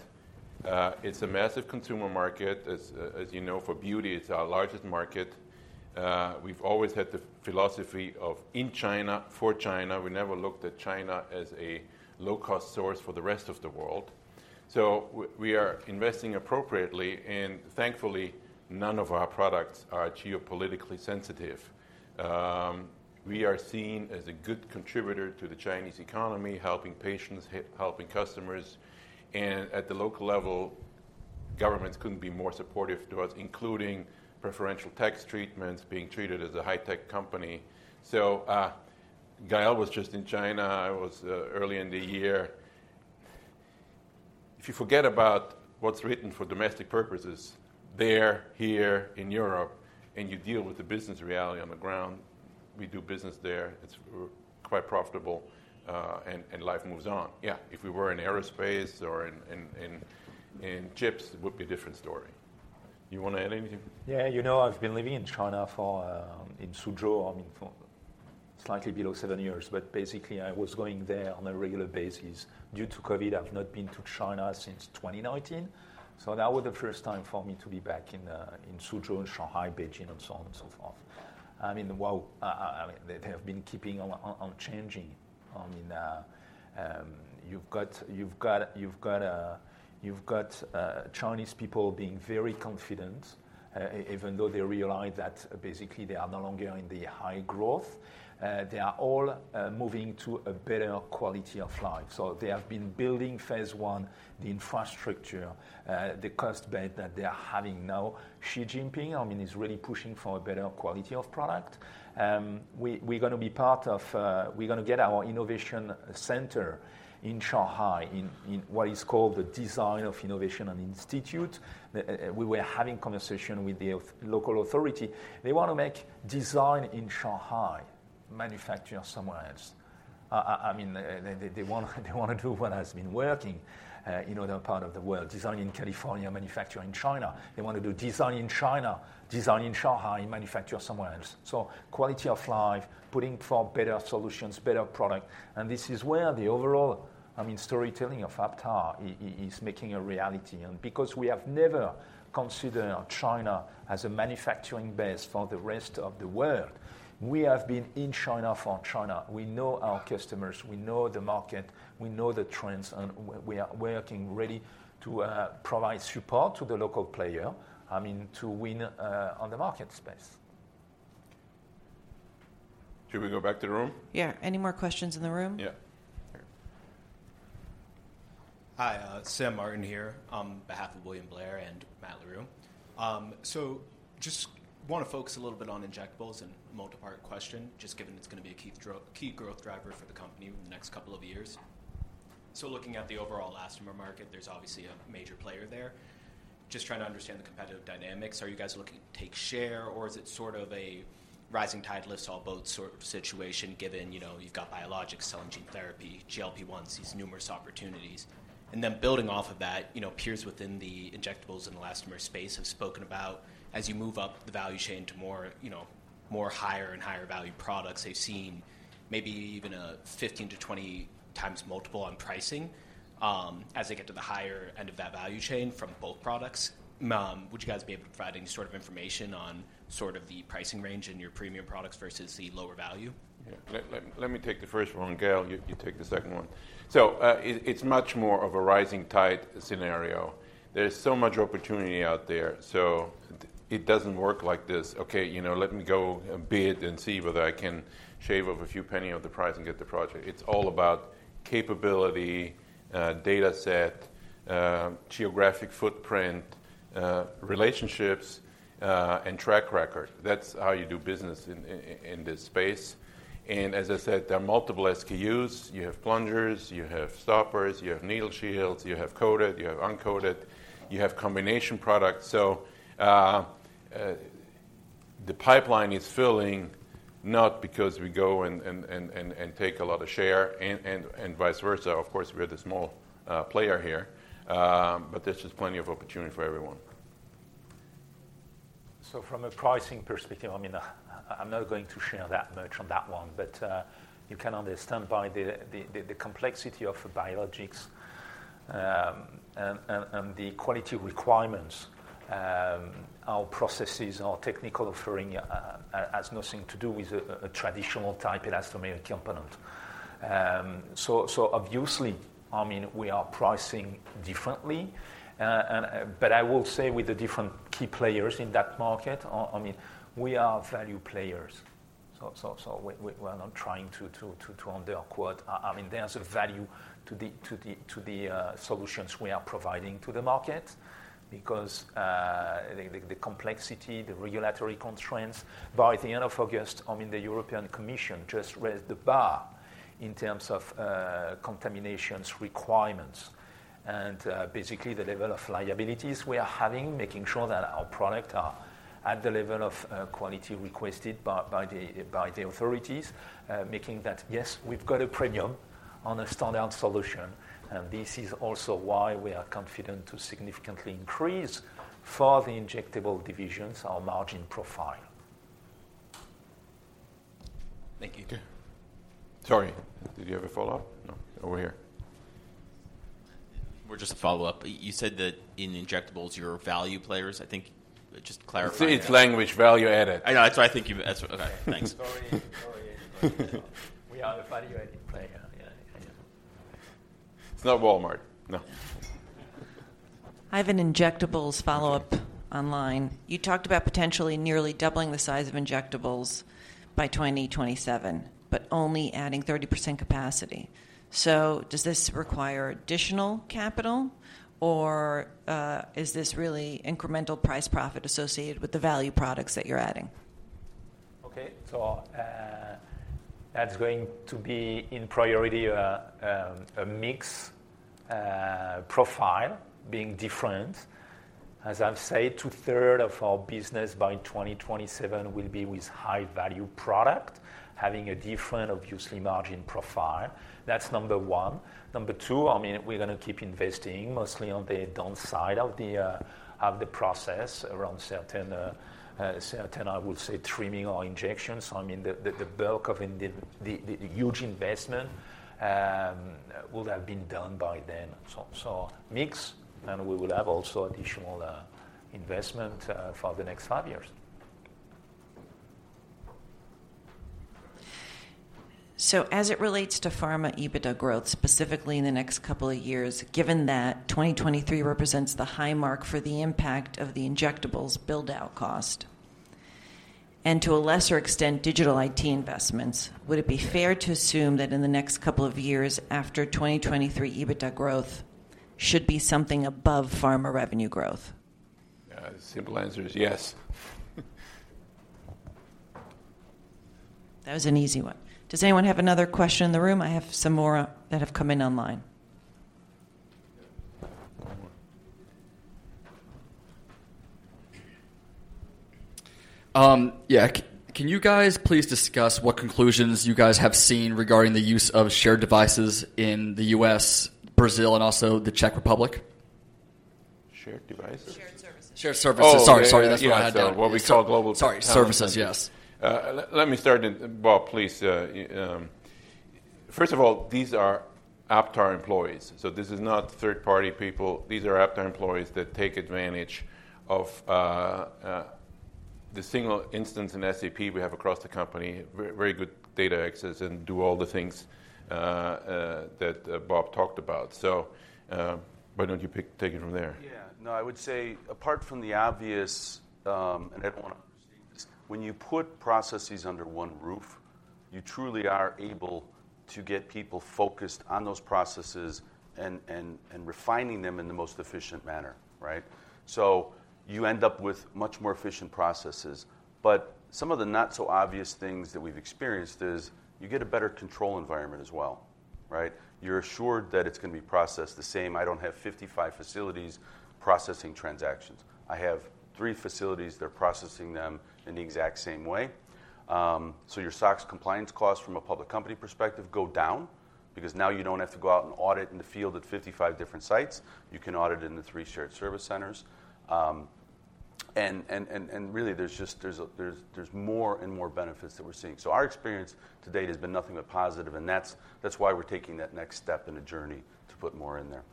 it's a massive consumer market. As you know, for beauty, it's our largest market. We've always had the philosophy of in China for China. We never looked at China as a low-cost source for the rest of the world. So we are investing appropriately, and thankfully, none of our products are geopolitically sensitive. We are seen as a good contributor to the Chinese economy, helping patients, helping customers, and at the local level, governments couldn't be more supportive to us, including preferential tax treatments, being treated as a high-tech company. So, Gael was just in China. I was early in the year. If you forget about what's written for domestic purposes there, here, in Europe, and you deal with the business reality on the ground, we do business there. It's quite profitable, and life moves on. Yeah, if we were in aerospace or in chips, it would be a different story. You want to add anything? Yeah. You know, I've been living in China for in Suzhou, I mean, for slightly below seven years. But basically, I was going there on a regular basis. Due to COVID, I've not been to China since 2019, so that was the first time for me to be back in Suzhou, and Shanghai, Beijing, and so on and so forth. I mean, wow, I mean, they have been keeping on changing. I mean, you've got Chinese people being very confident, even though they realize that basically they are no longer in the high growth. They are all moving to a better quality of life. So they have been building phase one, the infrastructure, the cost base that they are having now. Xi Jinping, I mean, is really pushing for a better quality of product. We're gonna be part of, we're gonna get our innovation center in Shanghai, in what is called the Design of Innovation and Institute. We were having conversation with the local authority. They want to make design in Shanghai, manufacturing somewhere else. I mean, they wanna do what has been working in other part of the world, design in California, manufacture in China. They want to do design in China, design in Shanghai, manufacture somewhere else. So quality of life, putting forward better solutions, better product, and this is where the overall, I mean, storytelling of Aptar is making a reality. Because we have never considered China as a manufacturing base for the rest of the world, we have been in China for China. We know our customers. We know the market. We know the trends, and we are working really to provide support to the local player, I mean, to win on the market space. Should we go back to the room? Yeah. Any more questions in the room? Yeah. Here. Hi, Sam Martin here, on behalf of William Blair and Matt Larew. So just wanna focus a little bit on injectables and multi-part question, just given it's gonna be a key growth driver for the company over the next couple of years. So looking at the overall elastomer market, there's obviously a major player there. Just trying to understand the competitive dynamics. Are you guys looking to take share, or is it sort of a rising tide lifts all boats sort of situation, given, you know, you've got biologics, cell, and gene therapy, GLP-1s, these numerous opportunities? Then building off of that, you know, peers within the injectables and elastomer space have spoken about as you move up the value chain to more, you know, more higher and higher value products, they've seen maybe even a 15 to 20 times multiple on pricing, as they get to the higher end of that value chain from both products. Would you guys be able to provide any sort of information on sort of the pricing range in your premium products versus the lower value? Yeah. Let me take the first one, and Gael, you take the second one. So, it's much more of a rising tide scenario. There's so much opportunity out there. So it doesn't work like this: "Okay, you know, let me go and bid and see whether I can shave off a few penny of the price and get the project." It's all about capability, data set, geographic footprint, relationships, and track record. That's how you do business in this space. And as I said, there are multiple SKUs. You have plungers, you have stoppers, you have needle shields, you have coated, you have uncoated, you have combination products. So, the pipeline is filling not because we go and take a lot of share and vice versa. Of course, we're the small player here, but there's just plenty of opportunity for everyone. From a pricing perspective, I mean, I'm not going to share that much on that one, but you can understand by the complexity of the biologics and the quality requirements. Our processes, our technical offering has nothing to do with a traditional type elastomeric component. So, obviously, I mean, we are pricing differently, but I will say with the different key players in that market, I mean, we are value players... So we, we're not trying to underquote. I mean, there's a value to the solutions we are providing to the market because the complexity, the regulatory constraints. By the end of August, I mean, the European Commission just raised the bar in terms of contaminations requirements and basically the level of liabilities we are having, making sure that our product are at the level of quality requested by, by the, by the authorities. Making that, yes, we've got a premium on a standout solution, and this is also why we are confident to significantly increase, for the injectable divisions, our margin profile. Thank you. Okay. Sorry, did you have a follow-up? No. Over here. Well, just a follow-up. You said that in injectables, you're value players. I think, just to clarify- It's language value added. I know. That's why I think you... That's okay. Thanks. Sorry. Sorry. We are a value-added player. Yeah, yeah. It's not Walmart. No. I have an injectables follow-up online. You talked about potentially nearly doubling the size of injectables by 2027, but only adding 30% capacity. So does this require additional capital, or is this really incremental price profit associated with the value products that you're adding? Okay. So, that's going to be in priority, a mix, profile being different. As I've said, two-thirds of our business by 2027 will be with high-value product, having a different, obviously, margin profile. That's number one. Number two, I mean, we're gonna keep investing mostly on the down side of the, of the process around certain, certain, I would say, trimming or injections. I mean, the bulk of the huge investment would have been done by then. So, mix, and we will have also additional, investment, for the next five years. As it relates to pharma EBITDA growth, specifically in the next couple of years, given that 2023 represents the high mark for the impact of the injectables build-out cost, and to a lesser extent, digital IT investments, would it be fair to assume that in the next couple of years after 2023, EBITDA growth should be something above pharma revenue growth? Simple answer is yes. That was an easy one. Does anyone have another question in the room? I have some more that have come in online. Yeah. Can you guys please discuss what conclusions you guys have seen regarding the use of shared devices in the U.S., Brazil, and also the Czech Republic? Shared devices? Shared services. Shared services. Sorry, sorry, that's what I had down. Oh, yeah, what we call global- Sorry, services, yes. Let me start then. Bob, please... First of all, these are Aptar employees, so this is not third-party people. These are Aptar employees that take advantage of the single instance in SAP we have across the company, very, very good data access, and do all the things that Bob talked about. So, why don't you take it from there? Yeah. No, I would say, apart from the obvious, and I don't wanna receive this, when you put processes under one roof, you truly are able to get people focused on those processes and refining them in the most efficient manner, right? So you end up with much more efficient processes. But some of the not-so-obvious things that we've experienced is, you get a better control environment as well, right? You're assured that it's gonna be processed the same. I don't have 55 facilities processing transactions. I have three facilities that are processing them in the exact same way. So your SOX compliance costs from a public company perspective go down because now you don't have to go out and audit in the field at 55 different sites. You can audit in the 3 shared service centers. Really, there's just more and more benefits that we're seeing. So our experience to date has been nothing but positive, and that's why we're taking that next step in a journey to put more in there.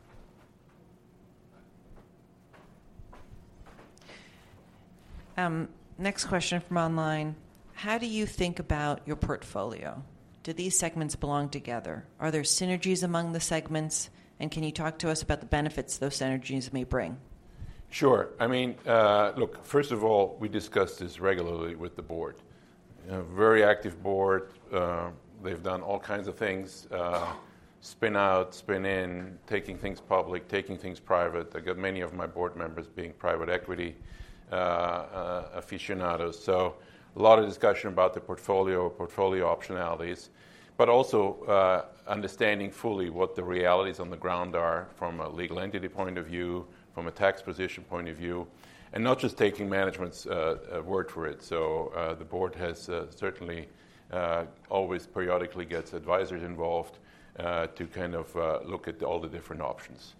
Next question from online: How do you think about your portfolio? Do these segments belong together? Are there synergies among the segments, and can you talk to us about the benefits those synergies may bring? Sure. I mean, look, first of all, we discuss this regularly with the board, a very active board. They've done all kinds of things, spin out, spin in, taking things public, taking things private. I got many of my board members being private equity aficionados. So a lot of discussion about the portfolio, portfolio optionalities, but also, understanding fully what the realities on the ground are from a legal entity point of view, from a tax position point of view, and not just taking management's word for it. So, the board has certainly always periodically gets advisors involved, to kind of look at all the different options.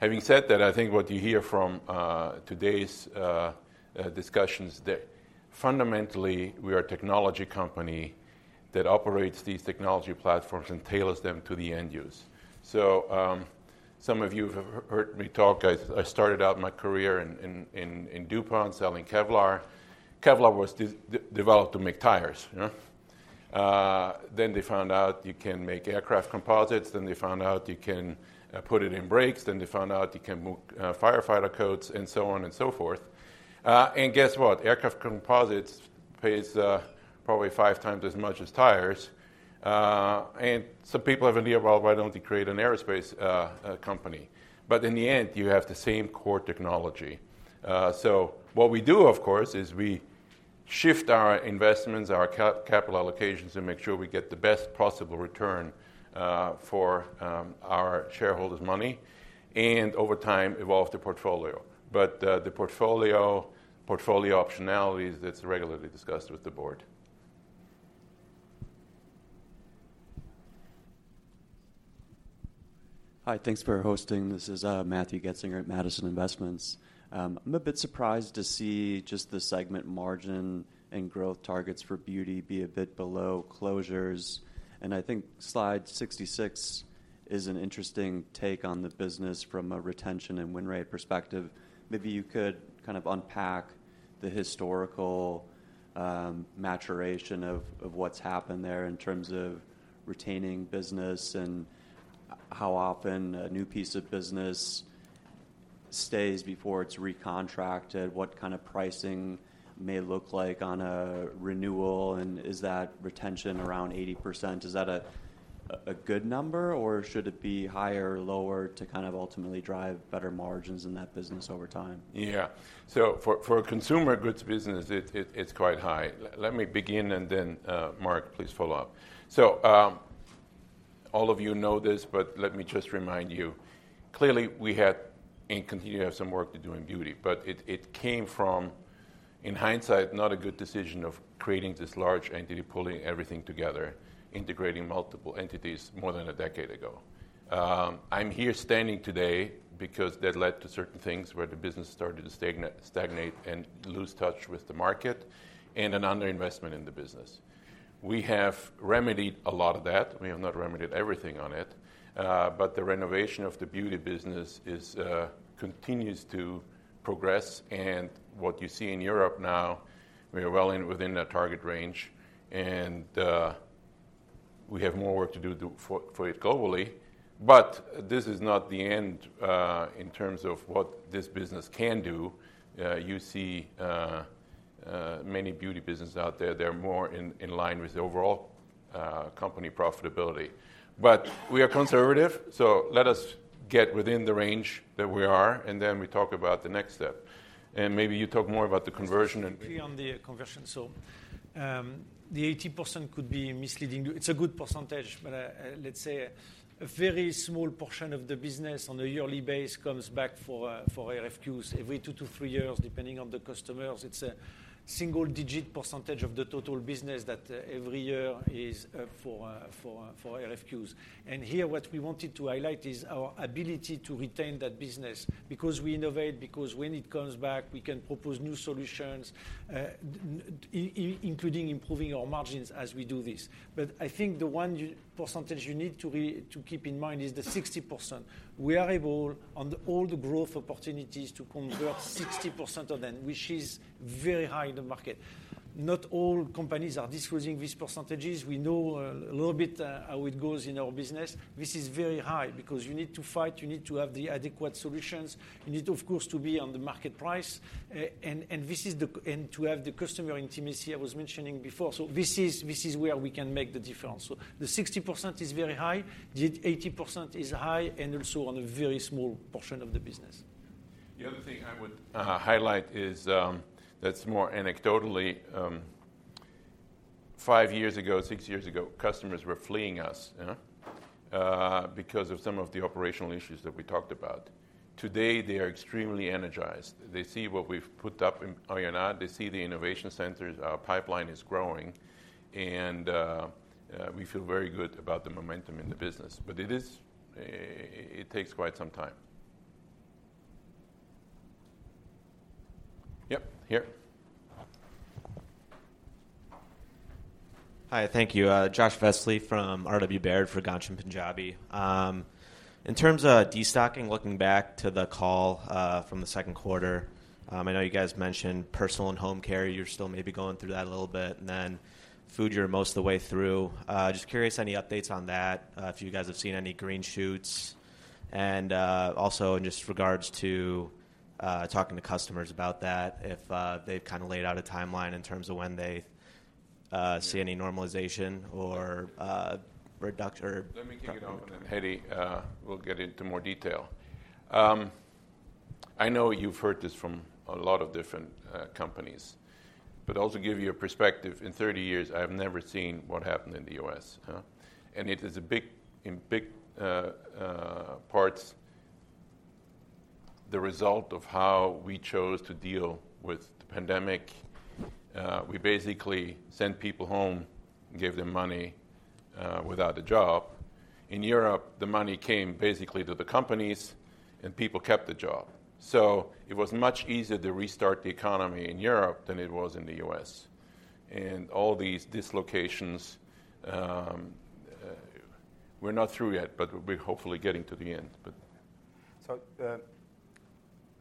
Having said that, I think what you hear from today's discussions, that fundamentally, we are a technology company that operates these technology platforms and tailors them to the end use. So, some of you have heard me talk. I started out my career in DuPont selling Kevlar. Kevlar was developed to make tires, you know? Then they found out you can make aircraft composites, then they found out you can put it in brakes, then they found out you can make firefighter coats, and so on and so forth. And guess what? Aircraft composites pays probably five times as much as tires. And some people have the idea, well, why don't we create an aerospace company? But in the end, you have the same core technology. So what we do, of course, is we shift our investments, our capital allocations, and make sure we get the best possible return, for our shareholders' money, and over time, evolve the portfolio. But, the portfolio, portfolio optionalities, that's regularly discussed with the board. Hi, thanks for hosting. This is Matthew Goetzinger at Madison Investments. I'm a bit surprised to see just the segment margin and growth targets for beauty be a bit below closures, and I think slide 66 is an interesting take on the business from a retention and win rate perspective. Maybe you could kind of unpack the historical maturation of what's happened there in terms of retaining business and how often a new piece of business stays before it's recontracted, what kind of pricing may look like on a renewal, and is that retention around 80%? Is that a good number, or should it be higher or lower to kind of ultimately drive better margins in that business over time? Yeah. So for a consumer goods business, it's quite high. Let me begin and then, Marc, please follow up. So, all of you know this, but let me just remind you. Clearly, we had and continue to have some work to do in Beauty, but it came from, in hindsight, not a good decision of creating this large entity, pulling everything together, integrating multiple entities more than a decade ago. I'm here standing today because that led to certain things where the business started to stagnate and lose touch with the market and an underinvestment in the business. We have remedied a lot of that. We have not remedied everything on it, but the renovation of the Beauty business is, uh... continues to progress, and what you see in Europe now, we are well within that target range, and we have more work to do for it globally. But this is not the end in terms of what this business can do. You see, many beauty business out there, they're more in line with the overall company profitability. But we are conservative, so let us get within the range that we are, and then we talk about the next step. And maybe you talk more about the conversion and- On the conversion. So, the 80% could be misleading you. It's a good percentage, but let's say, a very small portion of the business on a yearly basis comes back for RFQs every two to three years, depending on the customers. It's a single-digit percentage of the total business that every year is for RFQs. And here, what we wanted to highlight is our ability to retain that business because we innovate, because when it comes back, we can propose new solutions, including improving our margins as we do this. But I think the percentage you need to keep in mind is the 60%. We are able, on all the growth opportunities, to convert 60% of them, which is very high in the market. Not all companies are disclosing these percentages. We know a little bit how it goes in our business. This is very high because you need to fight, you need to have the adequate solutions, you need, of course, to be on the market price, and to have the customer intimacy I was mentioning before. So this is where we can make the difference. So the 60% is very high, the 80% is high, and also on a very small portion of the business. The other thing I would highlight is, that's more anecdotally, five years ago, six years ago, customers were fleeing us, because of some of the operational issues that we talked about. Today, they are extremely energized. They see what we've put up in Oyonnax. They see the innovation centers. Our pipeline is growing, and we feel very good about the momentum in the business. But it is, it takes quite some time. Yep, here. Hi, thank you. Josh Vesely from R.W. Baird for Ghansham Panjabi. In terms of destocking, looking back to the call, from the second quarter, I know you guys mentioned personal and home care, you're still maybe going through that a little bit, and then food, you're most of the way through. Just curious, any updates on that? If you guys have seen any green shoots, and, also in just regards to, talking to customers about that, if, they've kind of laid out a timeline in terms of when they, see any normalization or, reduction or- Let me take it on, and Hedi will get into more detail. I know you've heard this from a lot of different companies, but I'll also give you a perspective. In 30 years, I have never seen what happened in the U.S., huh? And it is big, in big parts, the result of how we chose to deal with the pandemic. We basically sent people home and gave them money without a job. In Europe, the money came basically to the companies, and people kept the job. So it was much easier to restart the economy in Europe than it was in the U.S. And all these dislocations, we're not through yet, but we're hopefully getting to the end,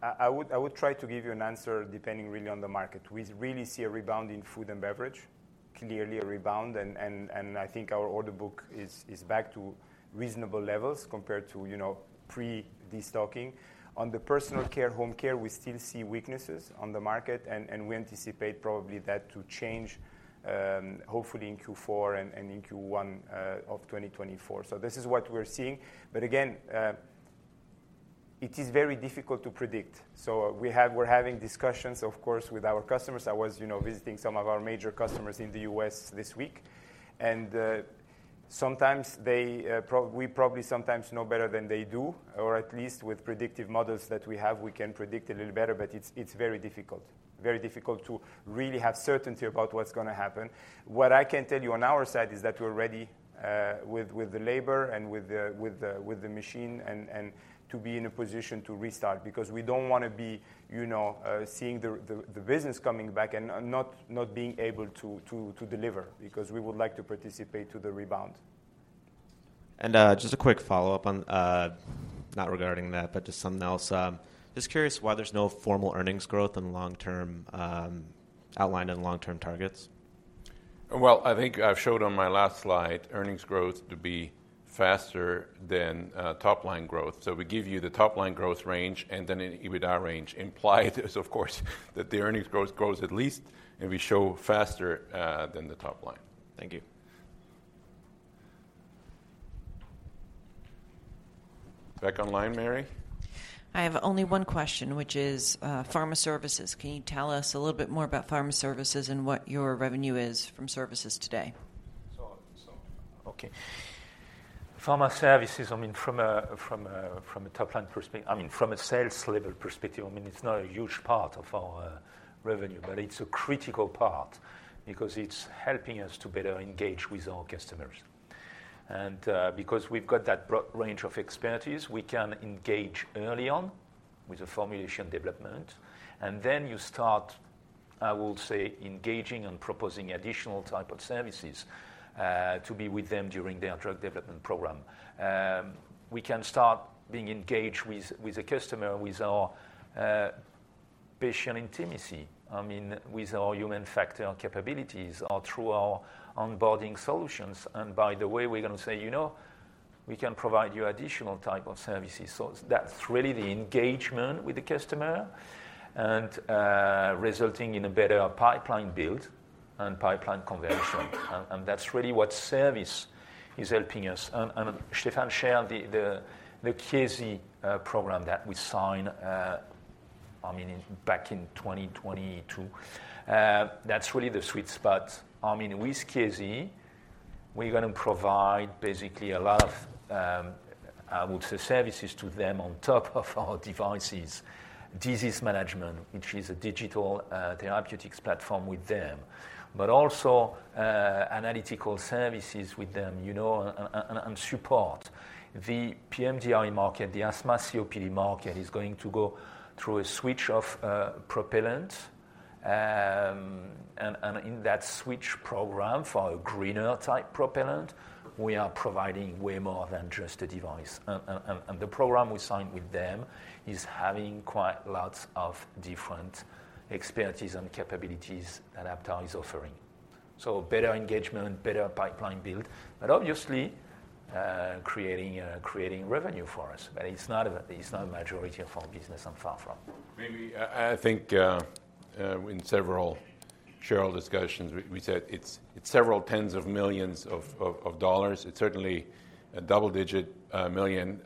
but... So, uh- I would try to give you an answer depending really on the market. We really see a rebound in food and beverage, clearly a rebound, and I think our order book is back to reasonable levels compared to, you know, pre-destocking. On the personal care, home care, we still see weaknesses on the market, and we anticipate probably that to change, hopefully in Q4 and in Q1 of 2024. So this is what we're seeing. But again, it is very difficult to predict. So we're having discussions, of course, with our customers. I was, you know, visiting some of our major customers in the U.S. this week, and, sometimes they, we probably sometimes know better than they do, or at least with predictive models that we have, we can predict a little better, but it's, it's very difficult. Very difficult to really have certainty about what's gonna happen. What I can tell you on our side is that we're ready, with, with the labor and with the, with the, with the machine, and, and to be in a position to restart. Because we don't wanna be, you know, seeing the, the, the business coming back and, and not, not being able to, to, to deliver, because we would like to participate to the rebound. Just a quick follow-up... Not regarding that, but just something else. Just curious why there's no formal earnings growth in long-term outline in long-term targets? Well, I think I've showed on my last slide, earnings growth to be faster than top line growth. So we give you the top line growth range, and then an EBITDA range. Implied is, of course, that the earnings growth grows at least, and we show faster than the top line. Thank you. Back online, Mary? I have only one question, which is, pharma services. Can you tell us a little bit more about pharma services and what your revenue is from services today? Okay. Pharma services, I mean, from a top-line perspective, I mean, from a sales level perspective, I mean, it's not a huge part of our revenue, but it's a critical part because it's helping us to better engage with our customers. And because we've got that broad range of expertise, we can engage early on with the formulation development, and then you start, I would say, engaging and proposing additional type of services to be with them during their drug development program. We can start being engaged with the customer with our patient intimacy, I mean, with our human factors capabilities or through our onboarding solutions. And by the way, we're gonna say: "You know, we can provide you additional type of services." So that's really the engagement with the customer, and resulting in a better pipeline build and pipeline conversion. And that's really what service is helping us. And Stephan shared the Chiesi program that we signed, I mean, back in 2022. That's really the sweet spot. I mean, with Chiesi, we're gonna provide basically a lot of, I would say, services to them on top of our devices. Disease management, which is a digital therapeutics platform with them, but also analytical services with them, you know, and support. The PMDI market, the asthma COPD market, is going to go through a switch of propellant. And in that switch program for a greener type propellant, we are providing way more than just a device. And the program we signed with them is having quite lots of different expertise and capabilities that Aptar is offering. So better engagement, better pipeline build, but obviously, creating revenue for us. But it's not a majority of our business and far from. Maybe, I think, in several shareholder discussions, we said it's several tens of $ millions. It's certainly a double-digit $ million,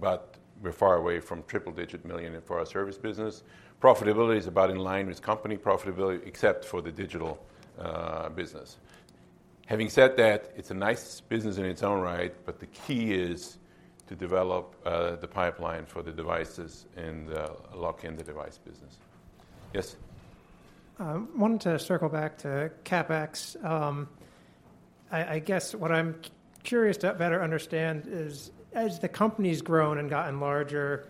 but we're far away from triple-digit million for our service business. Profitability is about in line with company profitability, except for the digital business. Having said that, it's a nice business in its own right, but the key is to develop the pipeline for the devices and lock in the device business. Yes? Wanted to circle back to CapEx. I guess what I'm curious to better understand is, as the company's grown and gotten larger,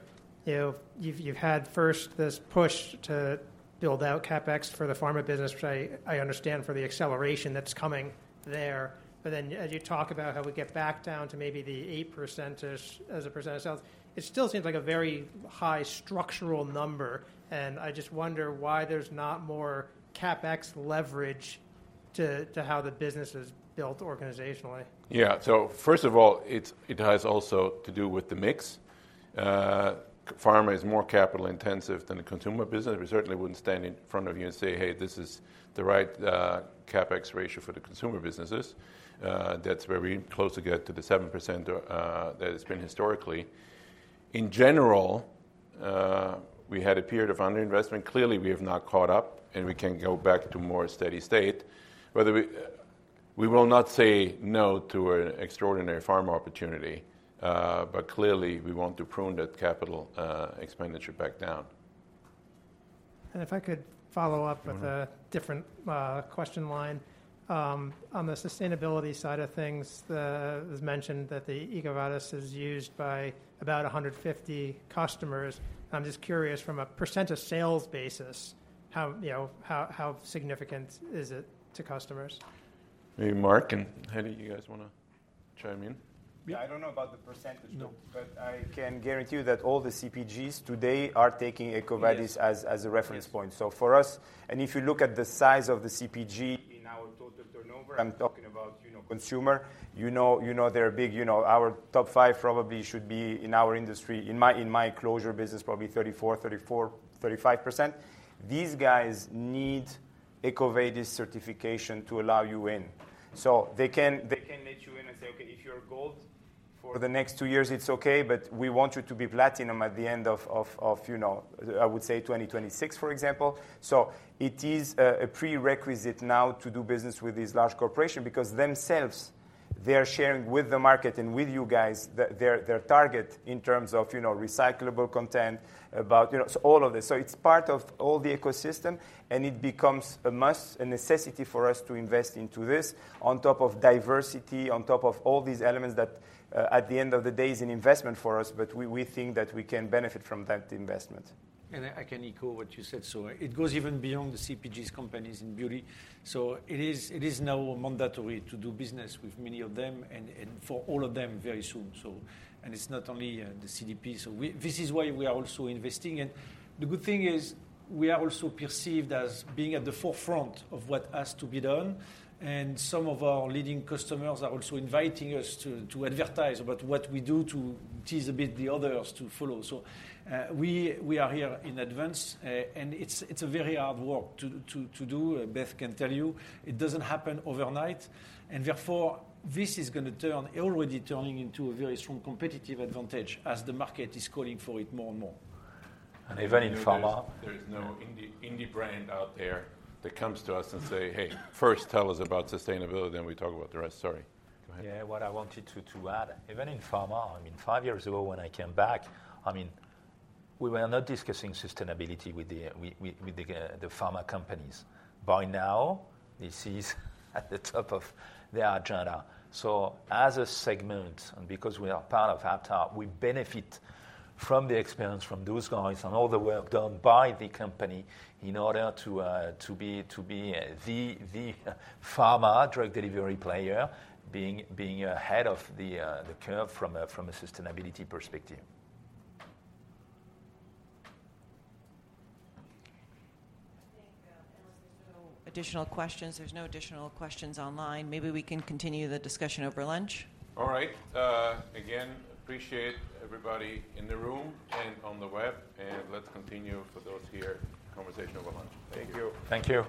you know, you've had first this push to build out CapEx for the pharma business, which I understand for the acceleration that's coming there. But then as you talk about how we get back down to maybe the 8% as a percent of sales, it still seems like a very high structural number, and I just wonder why there's not more CapEx leverage to how the business is built organizationally. Yeah. So first of all, it has also to do with the mix. Pharma is more capital intensive than the consumer business. We certainly wouldn't stand in front of you and say, "Hey, this is the right, CapEx ratio for the consumer businesses." That's where we closely get to the 7%, that it's been historically. In general, we had a period of underinvestment. Clearly, we have not caught up, and we can go back to a more steady state. We will not say no to an extraordinary pharma opportunity, but clearly, we want to prune that capital expenditure back down. If I could follow up- Mm-hmm With a different question line. On the sustainability side of things, it was mentioned that the EcoVadis is used by about 150 customers. I'm just curious, from a percent of sales basis, how, you know, how significant is it to customers? Maybe Marc and Hedi, you guys wanna- Should I mean? Yeah, I don't know about the percentage- No. But I can guarantee you that all the CPGs today are taking EcoVadis as a reference point. Yes. So for us, and if you look at the size of the CPG in our total turnover, I'm talking about, you know, consumer. You know, you know they're big. You know, our top five probably should be, in our industry, in my, in my closure business, probably 34, 34, 35%. These guys need EcoVadis certification to allow you in. So they can, they can let you in and say, "Okay, if you're gold, for the next two years, it's okay, but we want you to be platinum at the end of, of, of, you know, I would say, 2026," for example. So it is a, a prerequisite now to do business with these large corporation, because themselves, they are sharing with the market and with you guys, their, their, their target in terms of, you know, recyclable content, about, you know, so all of this. So it's part of all the ecosystem, and it becomes a must, a necessity for us to invest into this, on top of diversity, on top of all these elements that, at the end of the day, is an investment for us, but we, we think that we can benefit from that investment. I, I can echo what you said. So it goes even beyond the CPGs companies in beauty. So it is, it is now mandatory to do business with many of them and, and for all of them very soon. So. And it's not only, the CDP. So we, this is why we are also investing. And the good thing is, we are also perceived as being at the forefront of what has to be done, and some of our leading customers are also inviting us to, to advertise about what we do to tease a bit the others to follow. So, we, we are here in advance, and it's, it's a very hard work to do. Beth can tell you, it doesn't happen overnight, and therefore, this is gonna turn, already turning into a very strong competitive advantage as the market is calling for it more and more. Even in pharma- There is no indie, indie brand out there that comes to us and say, "Hey, first tell us about sustainability, then we talk about the rest." Sorry. Go ahead. Yeah, what I wanted to add, even in pharma, I mean, five years ago when I came back, I mean, we were not discussing sustainability with the pharma companies. By now, this is at the top of their agenda. So as a segment, and because we are part of Aptar, we benefit from the experience from those guys and all the work done by the company in order to be the pharma drug delivery player, being ahead of the curve from a sustainability perspective. I think, unless there's no additional questions, there's no additional questions online. Maybe we can continue the discussion over lunch? All right. Again, appreciate everybody in the room and on the web, and let's continue, for those here, conversation over lunch. Thank you. Thank you.